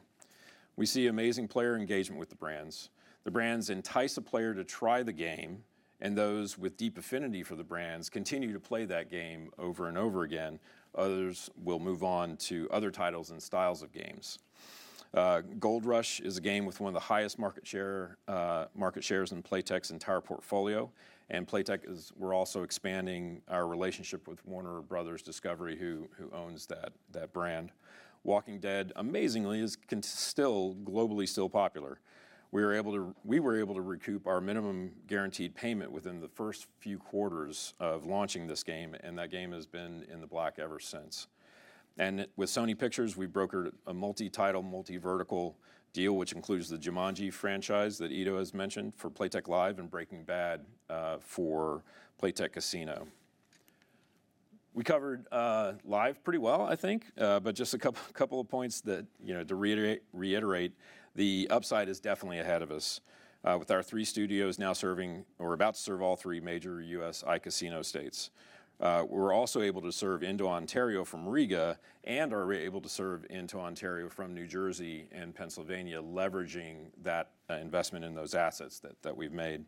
We see amazing player engagement with the brands. The brands entice a player to try the game, and those with deep affinity for the brands continue to play that game over and over again. Others will move on to other titles and styles of games. Gold Rush is a game with one of the highest market share, market shares in Playtech's entire portfolio, Playtech, we're also expanding our relationship with Warner Bros. Discovery, who owns that brand. The Walking Dead, amazingly, is still, globally still popular. We were able to recoup our minimum guaranteed payment within the first few quarters of launching this game, and that game has been in the black ever since. With Sony Pictures, we brokered a multi-title, multi-vertical deal, which includes the Jumanji franchise that Edohas mentioned for Playtech Live and Breaking Bad for Playtech Casino. We covered Live pretty well, I think, but just a couple of points that, you know, to reiterate, the upside is definitely ahead of us. With our three studios now serving, or about to serve all three major US iCasino states. We're also able to serve into Ontario from Riga and are able to serve into Ontario from New Jersey and Pennsylvania, leveraging that investment in those assets that we've made.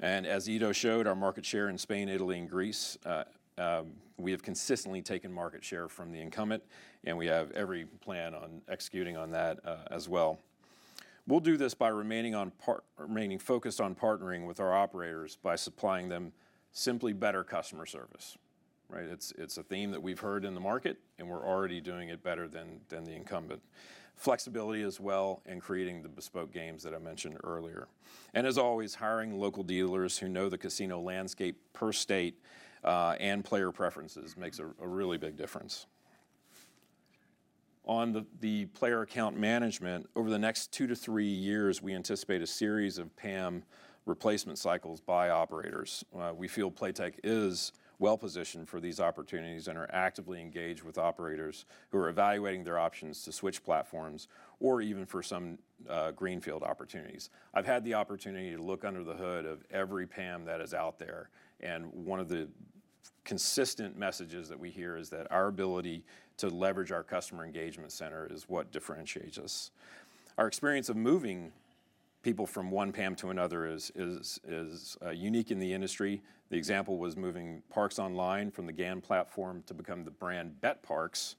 As Edo showed, our market share in Spain, Italy, and Greece, we have consistently taken market share from the incumbent, and we have every plan on executing on that as well. We'll do this by remaining focused on partnering with our operators by supplying them simply better customer service, right? It's a theme that we've heard in the market, and we're already doing it better than the incumbent. Flexibility as well in creating the bespoke games that I mentioned earlier. As always, hiring local dealers who know the casino landscape per state, and player preferences makes a really big difference. On the player account management, over the next two to three years, we anticipate a series of PAM replacement cycles by operators. We feel Playtech is well-positioned for these opportunities and are actively engaged with operators who are evaluating their options to switch platforms or even for some greenfield opportunities. I've had the opportunity to look under the hood of every PAM that is out there, and one of the consistent messages that we hear is that our ability to leverage our Customer Engagement Center is what differentiates us. Our experience of moving people from one PAM to another is unique in the industry. The example was moving Parx Online from the GAN platform to become the brand betPARX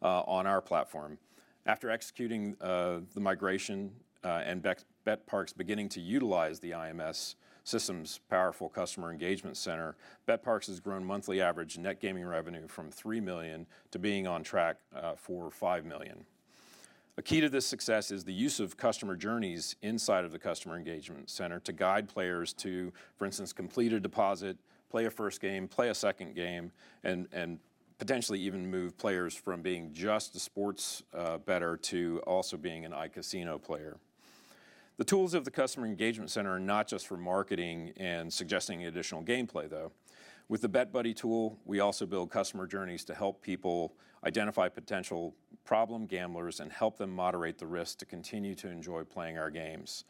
on our platform. After executing the migration, betPARX beginning to utilize the IMS systems' powerful Customer Engagement Center, betPARX has grown monthly average net gaming revenue from $3 million to being on track for $5 million. A key to this success is the use of customer journeys inside of the Customer Engagement Center to guide players to, for instance, complete a deposit, play a first game, play a second game, and potentially even move players from being just a sports bettor to also being an iCasino player. The tools of the Customer Engagement Center are not just for marketing and suggesting additional gameplay, though. With the BetBuddy tool, we also build customer journeys to help people identify potential problem gamblers and help them moderate the risk to continue to enjoy playing our games.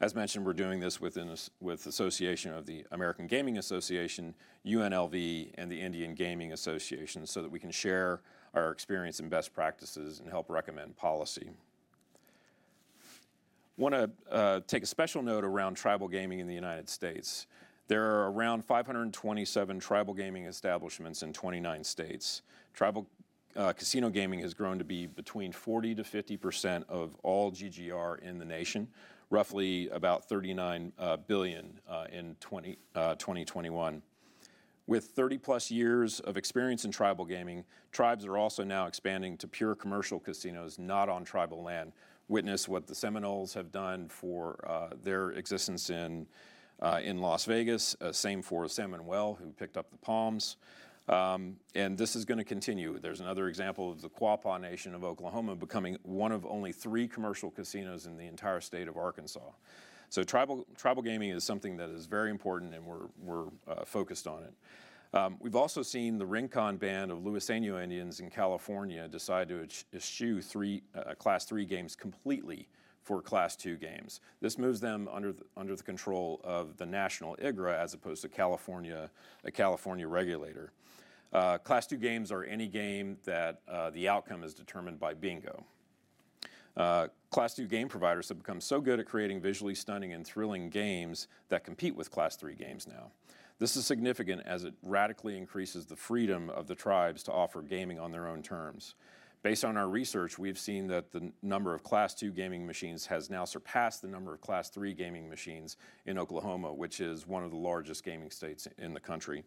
As mentioned, we're doing this with association of the American Gaming Association, UNLV, and the Indian Gaming Association so that we can share our experience and best practices and help recommend policy. Wanna take a special note around tribal gaming in the United States. There are around 527 tribal gaming establishments in 29 states. Tribal casino gaming has grown to be between 40%-50% of all GGR in the nation, roughly about $39 billion in 2021. With 30-plus years of experience in tribal gaming, tribes are also now expanding to pure commercial casinos not on tribal land. Witness what the Seminoles have done for their existence in Las Vegas. Same for San Manuel, who picked up the Palms. This is gonna continue. There's another example of the Quapaw Nation of Oklahoma becoming one of only three commercial casinos in the entire state of Arkansas. Tribal gaming is something that is very important, and we're focused on it. We've also seen the Rincon Band of Luiseno Indians in California decide to eschew Class III games completely for Class II games. This moves them under the control of the national IGRA as opposed to California, a California regulator. Class II games are any game that the outcome is determined by bingo. Class II game providers have become so good at creating visually stunning and thrilling games that compete with Class III games now. This is significant as it radically increases the freedom of the tribes to offer gaming on their own terms. Based on our research, we've seen that the number of Class II gaming machines has now surpassed the number of Class III gaming machines in Oklahoma, which is one of the largest gaming states in the country.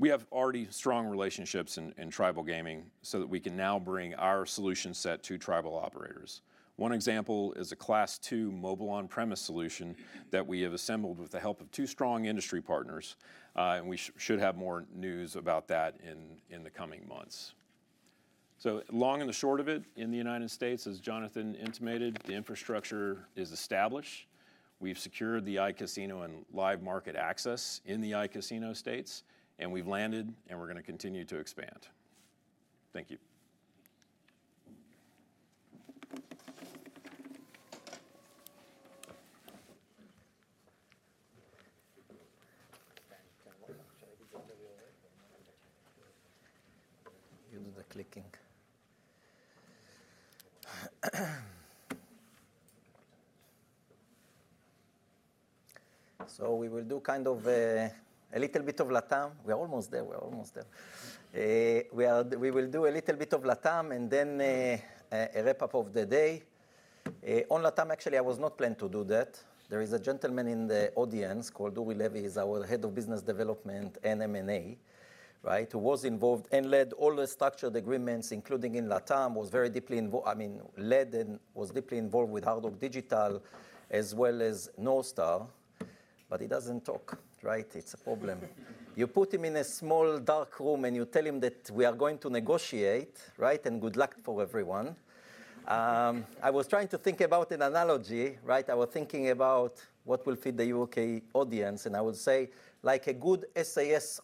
We have already strong relationships in tribal gaming so that we can now bring our solution set to tribal operators. One example is a Class II mobile on-premise solution that we have assembled with the help of two strong industry partners, and we should have more news about that in the coming months. Long and the short of it in the United States, as Jonathan intimated, the infrastructure is established. We've secured the iCasino and live market access in the iCasino states, and we've landed, and we're gonna continue to expand. Thank you. Use the clicking. We will do kind of a little bit of LatAm. We're almost there. We will do a little bit of LatAm and then a wrap-up of the day. On LatAm, actually, I was not planned to do that. There is a gentleman in the audience called Uri Levy. He's our Head of Business Development and M&A, right? Who was involved and led all the structured agreements, including in LatAm, was very deeply I mean, led and was deeply involved with Hard Rock Digital as well as NorthStar, but he doesn't talk, right? It's a problem. You put him in a small dark room, and you tell him that we are going to negotiate, right? Good luck for everyone. I was trying to think about an analogy, right? I was thinking about what will fit the U.K. audience, I would say like a good SAS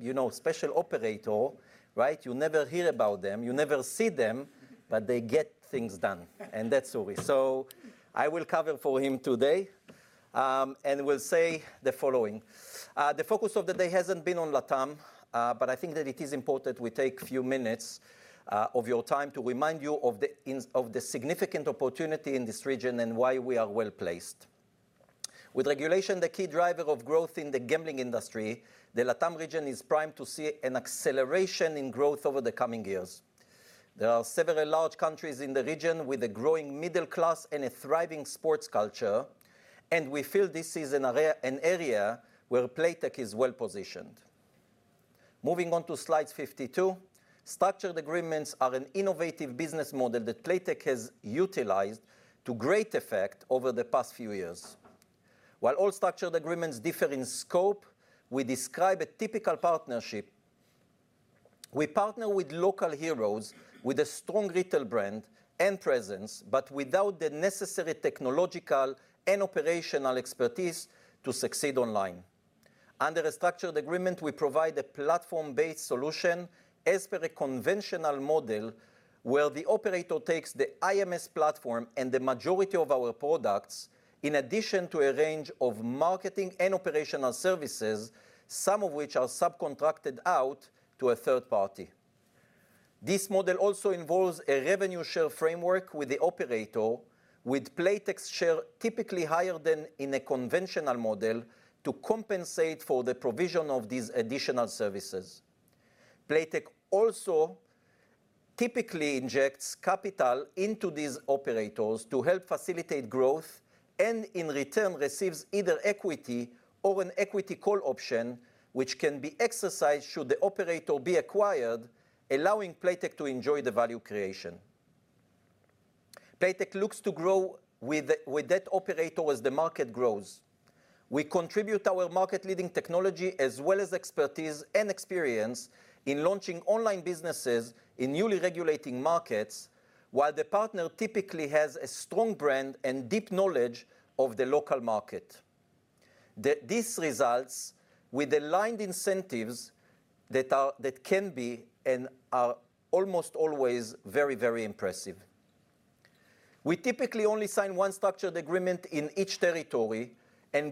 you know, special operator, right? You never hear about them, you never see them, they get things done, that's Uri. I will cover for him today, will say the following. The focus of the day hasn't been on LatAm, I think that it is important we take a few minutes of your time to remind you of the significant opportunity in this region and why we are well-placed. With regulation the key driver of growth in the gambling industry, the LatAm region is primed to see an acceleration in growth over the coming years. There are several large countries in the region with a growing middle class and a thriving sports culture, we feel this is an area where Playtech is well-positioned. Moving on to slide 52. Structured agreements are an innovative business model that Playtech has utilized to great effect over the past few years. While all structured agreements differ in scope, we describe a typical partnership. We partner with local heroes with a strong retail brand and presence, without the necessary technological and operational expertise to succeed online. Under a structured agreement, we provide a platform-based solution as per a conventional model where the operator takes the IMS platform and the majority of our products in addition to a range of marketing and operational services, some of which are subcontracted out to a third party. This model also involves a revenue share framework with the operator, with Playtech's share typically higher than in a conventional model to compensate for the provision of these additional services. Playtech also typically injects capital into these operators to help facilitate growth. In return receives either equity or an equity call option which can be exercised should the operator be acquired, allowing Playtech to enjoy the value creation. Playtech looks to grow with that operator as the market grows. We contribute our market-leading technology as well as expertise and experience in launching online businesses in newly regulating markets, while the partner typically has a strong brand and deep knowledge of the local market. These results with aligned incentives that can be and are almost always very, very impressive. We typically only sign one structured agreement in each territory.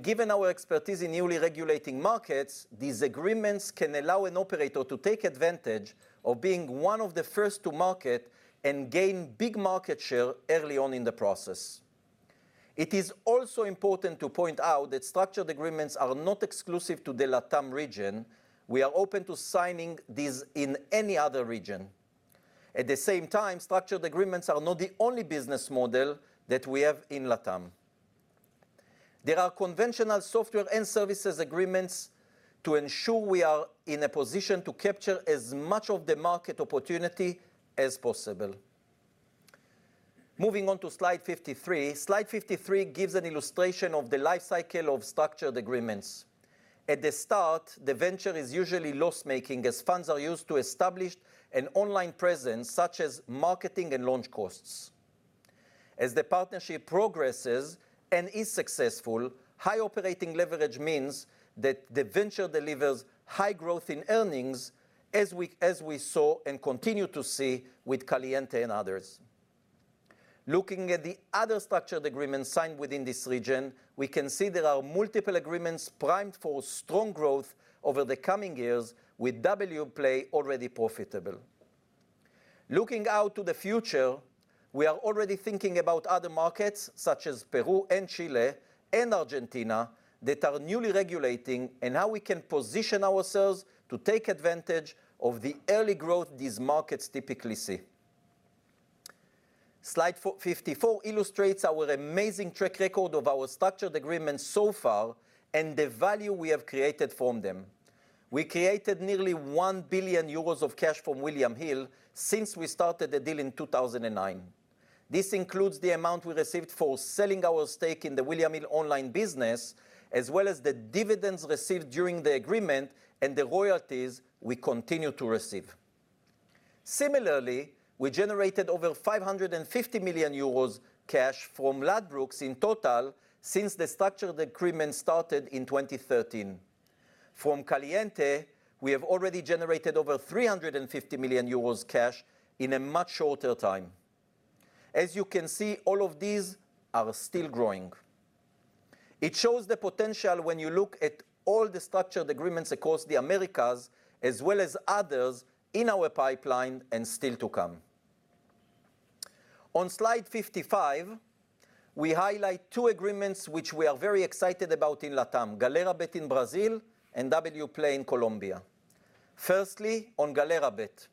Given our expertise in newly regulating markets, these agreements can allow an operator to take advantage of being one of the first to market and gain big market share early on in the process. It is also important to point out that structured agreements are not exclusive to the LatAm region. We are open to signing these in any other region. At the same time, structured agreements are not the only business model that we have in LatAm. There are conventional software and services agreements to ensure we are in a position to capture as much of the market opportunity as possible. Moving on to slide 53. Slide 53 gives an illustration of the life cycle of structured agreements. At the start, the venture is usually loss-making as funds are used to establish an online presence, such as marketing and launch costs. As the partnership progresses and is successful, high operating leverage means that the venture delivers high growth in earnings as we saw and continue to see with Caliente and others. Looking at the other structured agreements signed within this region, we can see there are multiple agreements primed for strong growth over the coming years with Wplay already profitable. Looking out to the future, we are already thinking about other markets such as Peru and Chile and Argentina that are newly regulating, and how we can position ourselves to take advantage of the early growth these markets typically see. Slide 54 illustrates our amazing track record of our structured agreements so far and the value we have created from them. We created nearly 1 billion euros of cash from William Hill since we started the deal in 2009. This includes the amount we received for selling our stake in the William Hill Online business, as well as the dividends received during the agreement and the royalties we continue to receive. Similarly, we generated over 550 million euros cash from Ladbrokes in total since the structured agreement started in 2013. From Caliente, we have already generated over 350 million euros cash in a much shorter time. As you can see, all of these are still growing. It shows the potential when you look at all the structured agreements across the Americas as well as others in our pipeline and still to come. On slide 55, we highlight two agreements which we are very excited about in LatAm, Galera.bet in Brazil and Wplay in Colombia. On Galera.bet.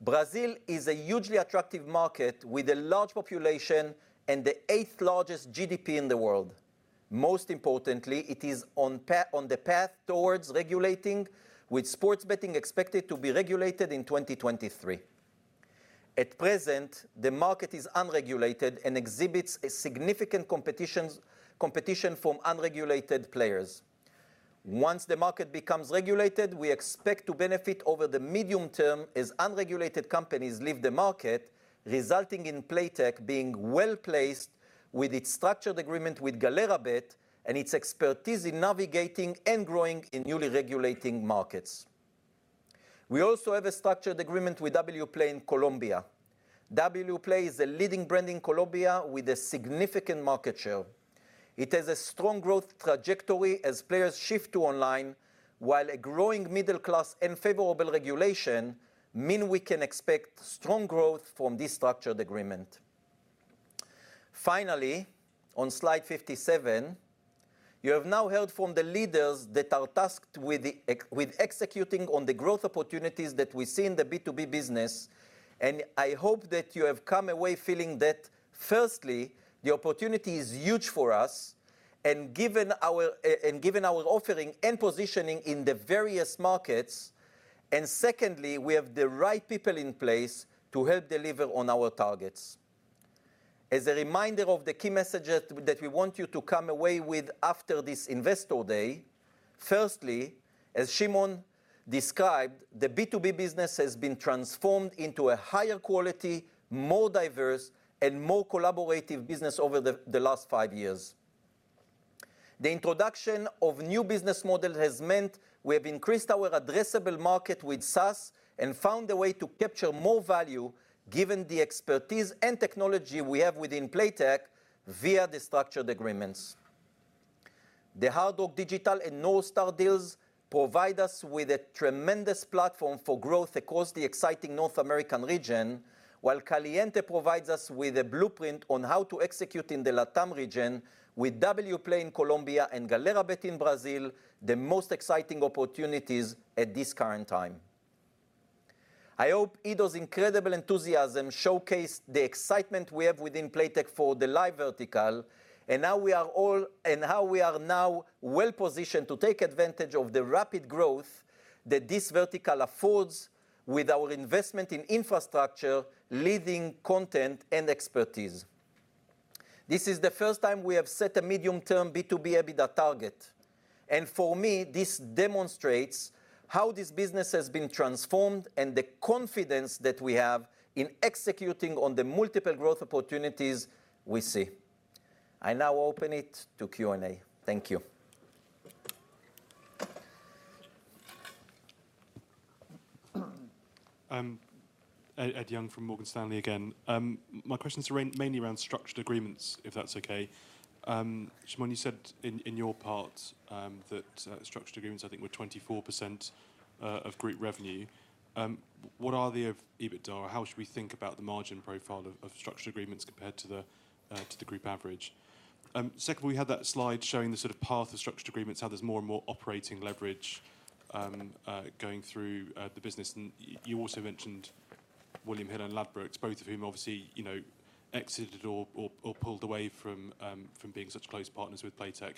Brazil is a hugely attractive market with a large population and the eighth-largest GDP in the world. Most importantly, it is on the path towards regulating, with sports betting expected to be regulated in 2023. At present, the market is unregulated and exhibits a significant competition from unregulated players. Once the market becomes regulated, we expect to benefit over the medium term as unregulated companies leave the market, resulting in Playtech being well placed with its structured agreement with Galera.bet and its expertise in navigating and growing in newly regulating markets. We also have a structured agreement with Wplay in Colombia. Wplay is a leading brand in Colombia with a significant market share. It has a strong growth trajectory as players shift to online, while a growing middle class and favorable regulation mean we can expect strong growth from this structured agreement. Finally, on slide 57, you have now heard from the leaders that are tasked with executing on the growth opportunities that we see in the B2B business, and I hope that you have come away feeling that firstly, the opportunity is huge for us and given our and given our offering and positioning in the various markets, and secondly, we have the right people in place to help deliver on our targets. As a reminder of the key messages that we want you to come away with after this Investor Day, firstly, as Shimon described, the B2B business has been transformed into a higher quality, more diverse and more collaborative business over the last five years. The introduction of new business model has meant we have increased our addressable market with SaaS and found a way to capture more value given the expertise and technology we have within Playtech via the structured agreements. The Hard Rock Digital and NorthStar deals provide us with a tremendous platform for growth across the exciting North American region, while Caliente provides us with a blueprint on how to execute in the LatAm region with Wplay in Colombia and Galera.bet in Brazil, the most exciting opportunities at this current time. I hope Edo's incredible enthusiasm showcased the excitement we have within Playtech for the Live vertical, and how we are now well-positioned to take advantage of the rapid growth that this vertical affords with our investment in infrastructure, leading content and expertise. This is the first time we have set a medium-term B2B EBITDA target, and for me, this demonstrates how this business has been transformed and the confidence that we have in executing on the multiple growth opportunities we see. I now open it to Q&A. Thank you. Ed Young from Morgan Stanley again. My questions are around, mainly around structured agreements, if that's okay. Shimon, you said in your part that structured agreements, I think, were 24% of group revenue. What are the EBITDA? How should we think about the margin profile of structured agreements compared to the group average? Secondly, we had that slide showing the sort of path of structured agreements, how there's more and more operating leverage going through the business. You also mentioned William Hill and Ladbrokes, both of whom obviously, you know, exited or pulled away from being such close partners with Playtech,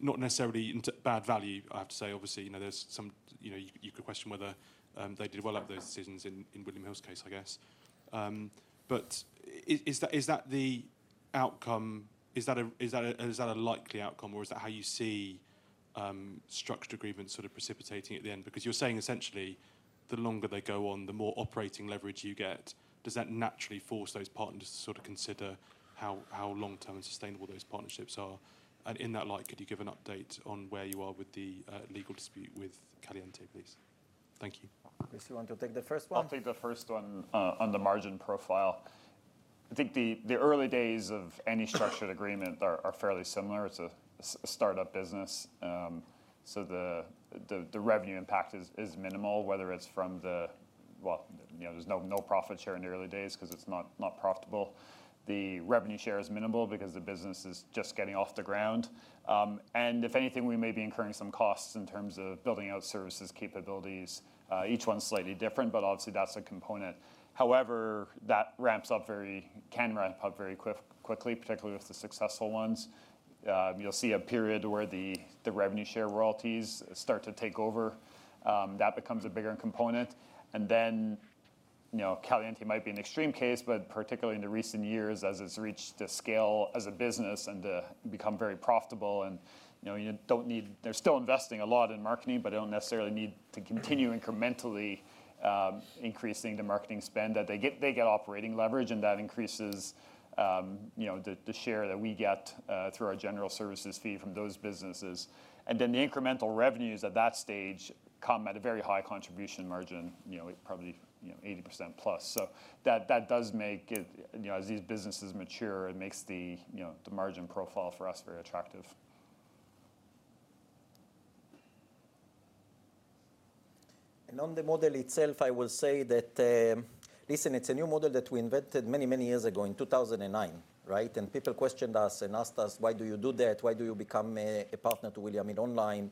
not necessarily into bad value, I have to say. Obviously, you know, there's some, you know, you could question whether they did well out of those decisions in William Hill's case, I guess. Is that, is that the outcome? Is that a, is that a, is that a likely outcome, or is that how you see structured agreements sort of precipitating at the end? Because you're saying essentially the longer they go on, the more operating leverage you get. Does that naturally force those partners to sort of consider how long-term and sustainable those partnerships are? In that light, could you give an update on where you are with the legal dispute with Caliente, please? Thank you. Chris, you want to take the first one? I'll take the first one, on the margin profile. I think the early days of any structured agreement are fairly similar. It's a startup business, so the revenue impact is minimal. Well, you know, there's no profit share in the early days 'cause it's not profitable. The revenue share is minimal because the business is just getting off the ground. If anything, we may be incurring some costs in terms of building out services, capabilities. Each one's slightly different, but obviously that's a component. However, that can ramp up very quickly, particularly with the successful ones. You'll see a period where the revenue share royalties start to take over. That becomes a bigger component. You know, Caliente might be an extreme case, but particularly in the recent years, as it's reached the scale as a business and become very profitable and, you know, you don't need. They're still investing a lot in marketing, but they don't necessarily need to continue incrementally increasing the marketing spend. They get operating leverage, and that increases, you know, the share that we get through our general services fee from those businesses. The incremental revenues at that stage come at a very high contribution margin, you know, probably, you know, 80%+. That does make it, you know, as these businesses mature, it makes, you know, the margin profile for us very attractive. On the model itself, I will say that, listen, it's a new model that we invented many, many years ago in 2009, right? People questioned us and asked us, "Why do you do that? Why do you become a partner to William Hill Online?"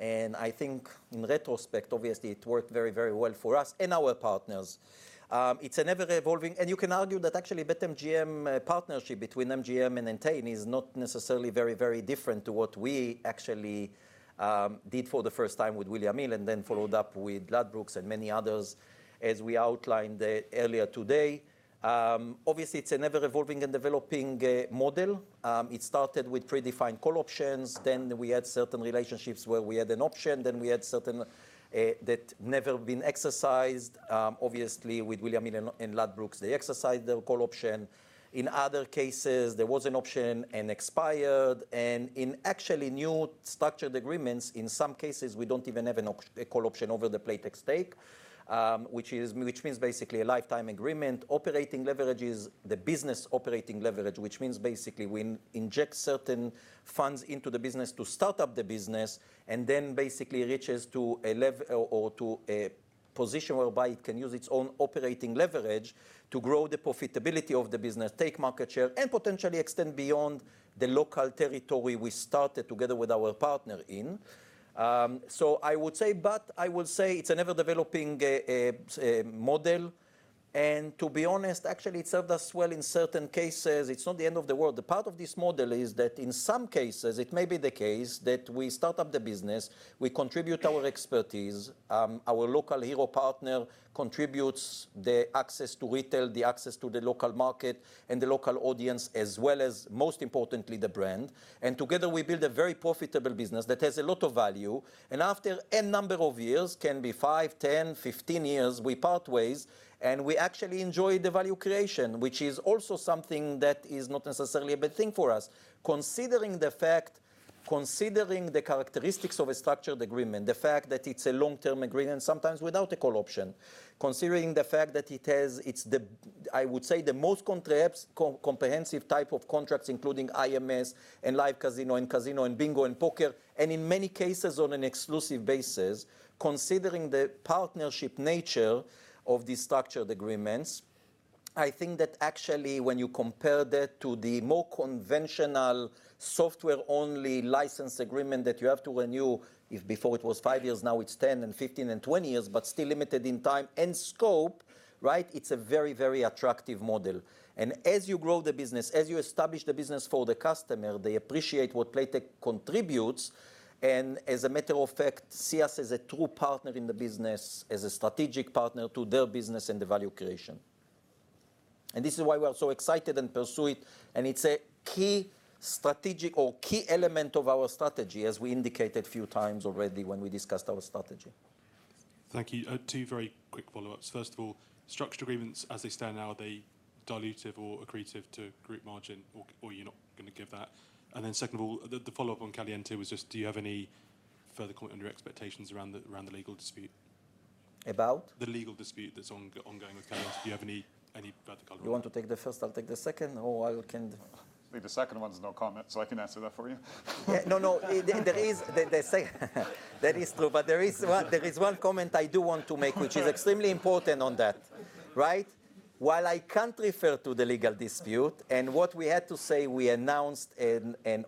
I think in retrospect, obviously it worked very, very well for us and our partners. It's an ever-evolving, and you can argue that actually BetMGM partnership between MGM and Entain is not necessarily very, very different to what we actually did for the first time with William Hill, and then followed up with Ladbrokes and many others as we outlined earlier today. Obviously, it's an ever-evolving and developing model. It started with predefined call options. We had certain relationships where we had an option, then we had certain, that never been exercised. Obviously with William Hill and Ladbrokes, they exercised the call option. In other cases, there was an option and expired, and in actually new structured agreements, in some cases, we don't even have a call option over the Playtech stake, which means basically a lifetime agreement. Operating leverage is the business operating leverage, which means basically we inject certain funds into the business to start up the business and then basically reaches to a position whereby it can use its own operating leverage to grow the profitability of the business, take market share, and potentially extend beyond the local territory we started together with our partner in. I would say, but I would say it's an ever-developing model, and to be honest, actually it served us well in certain cases. It's not the end of the world. The part of this model is that in some cases, it may be the case that we start up the business, we contribute our expertise, our local hero partner contributes the access to retail, the access to the local market and the local audience, as well as, most importantly, the brand. Together, we build a very profitable business that has a lot of value, and after a number of years, can be five, 10, 15 years, we part ways, and we actually enjoy the value creation, which is also something that is not necessarily a bad thing for us. Considering the fact, considering the characteristics of a structured agreement, the fact that it's a long-term agreement, sometimes without a call option. Considering the fact that it has, it's the, I would say, the most comprehensive type of contracts, including IMS and Live Casino and casino and bingo and poker, and in many cases, on an exclusive basis. Considering the partnership nature of these structured agreements, I think that actually when you compare that to the more conventional software-only license agreement that you have to renew, if before it was five years, now it's 10 and 15 and 20 years, but still limited in time and scope, right? It's a very, very attractive model. As you grow the business, as you establish the business for the customer, they appreciate what Playtech contributes, and as a matter of fact, see us as a true partner in the business, as a strategic partner to their business and the value creation. This is why we are so excited and pursue it, and it's a key strategic or key element of our strategy, as we indicated a few times already when we discussed our strategy. Thank you. Two very quick follow-ups. First of all, structure agreements as they stand now, are they dilutive or accretive to group margin or you're not gonna give that? Second of all, the follow-up on Caliente was just, do you have any further comment on your expectations around the legal dispute? About? The legal dispute that's ongoing with Caliente. Do you have any further color on that? You want to take the first, I'll take the second, or I can... I think the second one's no comment, so I can answer that for you. Yeah. No, no. There is. They say that is true, but there is one comment I do want to make, which is extremely important on that, right? While I can't refer to the legal dispute and what we had to say, we announced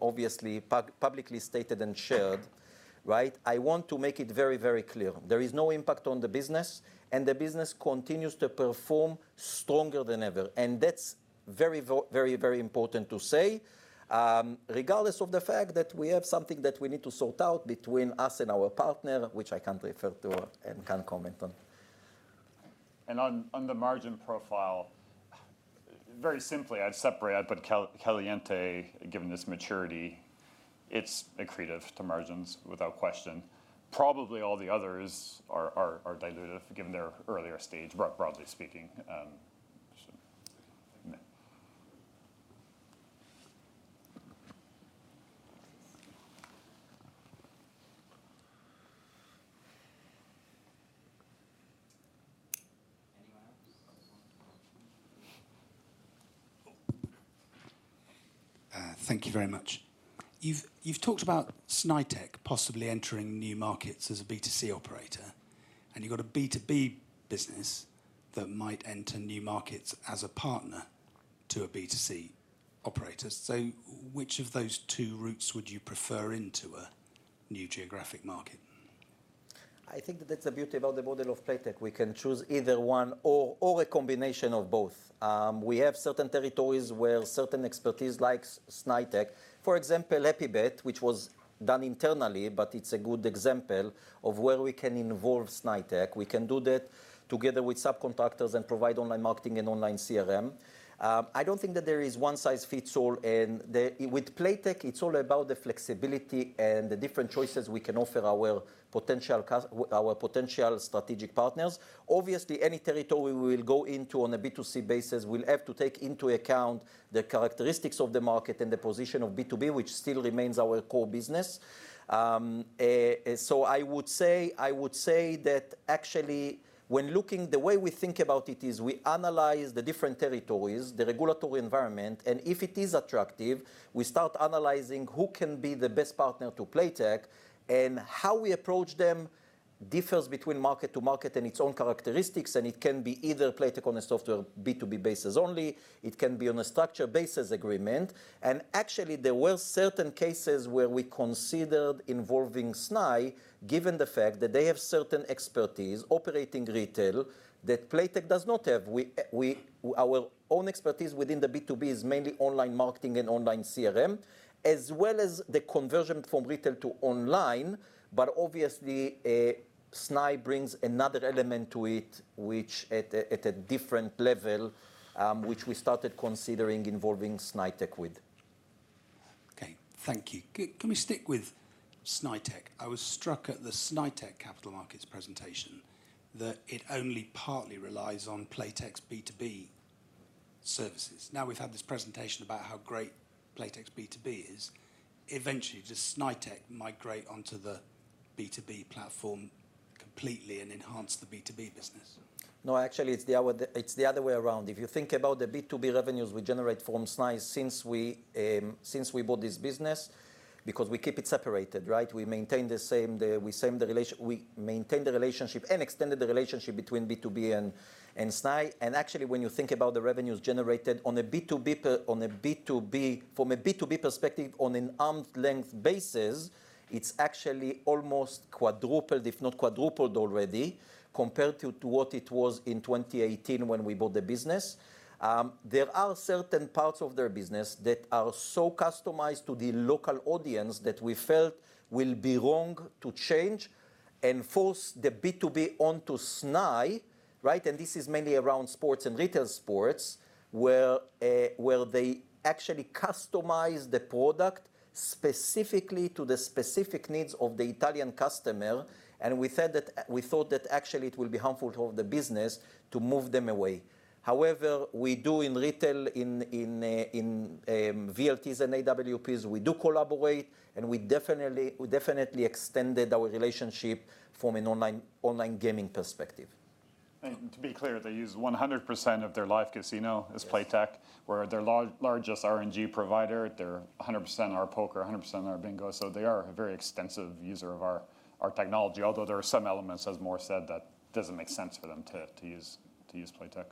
obviously publicly stated and shared, right? I want to make it very, very clear. There is no impact on the business, the business continues to perform stronger than ever, and that's very, very, very important to say. Regardless of the fact that we have something that we need to sort out between us and our partner, which I can't refer to and can't comment on. On the margin profile, very simply, I'd separate, I'd put Caliente, given its maturity, it's accretive to margins without question. Probably all the others are dilutive given their earlier stage, broadly speaking. Yeah. Anyone else? Thank you very much. You've talked about Snaitech possibly entering new markets as a B2C operator. You've got a B2B business that might enter new markets as a partner to a B2C operator. Which of those two routes would you prefer into a new geographic market? I think that that's the beauty about the model of Playtech. We can choose either one or a combination of both. We have certain territories where certain expertise like Snaitech, for example, Epicbet, which was done internally, but it's a good example of where we can involve Snaitech. We can do that together with subcontractors and provide online marketing and online CRM. I don't think that there is one size fits all. With Playtech, it's all about the flexibility and the different choices we can offer our potential strategic partners. Obviously, any territory we will go into on a B2C basis will have to take into account the characteristics of the market and the position of B2B, which still remains our core business. I would say that actually when looking... The way we think about it is we analyze the different territories, the regulatory environment. If it is attractive, we start analyzing who can be the best partner to Playtech. How we approach them differs between market to market and its own characteristics. It can be either Playtech on a software B2B basis only. It can be on a structure basis agreement. Actually, there were certain cases where we considered involving Snai, given the fact that they have certain expertise operating retail that Playtech does not have. Our own expertise within the B2B is mainly online marketing and online CRM, as well as the conversion from retail to online, but obviously, Snai brings another element to it, which at a different level, which we started considering involving Snaitech with. Okay. Thank you. Can we stick with Snaitech? I was struck at the Snaitech capital markets presentation that it only partly relies on Playtech's B2B services. We've had this presentation about how great Playtech's B2B is. Eventually, does Snaitech migrate onto the B2B platform completely and enhance the B2B business? No, actually, it's the other way around. If you think about the B2B revenues we generate from Snai since we bought this business, because we keep it separated, right? We maintain the same, we maintain the relationship and extended the relationship between B2B and Snai. Actually, when you think about the revenues generated on a B2B from a B2B perspective, on an arm's length basis, it's actually almost quadrupled, if not quadrupled already, compared to what it was in 2018 when we bought the business. There are certain parts of their business that are so customized to the local audience that we felt will be wrong to change and force the B2B onto Snai, right? This is mainly around sports and retail sports, where they actually customize the product specifically to the specific needs of the Italian customer. We said that, we thought that actually it will be harmful to the business to move them away. However, we do in retail, in VLTs and AWPs, we do collaborate, and we definitely extended our relationship from an online gaming perspective. To be clear, they use 100% of their Live Casino- Yes.... as Playtech. We're their largest RNG provider. They're 100% our poker, 100% our bingo, so they are a very extensive user of our technology. Although there are some elements, as Mor said, that doesn't make sense for them to use Playtech.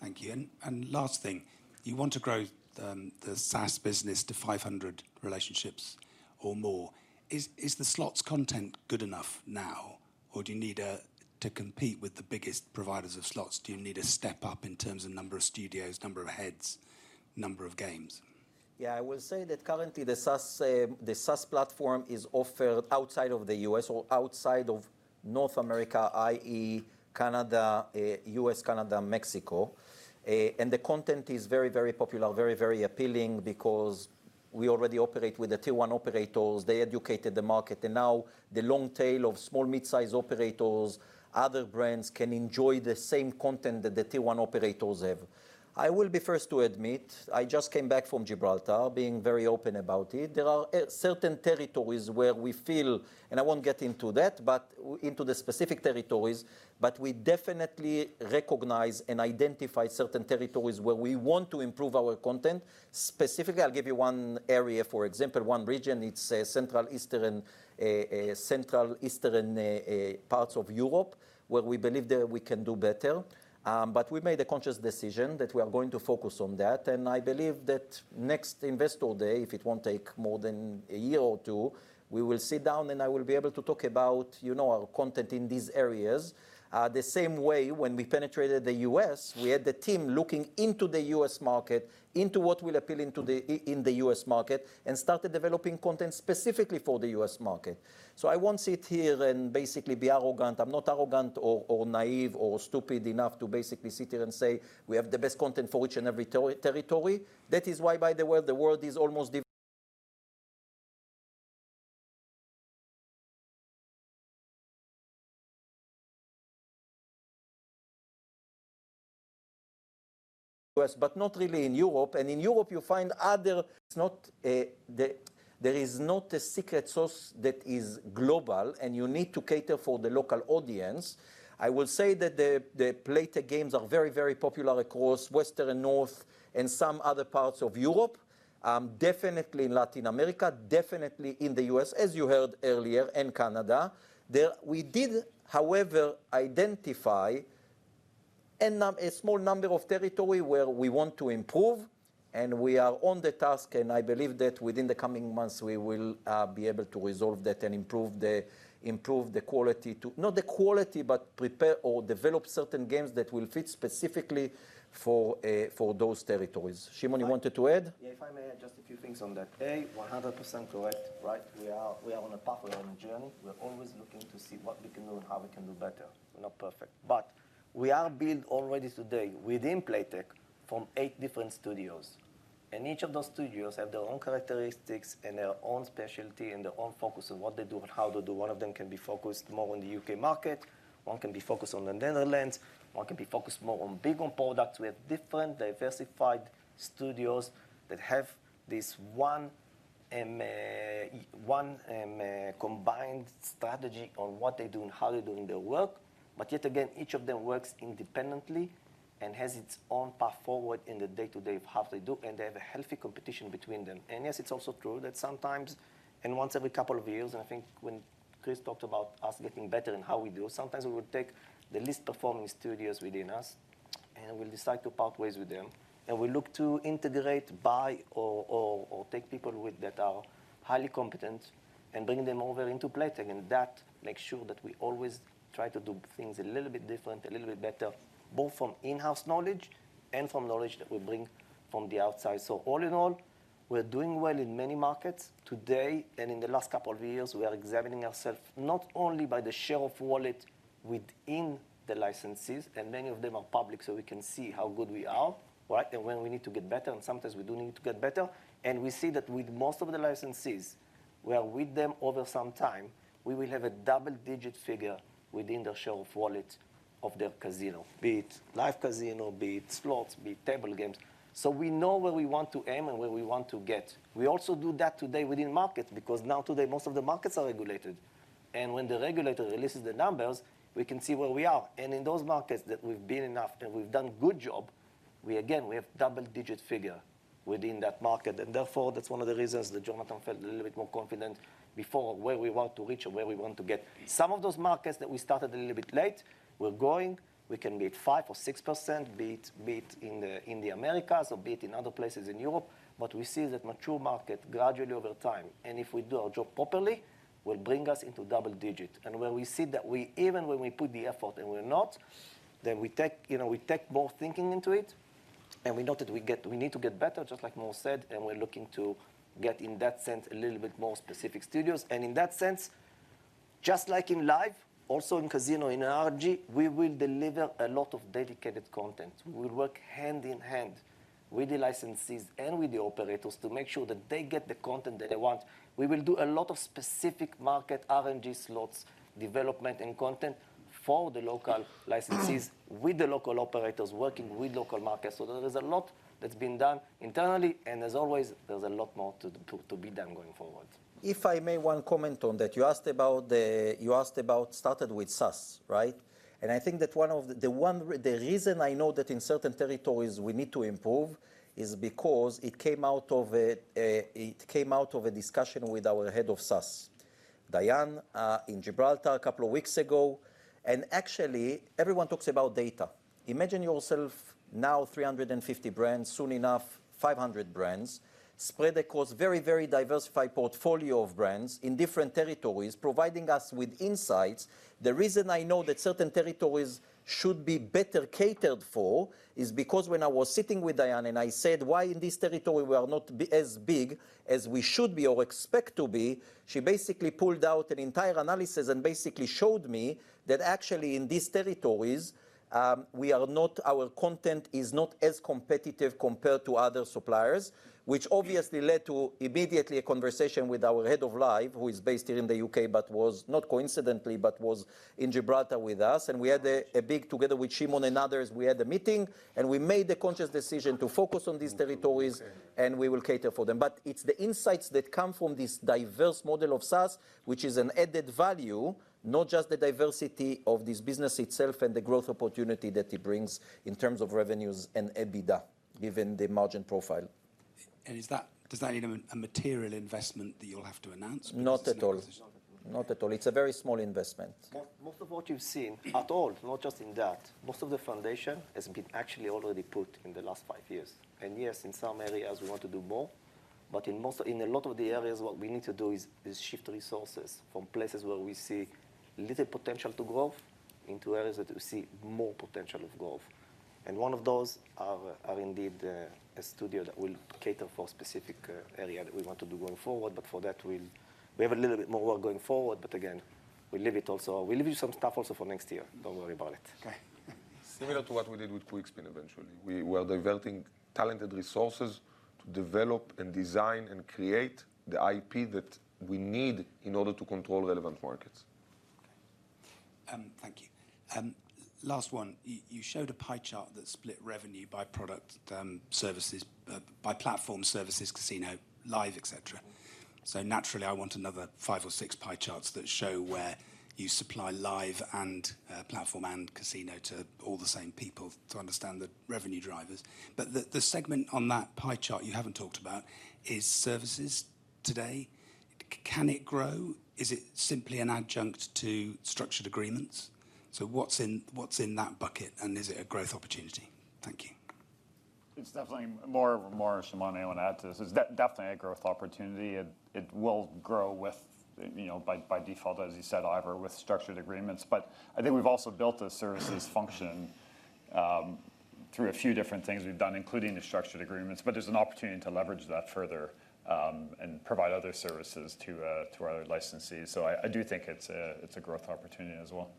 Thank you. Last thing, you want to grow the SaaS business to 500 relationships or more. Is the slots content good enough now, or do you need to compete with the biggest providers of slots? Do you need a step up in terms of number of studios, number of heads, number of games? Yeah. I will say that currently the SaaS platform is offered outside of the U.S. or outside of North America, i.e., Canada, U.S., Canada, Mexico. The content is very, very popular, very, very appealing because we already operate with the tier one operators. They educated the market and now the long tail of small mid-size operators, other brands can enjoy the same content that the tier one operators have. I will be first to admit, I just came back from Gibraltar being very open about it. There are certain territories where we feel, and I won't get into that, into the specific territories, but we definitely recognize and identify certain territories where we want to improve our content. Specifically, I'll give you one area, for example, one region, it's central eastern parts of Europe, where we believe that we can do better. We made a conscious decision that we are going to focus on that, and I believe that next Investor Day, if it won't take more than a year or two, we will sit down and I will be able to talk about, you know, our content in these areas. The same way when we penetrated the U.S., we had the team looking into the U.S. market, into what will appeal into the U.S. market, and started developing content specifically for the U.S. market. I won't sit here and basically be arrogant. I'm not arrogant or naive or stupid enough to basically sit here and say we have the best content for each and every territory. That is why, by the way, the world is almost U.S., but not really in Europe, and in Europe you find other. There is not a secret sauce that is global, and you need to cater for the local audience. I will say that the Playtech games are very, very popular across Western and North and some other parts of Europe, definitely in Latin America, definitely in the U.S., as you heard earlier, and Canada. There, we did, however, identify a small number of territory where we want to improve, we are on the task, and I believe that within the coming months we will be able to resolve that and improve the quality. Not the quality, but prepare or develop certain games that will fit specifically for those territories. Shimon, you wanted to add? Yeah, if I may add just a few things on that. A, 100% correct, right? We are on a path. We are on a journey. We are always looking to see what we can do and how we can do better. We're not perfect. We are built already today within Playtech from eight different studios, and each of those studios have their own characteristics and their own specialty and their own focus on what they do and how they do. One of them can be focused more on the U.K. market, one can be focused on the Netherlands, one can be focused more on BigWin products. We have different diversified studios that have this one combined strategy on what they do and how they're doing their work. Yet again, each of them works independently and has its own path forward in the day-to-day of how they do, and they have a healthy competition between them. Yes, it's also true that sometimes, and once every couple of years, and I think when Chris talked about us getting better and how we do, sometimes we will take the least performing studios within us, and we'll decide to part ways with them, and we look to integrate, buy or take people with that are highly competent and bringing them over into Playtech, and that makes sure that we always try to do things a little bit different, a little bit better, both from in-house knowledge and from knowledge that we bring from the outside. All in all, we're doing well in many markets today, and in the last couple of years, we are examining ourself not only by the share of wallet within the licenses, and many of them are public, so we can see how good we are, right? When we need to get better, and sometimes we do need to get better, and we see that with most of the licenses, we are with them over some time. We will have a double-digit figure within their share of wallet of their casino, be it Live Casino, be it slots, be it table games. We know where we want to aim and where we want to get. We also do that today within markets, because now today most of the markets are regulated, and when the regulator releases the numbers, we can see where we are. In those markets that we've been enough and we've done good job, we again, we have double-digit figure within that market. Therefore, that's one of the reasons that Jonathan felt a little bit more confident before where we want to reach and where we want to get. Some of those markets that we started a little bit late, we're growing. We can be it 5% or 6%, be it in the Americas or be it in other places in Europe, but we see that mature market gradually over time, and if we do our job properly, will bring us into double digit. Where we see that we, even when we put the effort and we're not, then we take, you know, we take more thinking into it, and we know that we get, we need to get better, just like Mor said, and we're looking to get in that sense a little bit more specific studios. In that sense, just like in Live, also in Casino, in RNG, we will deliver a lot of dedicated content. We will work hand in hand with the licensees and with the operators to make sure that they get the content that they want. We will do a lot of specific market RNG slots development and content for the local licensees with the local operators working with local markets. There is a lot that's being done internally and as always, there's a lot more to be done going forward. If I may, one comment on that. You asked about SaaS, right? I think that one of the reasons I know that in certain territories we need to improve is because it came out of a discussion with our head of SaaS Diane in Gibraltar a couple of weeks ago. Everyone talks about data. Imagine yourself now 350 brands, soon enough 500 brands spread across very, very diversified portfolio of brands in different territories, providing us with insights. The reason I know that certain territories should be better catered for is because when I was sitting with Diane and I said, "Why in this territory we are not as big as we should be or expect to be?" She basically pulled out an entire analysis and basically showed me that actually in these territories, our content is not as competitive compared to other suppliers, which obviously led to immediately a conversation with our head of Live, who is based here in the U.K., but was not coincidentally, but was in Gibraltar with us, and we had a big together with Shimon and others. We had a meeting, and we made the conscious decision to focus on these territories, and we will cater for them. It's the insights that come from this diverse model of SaaS, which is an added value, not just the diversity of this business itself and the growth opportunity that it brings in terms of revenues and EBITDA, given the margin profile. Does that need a material investment that you'll have to announce? Not at all. Not at all. It's a very small investment. Most of what you've seen at all, not just in that, most of the foundation has been actually already put in the last five years. Yes, in some areas we want to do more, but in a lot of the areas, what we need to do is shift resources from places where we see little potential to growth into areas that we see more potential of growth. One of those are indeed a studio that will cater for specific area that we want to do going forward. For that, we have a little bit more work going forward, again, we leave it also. We leave you some stuff also for next year. Don't worry about it. Okay. Similar to what we did with Quickspin eventually. We were diverting talented resources to develop and design and create the IP that we need in order to control relevant markets. Okay. Thank you. Last one. You showed a pie chart that split revenue by product, services, by platform services, casino, live, et cetera. Naturally, I want another five or six pie charts that show where you supply live and platform and casino to all the same people to understand the revenue drivers. The segment on that pie chart you haven't talked about is services today. Can it grow? Is it simply an adjunct to structured agreements? What's in that bucket, and is it a growth opportunity? Thank you. It's definitely more, Shimon, I want to add to this. It's definitely a growth opportunity. It will grow with, you know, by default, as you said, Ivor, with structured agreements. I think we've also built a services function, through a few different things we've done, including the structured agreements. There's an opportunity to leverage that further, and provide other services to our other licensees. I do think it's a growth opportunity as well.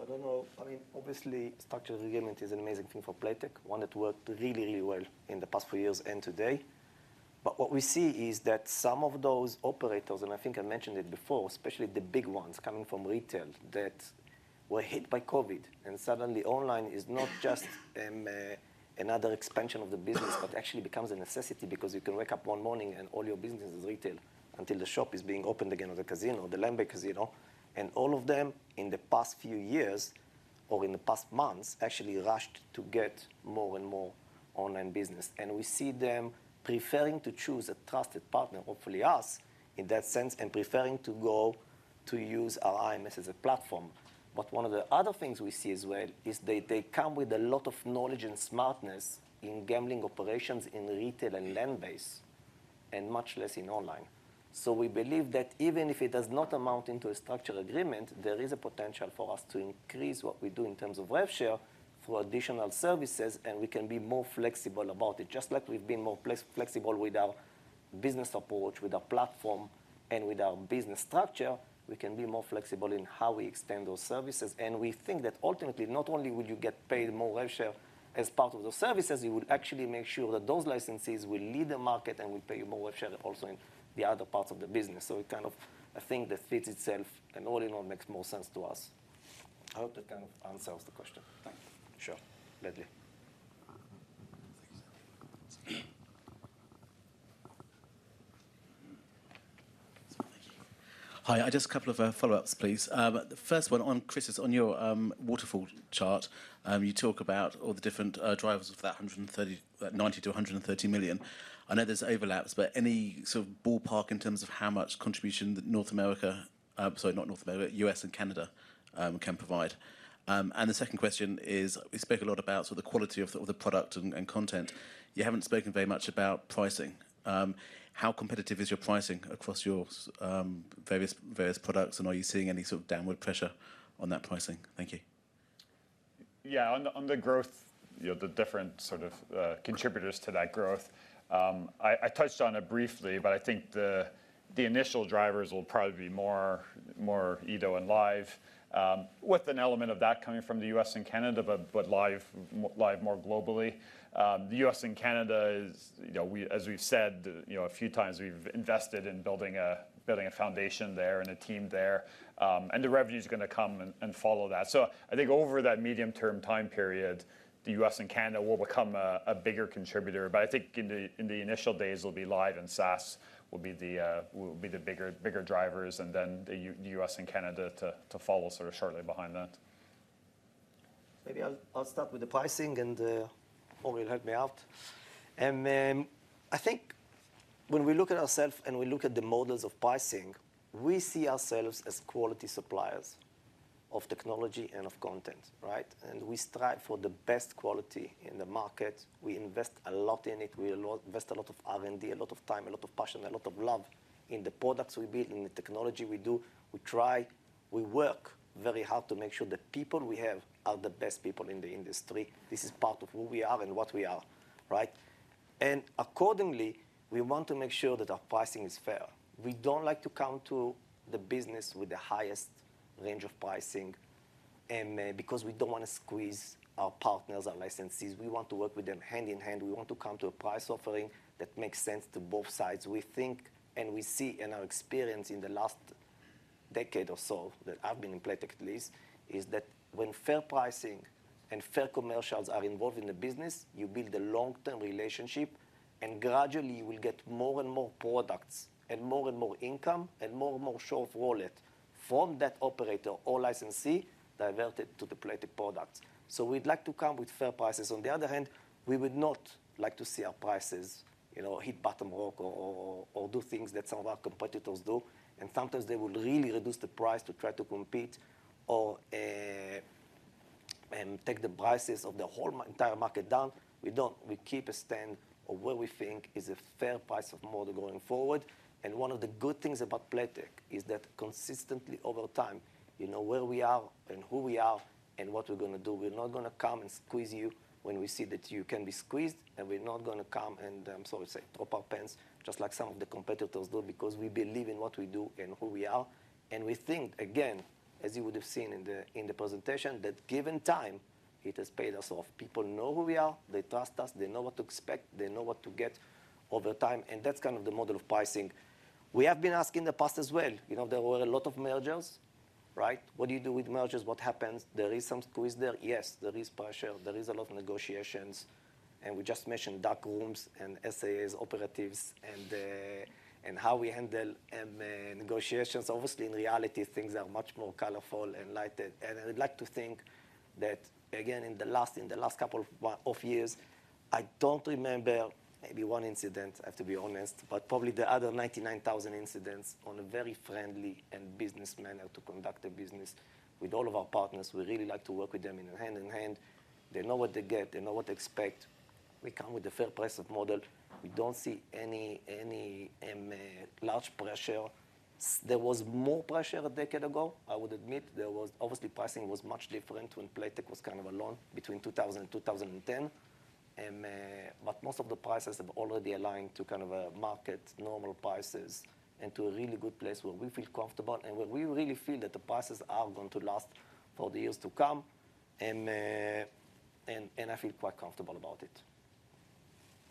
I don't know. I mean, obviously structured agreement is an amazing thing for Playtech, one that worked really, really well in the past few years and today. What we see is that some of those operators, and I think I mentioned it before, especially the big ones coming from retail that were hit by COVID, and suddenly online is not just another expansion of the business, but actually becomes a necessity because you can wake up one morning and all your business is retail until the shop is being opened again or the casino, the land-based casino. All of them in the past few years or in the past months, actually rushed to get more and more online business. We see them preferring to choose a trusted partner, hopefully us in that sense, and preferring to go to use our IMS as a platform. One of the other things we see as well is they come with a lot of knowledge and smartness in gambling operations in retail and land base, and much less in online. We believe that even if it does not amount into a structured agreement, there is a potential for us to increase what we do in terms of rev share through additional services, and we can be more flexible about it. Just like we've been more flexible with our business approach, with our platform, and with our business structure, we can be more flexible in how we extend those services. We think that ultimately, not only would you get paid more rev share as part of those services, you would actually make sure that those licensees will lead the market and will pay you more rev share also in the other parts of the business. It kind of a thing that fits itself and all in all makes more sense to us. I hope that kind of answers the question. Thank you. Sure. Leslie. Thank you. Thank you. Hi. Just a couple of follow-ups, please. First one on Chris, on your waterfall chart, you talk about all the different drivers of that $90 million-$130 million. I know there's overlaps, but any sort of ballpark in terms of how much contribution that North America, sorry, not North America, U.S. and Canada can provide? The second question is, we spoke a lot about sort of the quality of the product and content. You haven't spoken very much about pricing. How competitive is your pricing across your various products, and are you seeing any sort of downward pressure on that pricing? Thank you. Yeah. On the growth, you know, the different sort of contributors to that growth, I touched on it briefly, but I think the initial drivers will probably be more Edo and Live, with an element of that coming from the U.S. and Canada, but Live more globally. The U.S. and Canada is, you know, as we've said, you know, a few times, we've invested in building a foundation there and a team there. The revenue is gonna come and follow that. I think over that medium-term time period, the U.S. and Canada will become a bigger contributor. I think in the initial days it'll be Live and SaaS will be the bigger drivers and then the U.S. and Canada to follow sort of shortly behind that. Maybe I'll start with the pricing, and Mor will help me out. I think when we look at ourselves and we look at the models of pricing, we see ourselves as quality suppliers of technology and of content, right? We strive for the best quality in the market. We invest a lot in it. We invest a lot of R&D, a lot of time, a lot of passion, a lot of love in the products we build, in the technology we do. We try, we work very hard to make sure the people we have are the best people in the industry. This is part of who we are and what we are, right? Accordingly, we want to make sure that our pricing is fair. We don't like to come to the business with the highest range of pricing because we don't want to squeeze our partners, our licensees. We want to work with them hand in hand. We want to come to a price offering that makes sense to both sides. We think and we see in our experience in the last decade or so that I've been in Playtech at least, is that when fair pricing and fair commercials are involved in the business, you build a long-term relationship, and gradually you will get more and more products and more and more income and more and more shelf wallet from that operator or licensee diverted to the Playtech product. We'd like to come with fair prices. On the other hand, we would not like to see our prices, you know, hit bottom rock or do things that some of our competitors do, and sometimes they will really reduce the price to try to compete or take the prices of the whole entire market down. We don't. We keep a stand of what we think is a fair price of model going forward. One of the good things about Playtech is that consistently over time, you know where we are and who we are and what we're gonna do. We're not gonna come and squeeze you when we see that you can be squeezed, and we're not gonna come and, sorry, say, drop our pants just like some of the competitors do because we believe in what we do and who we are. We think, again, as you would have seen in the presentation, that given time, it has paid us off. People know who we are. They trust us. They know what to expect. They know what to get over time, and that's kind of the model of pricing. We have been asked in the past as well, you know, there were a lot of mergers, right? What do you do with mergers? What happens? There is some squeeze there. Yes, there is pressure. There is a lot of negotiations, and we just mentioned dark rooms and SAS operatives and how we handle negotiations. Obviously, in reality, things are much more colorful and lighted. I'd like to think that again, in the last couple of years, I don't remember, maybe one incident, I have to be honest, but probably the other 99,000 incidents on a very friendly and businessman how to conduct a business with all of our partners. We really like to work with them in hand in hand. They know what they get. They know what to expect. We come with a fair price of model. We don't see any large pressure. There was more pressure a decade ago. I would admit there was. Obviously, pricing was much different when Playtech was kind of alone between 2000 and 2010. Most of the prices have already aligned to kind of a market normal prices and to a really good place where we feel comfortable and where we really feel that the prices are going to last for the years to come, and I feel quite comfortable about it.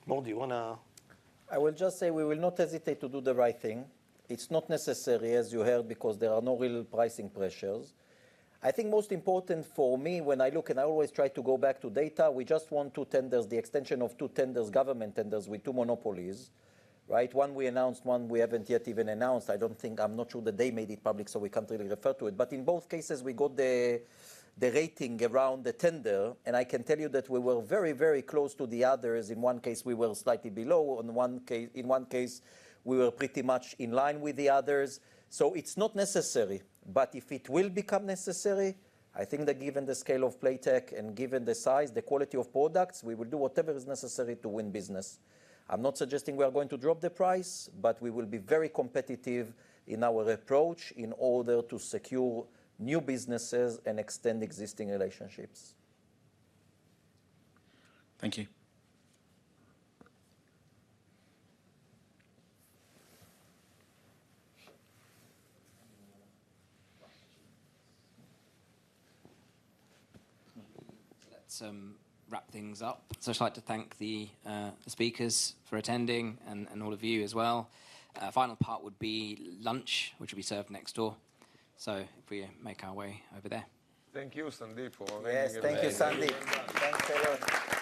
Mor, do you wanna... I will just say we will not hesitate to do the right thing. It's not necessary, as you heard, because there are no real pricing pressures. I think most important for me when I look and I always try to go back to data, we just won two tenders, the extension of two tenders, government tenders with two monopolies, right? One, we announced, one we haven't yet even announced. I'm not sure that they made it public, so we can't really refer to it. In both cases, we got the rating around the tender, and I can tell you that we were very, very close to the others. In one case, we were slightly below. In one case, we were pretty much in line with the others. It's not necessary. If it will become necessary, I think that given the scale of Playtech and given the size, the quality of products, we will do whatever is necessary to win business. I'm not suggesting we are going to drop the price, but we will be very competitive in our approach in order to secure new businesses and extend existing relationships. Thank you. Let's wrap things up. I'd like to thank the speakers for attending and all of you as well. Final part would be lunch, which will be served next door. If we make our way over there. Thank you, Sandeep, for arranging everything. Yes. Thank you, Sandeep. Thank you. Thanks a lot.